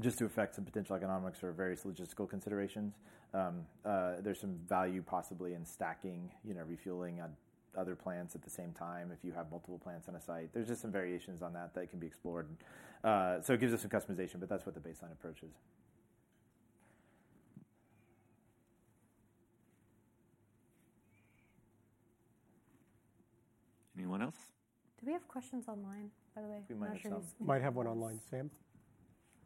just to affect some potential economics or various logistical considerations. There's some value possibly in stacking, you know, refueling on other plants at the same time, if you have multiple plants on a site. There's just some variations on that that can be explored. So it gives us some customization, but that's what the baseline approach is. Anyone else? Do we have questions online, by the way? We might have some. Might have one online. Sam?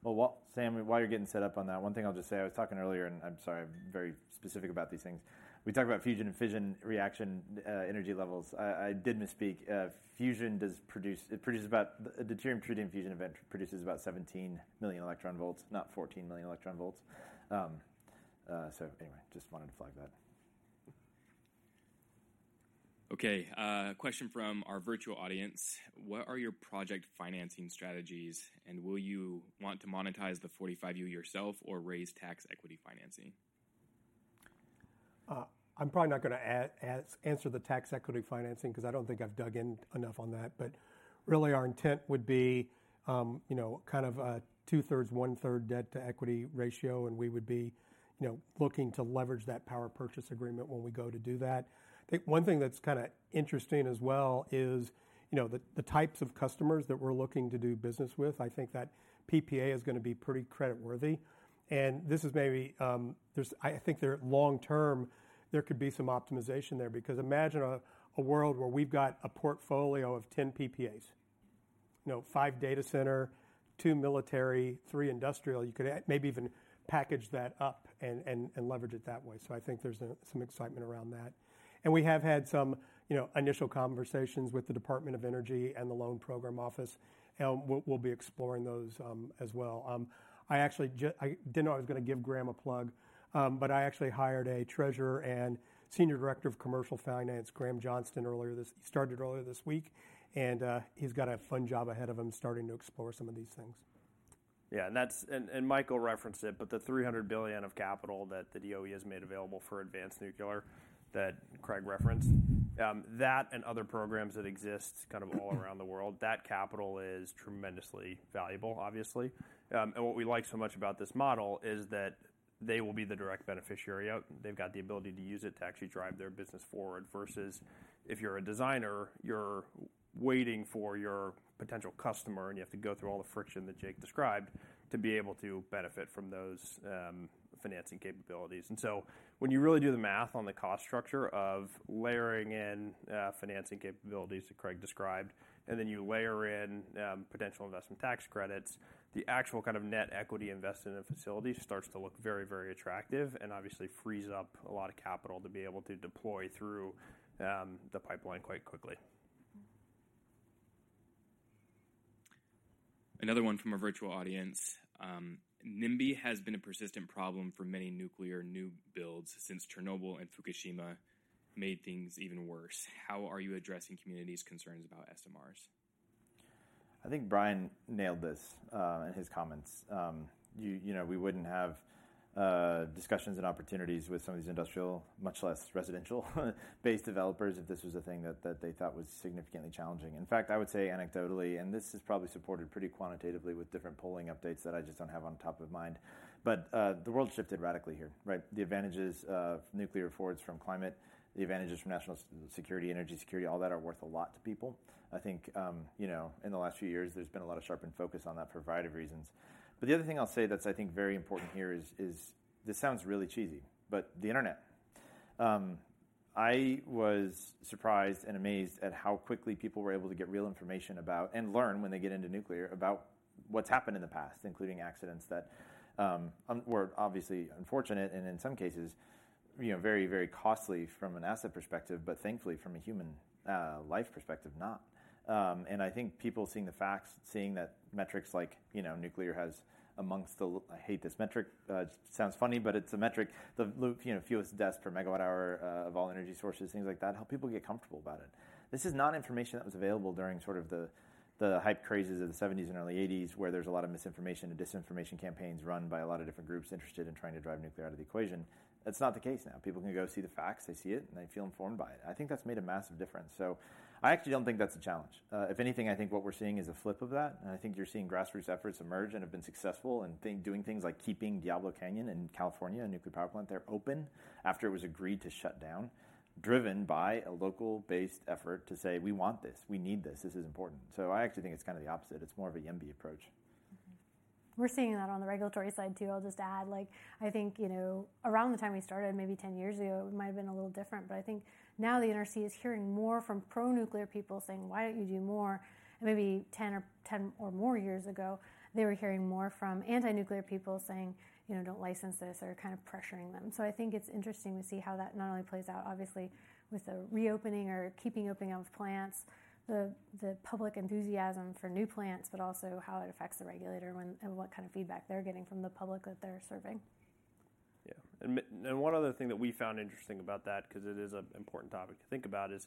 Well, while Sam, while you're getting set up on that, one thing I'll just say, I was talking earlier, and I'm sorry, I'm very specific about these things. We talked about fusion and fission reaction, energy levels. I did misspeak. Fusion does produce it produces about a deuterium-tritium fusion event produces about 17 million eV, not 14 million eV. So anyway, just wanted to flag that. Okay, question from our virtual audience: What are your project financing strategies, and will you want to monetize the 45U yourself or raise tax equity financing? I'm probably not gonna answer the tax equity financing, 'cause I don't think I've dug in enough on that. But really, our intent would be, you know, kind of a 2/3, 1/3 debt-to-equity ratio, and we would be, you know, looking to leverage that Power Purchase Agreement when we go to do that. I think one thing that's kinda interesting as well is, you know, the, the types of customers that we're looking to do business with. I think that PPA is gonna be pretty creditworthy, and this is maybe, I think there, Long term, there could be some optimization there, because imagine a, a world where we've got a portfolio of 10 PPAs. You know, five data center, two military, three industrial. You could a-- maybe even package that up and, and, and leverage it that way. So I think there's some excitement around that. And we have had some, you know, initial conversations with the Department of Energy and the Loan Program Office, and we'll be exploring those, as well. I actually didn't know I was gonna give Graeme a plug, but I actually hired a treasurer and senior director of commercial finance, Graeme Johnston, earlier this-- He started earlier this week, and he's got a fun job ahead of him, starting to explore some of these things. Yeah, and that's, Michael referenced it, but the $300 billion of capital that the DOE has made available for advanced nuclear, that Craig referenced, that and other programs that exist kind of all around the world, that capital is tremendously valuable, obviously. And what we like so much about this model is that they will be the direct beneficiary. They've got the ability to use it to actually drive their business forward, versus if you're a designer, you're waiting for your potential customer, and you have to go through all the friction that Jake described to be able to benefit from those, financing capabilities. And so when you really do the math on the cost structure of layering in financing capabilities that Craig described, and then you layer in potential investment tax credits, the actual kind of net equity invested in a facility starts to look very, very attractive and obviously frees up a lot of capital to be able to deploy through the pipeline quite quickly. Mm-hmm. Another one from our virtual audience: NIMBY has been a persistent problem for many nuclear new builds since Chernobyl and Fukushima made things even worse. How are you addressing communities' concerns about SMRs? I think Brian nailed this in his comments. You know, we wouldn't have discussions and opportunities with some of these industrial, much less residential, based developers if this was a thing that they thought was significantly challenging. In fact, I would say anecdotally, and this is probably supported pretty quantitatively with different polling updates that I just don't have on top of mind, but the world shifted radically here, right? The advantages of nuclear forwards from climate, the advantages from national security, energy security, all that are worth a lot to people. I think you know, in the last few years, there's been a lot of sharpened focus on that for a variety of reasons. But the other thing I'll say that's, I think, very important here is this sounds really cheesy, but the Internet. I was surprised and amazed at how quickly people were able to get real information about, and learn when they get into nuclear, about what's happened in the past, including accidents that were obviously unfortunate and in some cases, you know, very, very costly from an asset perspective, but thankfully from a human life perspective, not. And I think people seeing the facts, seeing that metrics like, you know, nuclear has amongst the fewest deaths per megawatt hour of all energy sources, things like that, help people get comfortable about it. This is not information that was available during sort of the hype crazes of the seventies and early eighties, where there's a lot of misinformation and disinformation campaigns run by a lot of different groups interested in trying to drive nuclear out of the equation. That's not the case now. People can go see the facts, they see it, and they feel informed by it. I think that's made a massive difference. So I actually don't think that's a challenge. If anything, I think what we're seeing is a flip of that, and I think you're seeing grassroots efforts emerge and have been successful in doing things like keeping Diablo Canyon in California, a nuclear power plant there, open after it was agreed to shut down, driven by a local-based effort to say, "We want this. We need this. This is important." So I actually think it's kind of the opposite. It's more of a YIMBY approach. Mm-hmm. We're seeing that on the regulatory side, too. I'll just add, like, I think, you know, around the time we started, maybe 10 years ago, it might have been a little different, but I think now the NRC is hearing more from pro-nuclear people saying: Why don't you do more? And maybe 10 or 10 or more years ago, they were hearing more from anti-nuclear people saying, you know, "Don't license this," or kind of pressuring them. So I think it's interesting to see how that not only plays out, obviously, with the reopening or keeping opening of plants, the public enthusiasm for new plants, but also how it affects the regulator when and what kind of feedback they're getting from the public that they're serving. Yeah. And one other thing that we found interesting about that, 'cause it is an important topic to think about, is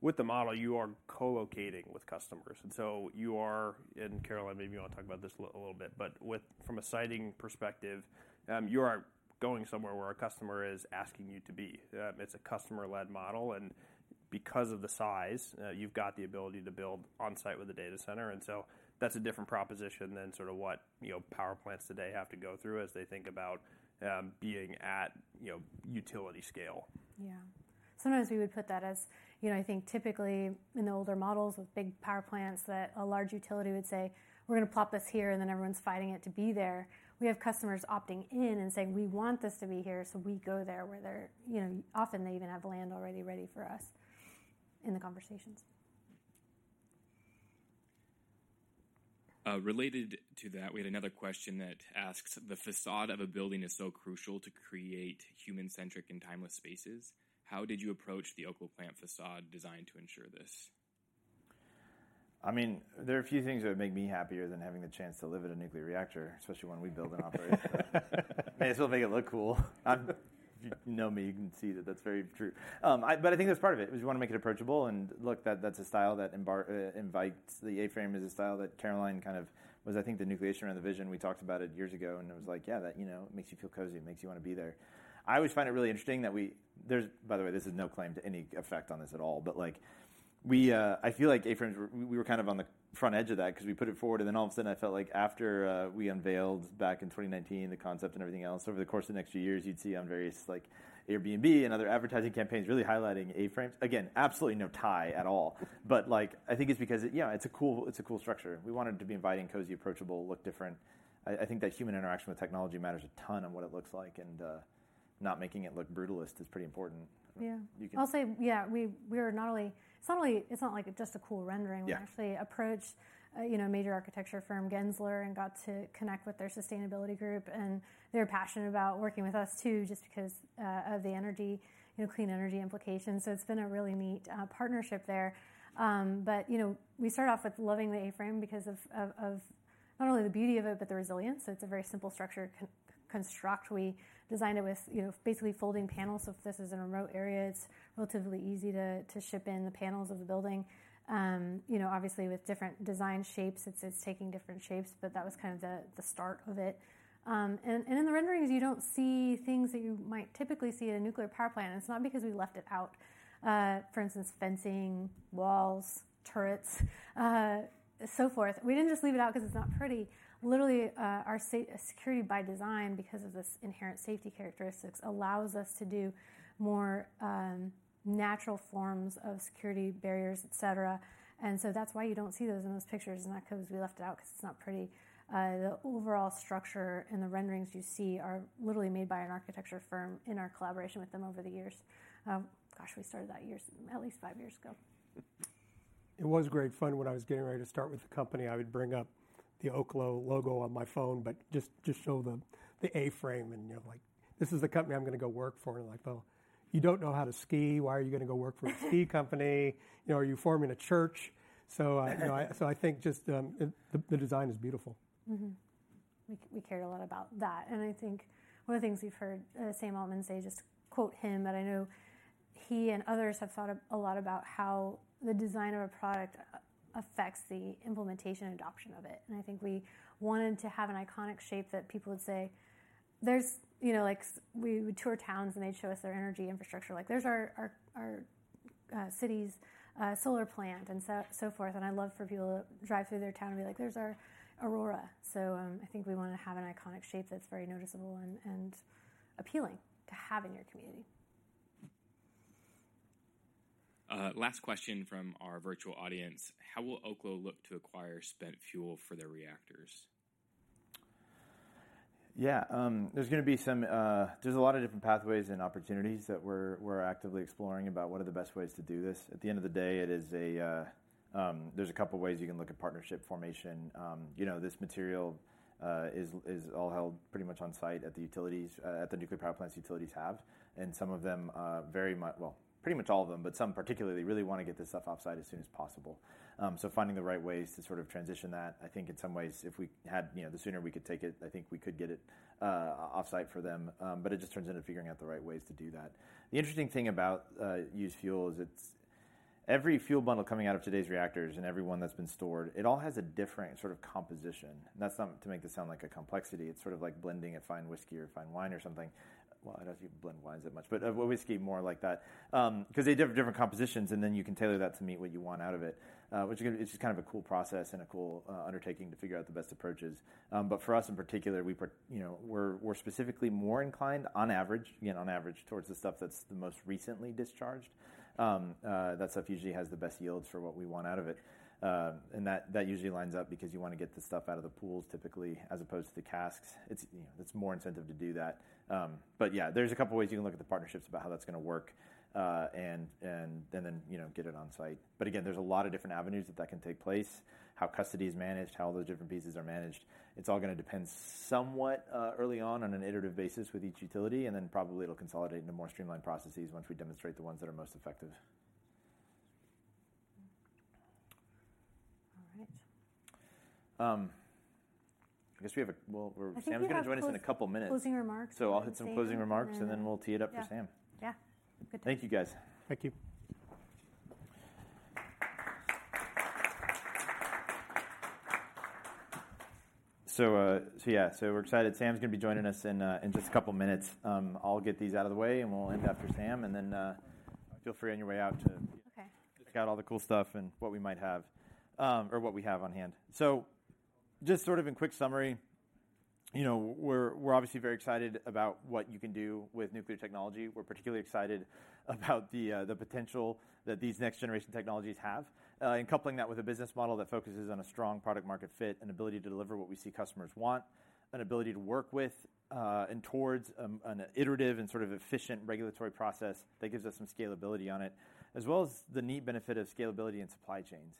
with the model, you are co-locating with customers, and so you are, and Caroline, maybe you want to talk about this a little bit, but from a siting perspective, you are going somewhere where a customer is asking you to be. It's a customer-led model, and because of the size, you've got the ability to build on-site with the data center, and so that's a different proposition than sort of what, you know, power plants today have to go through as they think about being at, you know, utility scale. Yeah. Sometimes we would put that as—you know, I think typically in the older models with big power plants, that a large utility would say, "We're gonna plop this here," and then everyone's fighting it to be there. We have customers opting in and saying, "We want this to be here," so we go there, where they're, you know, often they even have land already ready for us in the conversations. Related to that, we had another question that asks: The facade of a building is so crucial to create human-centric and timeless spaces. How did you approach the Oklo plant facade design to ensure this? I mean, there are a few things that would make me happier than having the chance to live in a nuclear reactor, especially when we build and operate it. May as well make it look cool. If you know me, you can see that that's very true. But I think that's part of it, is you wanna make it approachable, and look, that, that's a style that invites. The A-frame is a style that Caroline was, I think, the nucleus around the vision. We talked about it years ago, and it was like: Yeah, that, you know, makes you feel cozy, it makes you want to be there. I always find it really interesting. By the way, this is no claim to any effect on this at all, but, like, we, I feel like A-frames, we, we were kind of on the front edge of that 'cause we put it forward, and then all of a sudden, I felt like after we unveiled back in 2019, the concept and everything else, over the course of the next few years, you'd see on various, like, Airbnb and other advertising campaigns, really highlighting A-frames. Again, absolutely no tie at all. But like, I think it's because, yeah, it's a cool, it's a cool structure. We want it to be inviting, cozy, approachable, look different. I, I think that human interaction with technology matters a ton on what it looks like, and not making it look brutalist is pretty important. Yeah. You can- I'll say, yeah, we are not only—it's not only—it's not like just a cool rendering. Yeah. We actually approached, you know, major architecture firm, Gensler, and got to connect with their sustainability group, and they were passionate about working with us, too, just because of the energy, you know, clean energy implications. So it's been a really neat partnership there. But, you know, we started off with loving the A-frame because of not only the beauty of it, but the resilience. It's a very simple structured construct. We designed it with, you know, basically folding panels. So if this is a remote area, it's relatively easy to ship in the panels of the building. You know, obviously, with different design shapes, it's taking different shapes, but that was kind of the start of it. And in the renderings, you don't see things that you might typically see in a nuclear power plant, and it's not because we left it out. For instance, fencing, walls, turrets, so forth. We didn't just leave it out 'cause it's not pretty. Literally, our site's security by design, because of this inherent safety characteristics, allows us to do more natural forms of security barriers, et cetera. And so that's why you don't see those in those pictures. It's not 'cause we left it out 'cause it's not pretty. The overall structure in the renderings you see are literally made by an architecture firm in our collaboration with them over the years. We started that years ago, at least five years ago. It was great fun. When I was getting ready to start with the company, I would bring up the Oklo logo on my phone, but just, just show them the A-frame and, you know, like, "This is the company I'm gonna go work for." And they're like: "Well, you don't know how to ski. Why are you gonna go work for a ski company? You know, are you forming a church?" So, you know, so I think just, the design is beautiful. We cared a lot about that, and I think one of the things we've heard Sam Altman say, just quote him, but I know he and others have thought a lot about how the design of a product affects the implementation and adoption of it. And I think we wanted to have an iconic shape that people would say. There's, you know, like we would tour towns, and they'd show us their energy infrastructure, like, "There's our city's solar plant," and so forth. And I'd love for people to drive through their town and be like, "There's our Aurora." So, I think we wanted to have an iconic shape that's very noticeable and appealing to have in your community. Last question from our virtual audience: How will Oklo look to acquire spent fuel for their reactors? Yeah, there's gonna be some—there's a lot of different pathways and opportunities that we're actively exploring about what are the best ways to do this. At the end of the day, it is a—There's a couple of ways you can look at partnership formation. You know, this material is all held pretty much on-site at the utilities at the nuclear power plants utilities have, and some of them very much—well, pretty much all of them, but some particularly, really wanna get this stuff off-site as soon as possible. So finding the right ways to sort of transition that, I think in some ways, if we had, you know, the sooner we could take it, I think we could get it off-site for them, but it just turns into figuring out the right ways to do that. The interesting thing about used fuel is it's every fuel bundle coming out of today's reactors and every one that's been stored, it all has a different sort of composition. That's not to make this sound like a complexity, it's sort of like blending a fine whiskey or fine wine or something. Well, I don't think you blend wines that much, but whiskey more like that. 'Cause they have different compositions, and then you can tailor that to meet what you want out of it, which is gonna, it's just kind of a cool process and a cool undertaking to figure out the best approaches. But for us, in particular, we part, you know, we're, we're specifically more inclined, on average, again, on average, towards the stuff that's the most recently discharged. That stuff usually has the best yields for what we want out of it. And that, that usually lines up because you wanna get the stuff out of the pools, typically, as opposed to the casks. It's, you know, it's more incentive to do that. But yeah, there's a couple ways you can look at the partnerships about how that's gonna work, and, and, and then, you know, get it on site. But again, there's a lot of different avenues that that can take place, how custody is managed, how all those different pieces are managed. It's all gonna depend somewhat, early on, on an iterative basis with each utility, and then probably it'll consolidate into more streamlined processes once we demonstrate the ones that are most effective. All right. I guess we have a, Well, we're- I think we have clos- Sam's gonna join us in a couple minutes. Closing remarks. I'll hit some closing remarks, and then we'll tee it up for Sam. Yeah. Yeah, good. Thank you, guys. Thank you. So, yeah, we're excited. Sam's gonna be joining us in just a couple minutes. I'll get these out of the way, and we'll end after Sam, and then, feel free on your way out to- Okay. Check out all the cool stuff and what we might have, or what we have on hand. So just sort of in quick summary, you know, we're, we're obviously very excited about what you can do with nuclear technology. We're particularly excited about the potential that these next-generation technologies have. And coupling that with a business model that focuses on a strong product-market fit and ability to deliver what we see customers want, an ability to work with and towards an iterative and sort of efficient regulatory process that gives us some scalability on it, as well as the neat benefit of scalability and supply chains.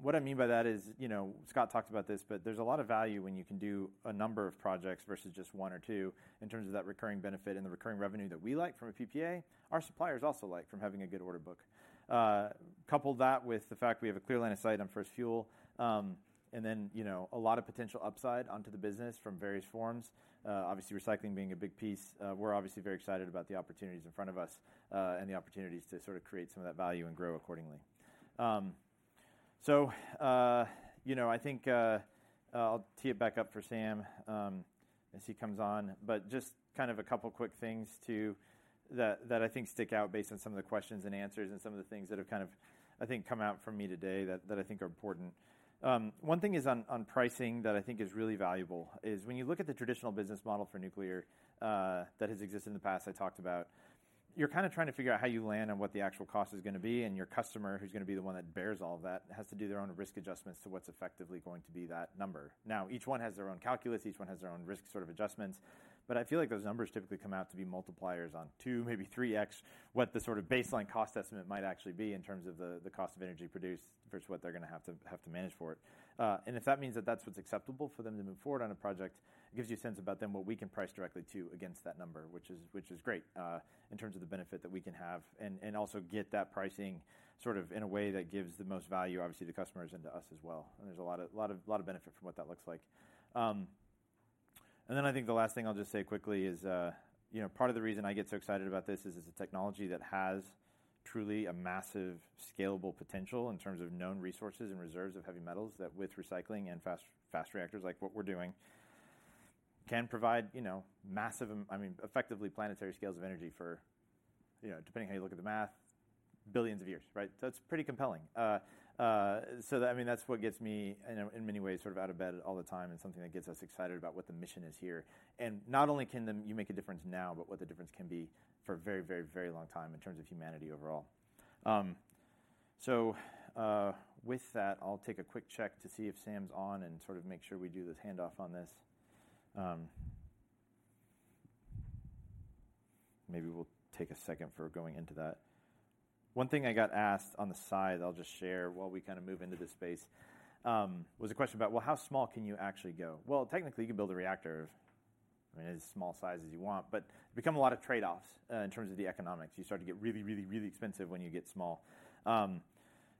What I mean by that is, you know, Scott talked about this, but there's a lot of value when you can do a number of projects versus just one or two, in terms of that recurring benefit and the recurring revenue that we like from a PPA, our suppliers also like from having a good order book. Couple that with the fact we have a clear line of sight on first fuel, and then, you know, a lot of potential upside onto the business from various forms, obviously recycling being a big piece. We're obviously very excited about the opportunities in front of us, and the opportunities to sort of create some of that value and grow accordingly. So, you know, I think I'll tee it back up for Sam as he comes on, but just kind of a couple quick things that I think stick out based on some of the questions and answers and some of the things that have kind of, I think, come out from me today that I think are important. One thing is on pricing that I think is really valuable is when you look at the traditional business model for nuclear that has existed in the past. I talked about, you're kind of trying to figure out how you land and what the actual cost is gonna be, and your customer, who's gonna be the one that bears all that, has to do their own risk adjustments to what's effectively going to be that number. Now, each one has their own calculus, each one has their own risk sort of adjustments, but I feel like those numbers typically come out to be multipliers on 2x, maybe 3x, what the sort of baseline cost estimate might actually be in terms of the, the cost of energy produced versus what they're gonna have to, have to manage for it. And if that means that that's what's acceptable for them to move forward on a project, it gives you a sense about then what we can price directly to against that number, which is, which is great, in terms of the benefit that we can have, and, and also get that pricing sort of in a way that gives the most value, obviously, to customers and to us as well. And there's a lot of, lot of, lot of benefit from what that looks like. And then I think the last thing I'll just say quickly is, you know, part of the reason I get so excited about this is the technology that has truly a massive scalable potential in terms of known resources and reserves of heavy metals, that with recycling and fast, fast reactors, like what we're doing, can provide, you know, massive, I mean, effectively planetary scales of energy for, you know, depending on how you look at the math, billions of years, right? That's pretty compelling. So that, I mean, that's what gets me in many ways sort of out of bed all the time and something that gets us excited about what the mission is here. Not only can you make a difference now, but what the difference can be for a very, very, very long time in terms of humanity overall. So, with that, I'll take a quick check to see if Sam's on and sort of make sure we do this handoff on this. Maybe we'll take a second for going into that. One thing I got asked on the side, I'll just share while we kind of move into this space, was a question about: Well, how small can you actually go? Well, technically, you can build a reactor, I mean, as small size as you want, but become a lot of trade-offs in terms of the economics. You start to get really, really, really expensive when you get small.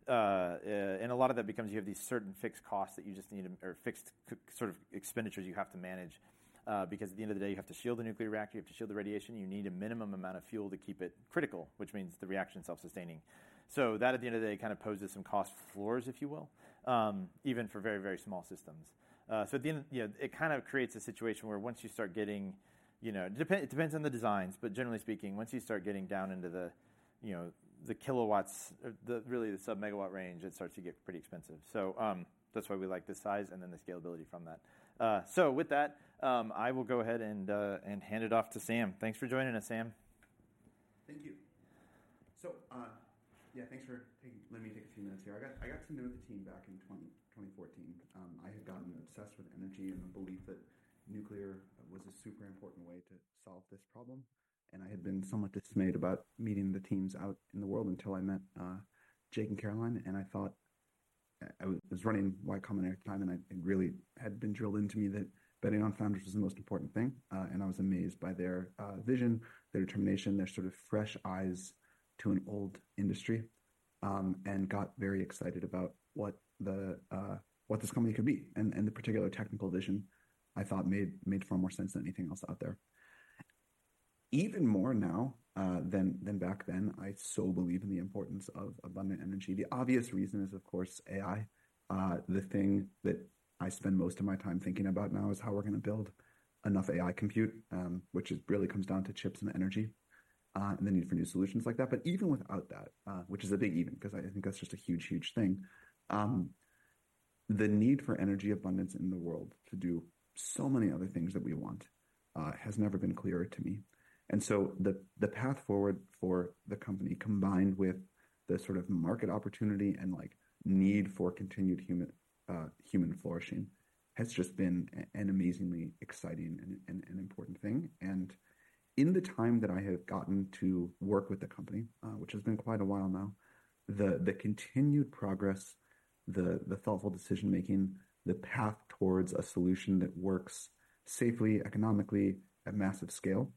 And a lot of that becomes you have these certain fixed costs that you just need to or fixed sort of expenditures you have to manage, because at the end of the day, you have to shield the nuclear reactor, you have to shield the radiation, you need a minimum amount of fuel to keep it critical, which means the reaction is self-sustaining. So that, at the end of the day, kind of poses some cost floors, if you will, even for very, very small systems. So at the end, you know, it kind of creates a situation where once you start getting, you know, it depends on the designs, but generally speaking, once you start getting down into the, you know, the kW, or really the sub-megawatt range, it starts to get pretty expensive. So, that's why we like this size and then the scalability from that. So with that, I will go ahead and hand it off to Sam. Thanks for joining us, Sam. Thank you. So, yeah, thanks for letting me take a few minutes here. I got to know the team back in 2014. I had gotten obsessed with energy and the belief that nuclear was a super important way to solve this problem, and I had been somewhat dismayed about meeting the teams out in the world until I met Jake and Caroline, and I thought I was running Y Combinator at the time, and it really had been drilled into me that betting on founders was the most important thing. I was amazed by their vision, their determination, their sort of fresh eyes to an old industry, and got very excited about what this company could be. And the particular technical vision I thought made far more sense than anything else out there. Even more now than back then, I so believe in the importance of abundant energy. The obvious reason is, of course, AI. The thing that I spend most of my time thinking about now is how we're gonna build enough AI compute, which really comes down to chips and energy, and the need for new solutions like that. But even without that, which is a big even, 'cause I think that's just a huge, huge thing, the need for energy abundance in the world to do so many other things that we want, has never been clearer to me. And so the path forward for the company, combined with the sort of market opportunity and like, need for continued human, human flourishing, has just been an amazingly exciting and an important thing. And in the time that I have gotten to work with the company, which has been quite a while now, the continued progress, the thoughtful decision-making, the path toward a solution that works safely, economically, at massive scale,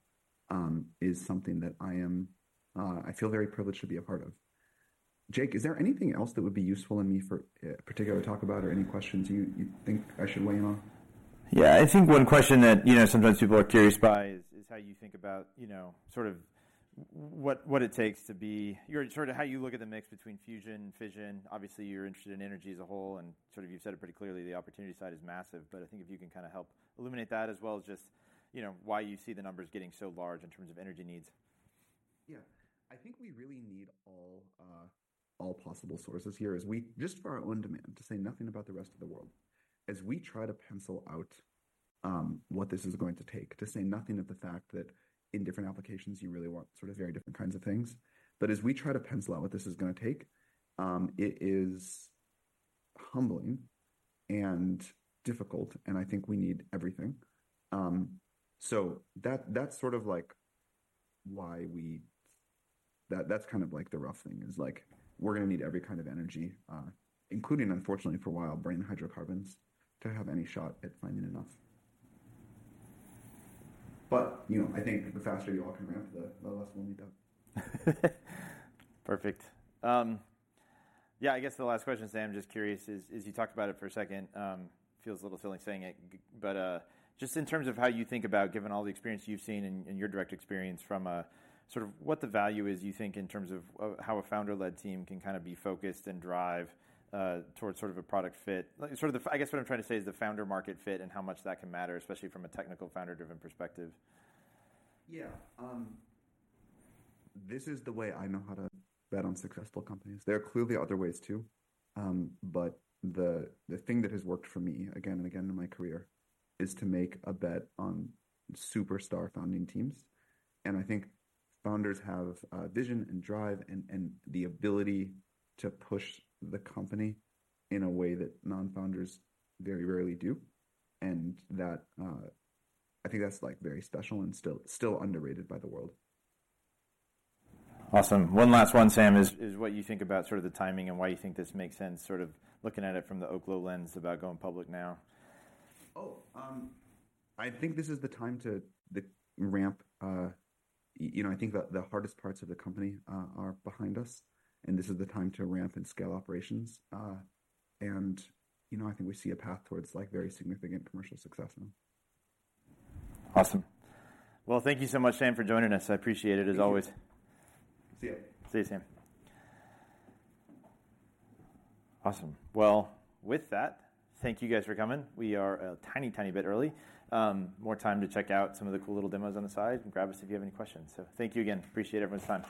is something that I feel very privileged to be a part of. Jake, is there anything else that would be useful for me to, particularly, talk about or any questions you think I should weigh in on? Yeah, I think one question that, you know, sometimes people are curious about is how you think about, you know, sort of what it takes to be, you're sort of how you look at the mix between fusion, fission. Obviously, you're interested in energy as a whole, and sort of you've said it pretty clearly, the opportunity side is massive. But I think if you can kinda help illuminate that, as well as just, you know, why you see the numbers getting so large in terms of energy needs. Yeah. I think we really need all all possible sources here as we just for our own demand, to say nothing about the rest of the world. As we try to pencil out what this is going to take, to say nothing of the fact that in different applications you really want sort of very different kinds of things. But as we try to pencil out what this is gonna take, it is humbling and difficult, and I think we need everything. So that, that's sort of like why we that, that's kind of like the rough thing, is like we're gonna need every kind of energy, including, unfortunately, for a while, burning hydrocarbons, to have any shot at finding enough. But, you know, I think the faster you all come around, the less we'll need them. Perfect. Yeah, I guess the last question, Sam, I'm just curious is, is you talked about it for a second, feels a little silly saying it, but, just in terms of how you think about, given all the experience you've seen in, in your direct experience from, sort of what the value is, you think, in terms of, of how a founder-led team can kind of be focused and drive, towards sort of a product fit? Like sort of the-- I guess what I'm trying to say is the founder market fit and how much that can matter, especially from a technical founder-driven perspective. Yeah. This is the way I know how to bet on successful companies. There are clearly other ways, too, but the thing that has worked for me again and again in my career is to make a bet on superstar founding teams. And I think founders have vision and drive and the ability to push the company in a way that non-founders very rarely do, and that I think that's, like, very special and still underrated by the world. Awesome. One last one, Sam, is what you think about sort of the timing and why you think this makes sense, sort of looking at it from the Oklo lens about going public now? Oh, I think this is the time to ramp. You know, I think the hardest parts of the company are behind us, and this is the time to ramp and scale operations. And, you know, I think we see a path towards like very significant commercial success now. Awesome. Well, thank you so much, Sam, for joining us. I appreciate it, as always. See you. See you, Sam. Awesome. Well, with that, thank you guys for coming. We are a tiny, tiny bit early. More time to check out some of the cool little demos on the side and grab us if you have any questions. So thank you again. Appreciate everyone's time.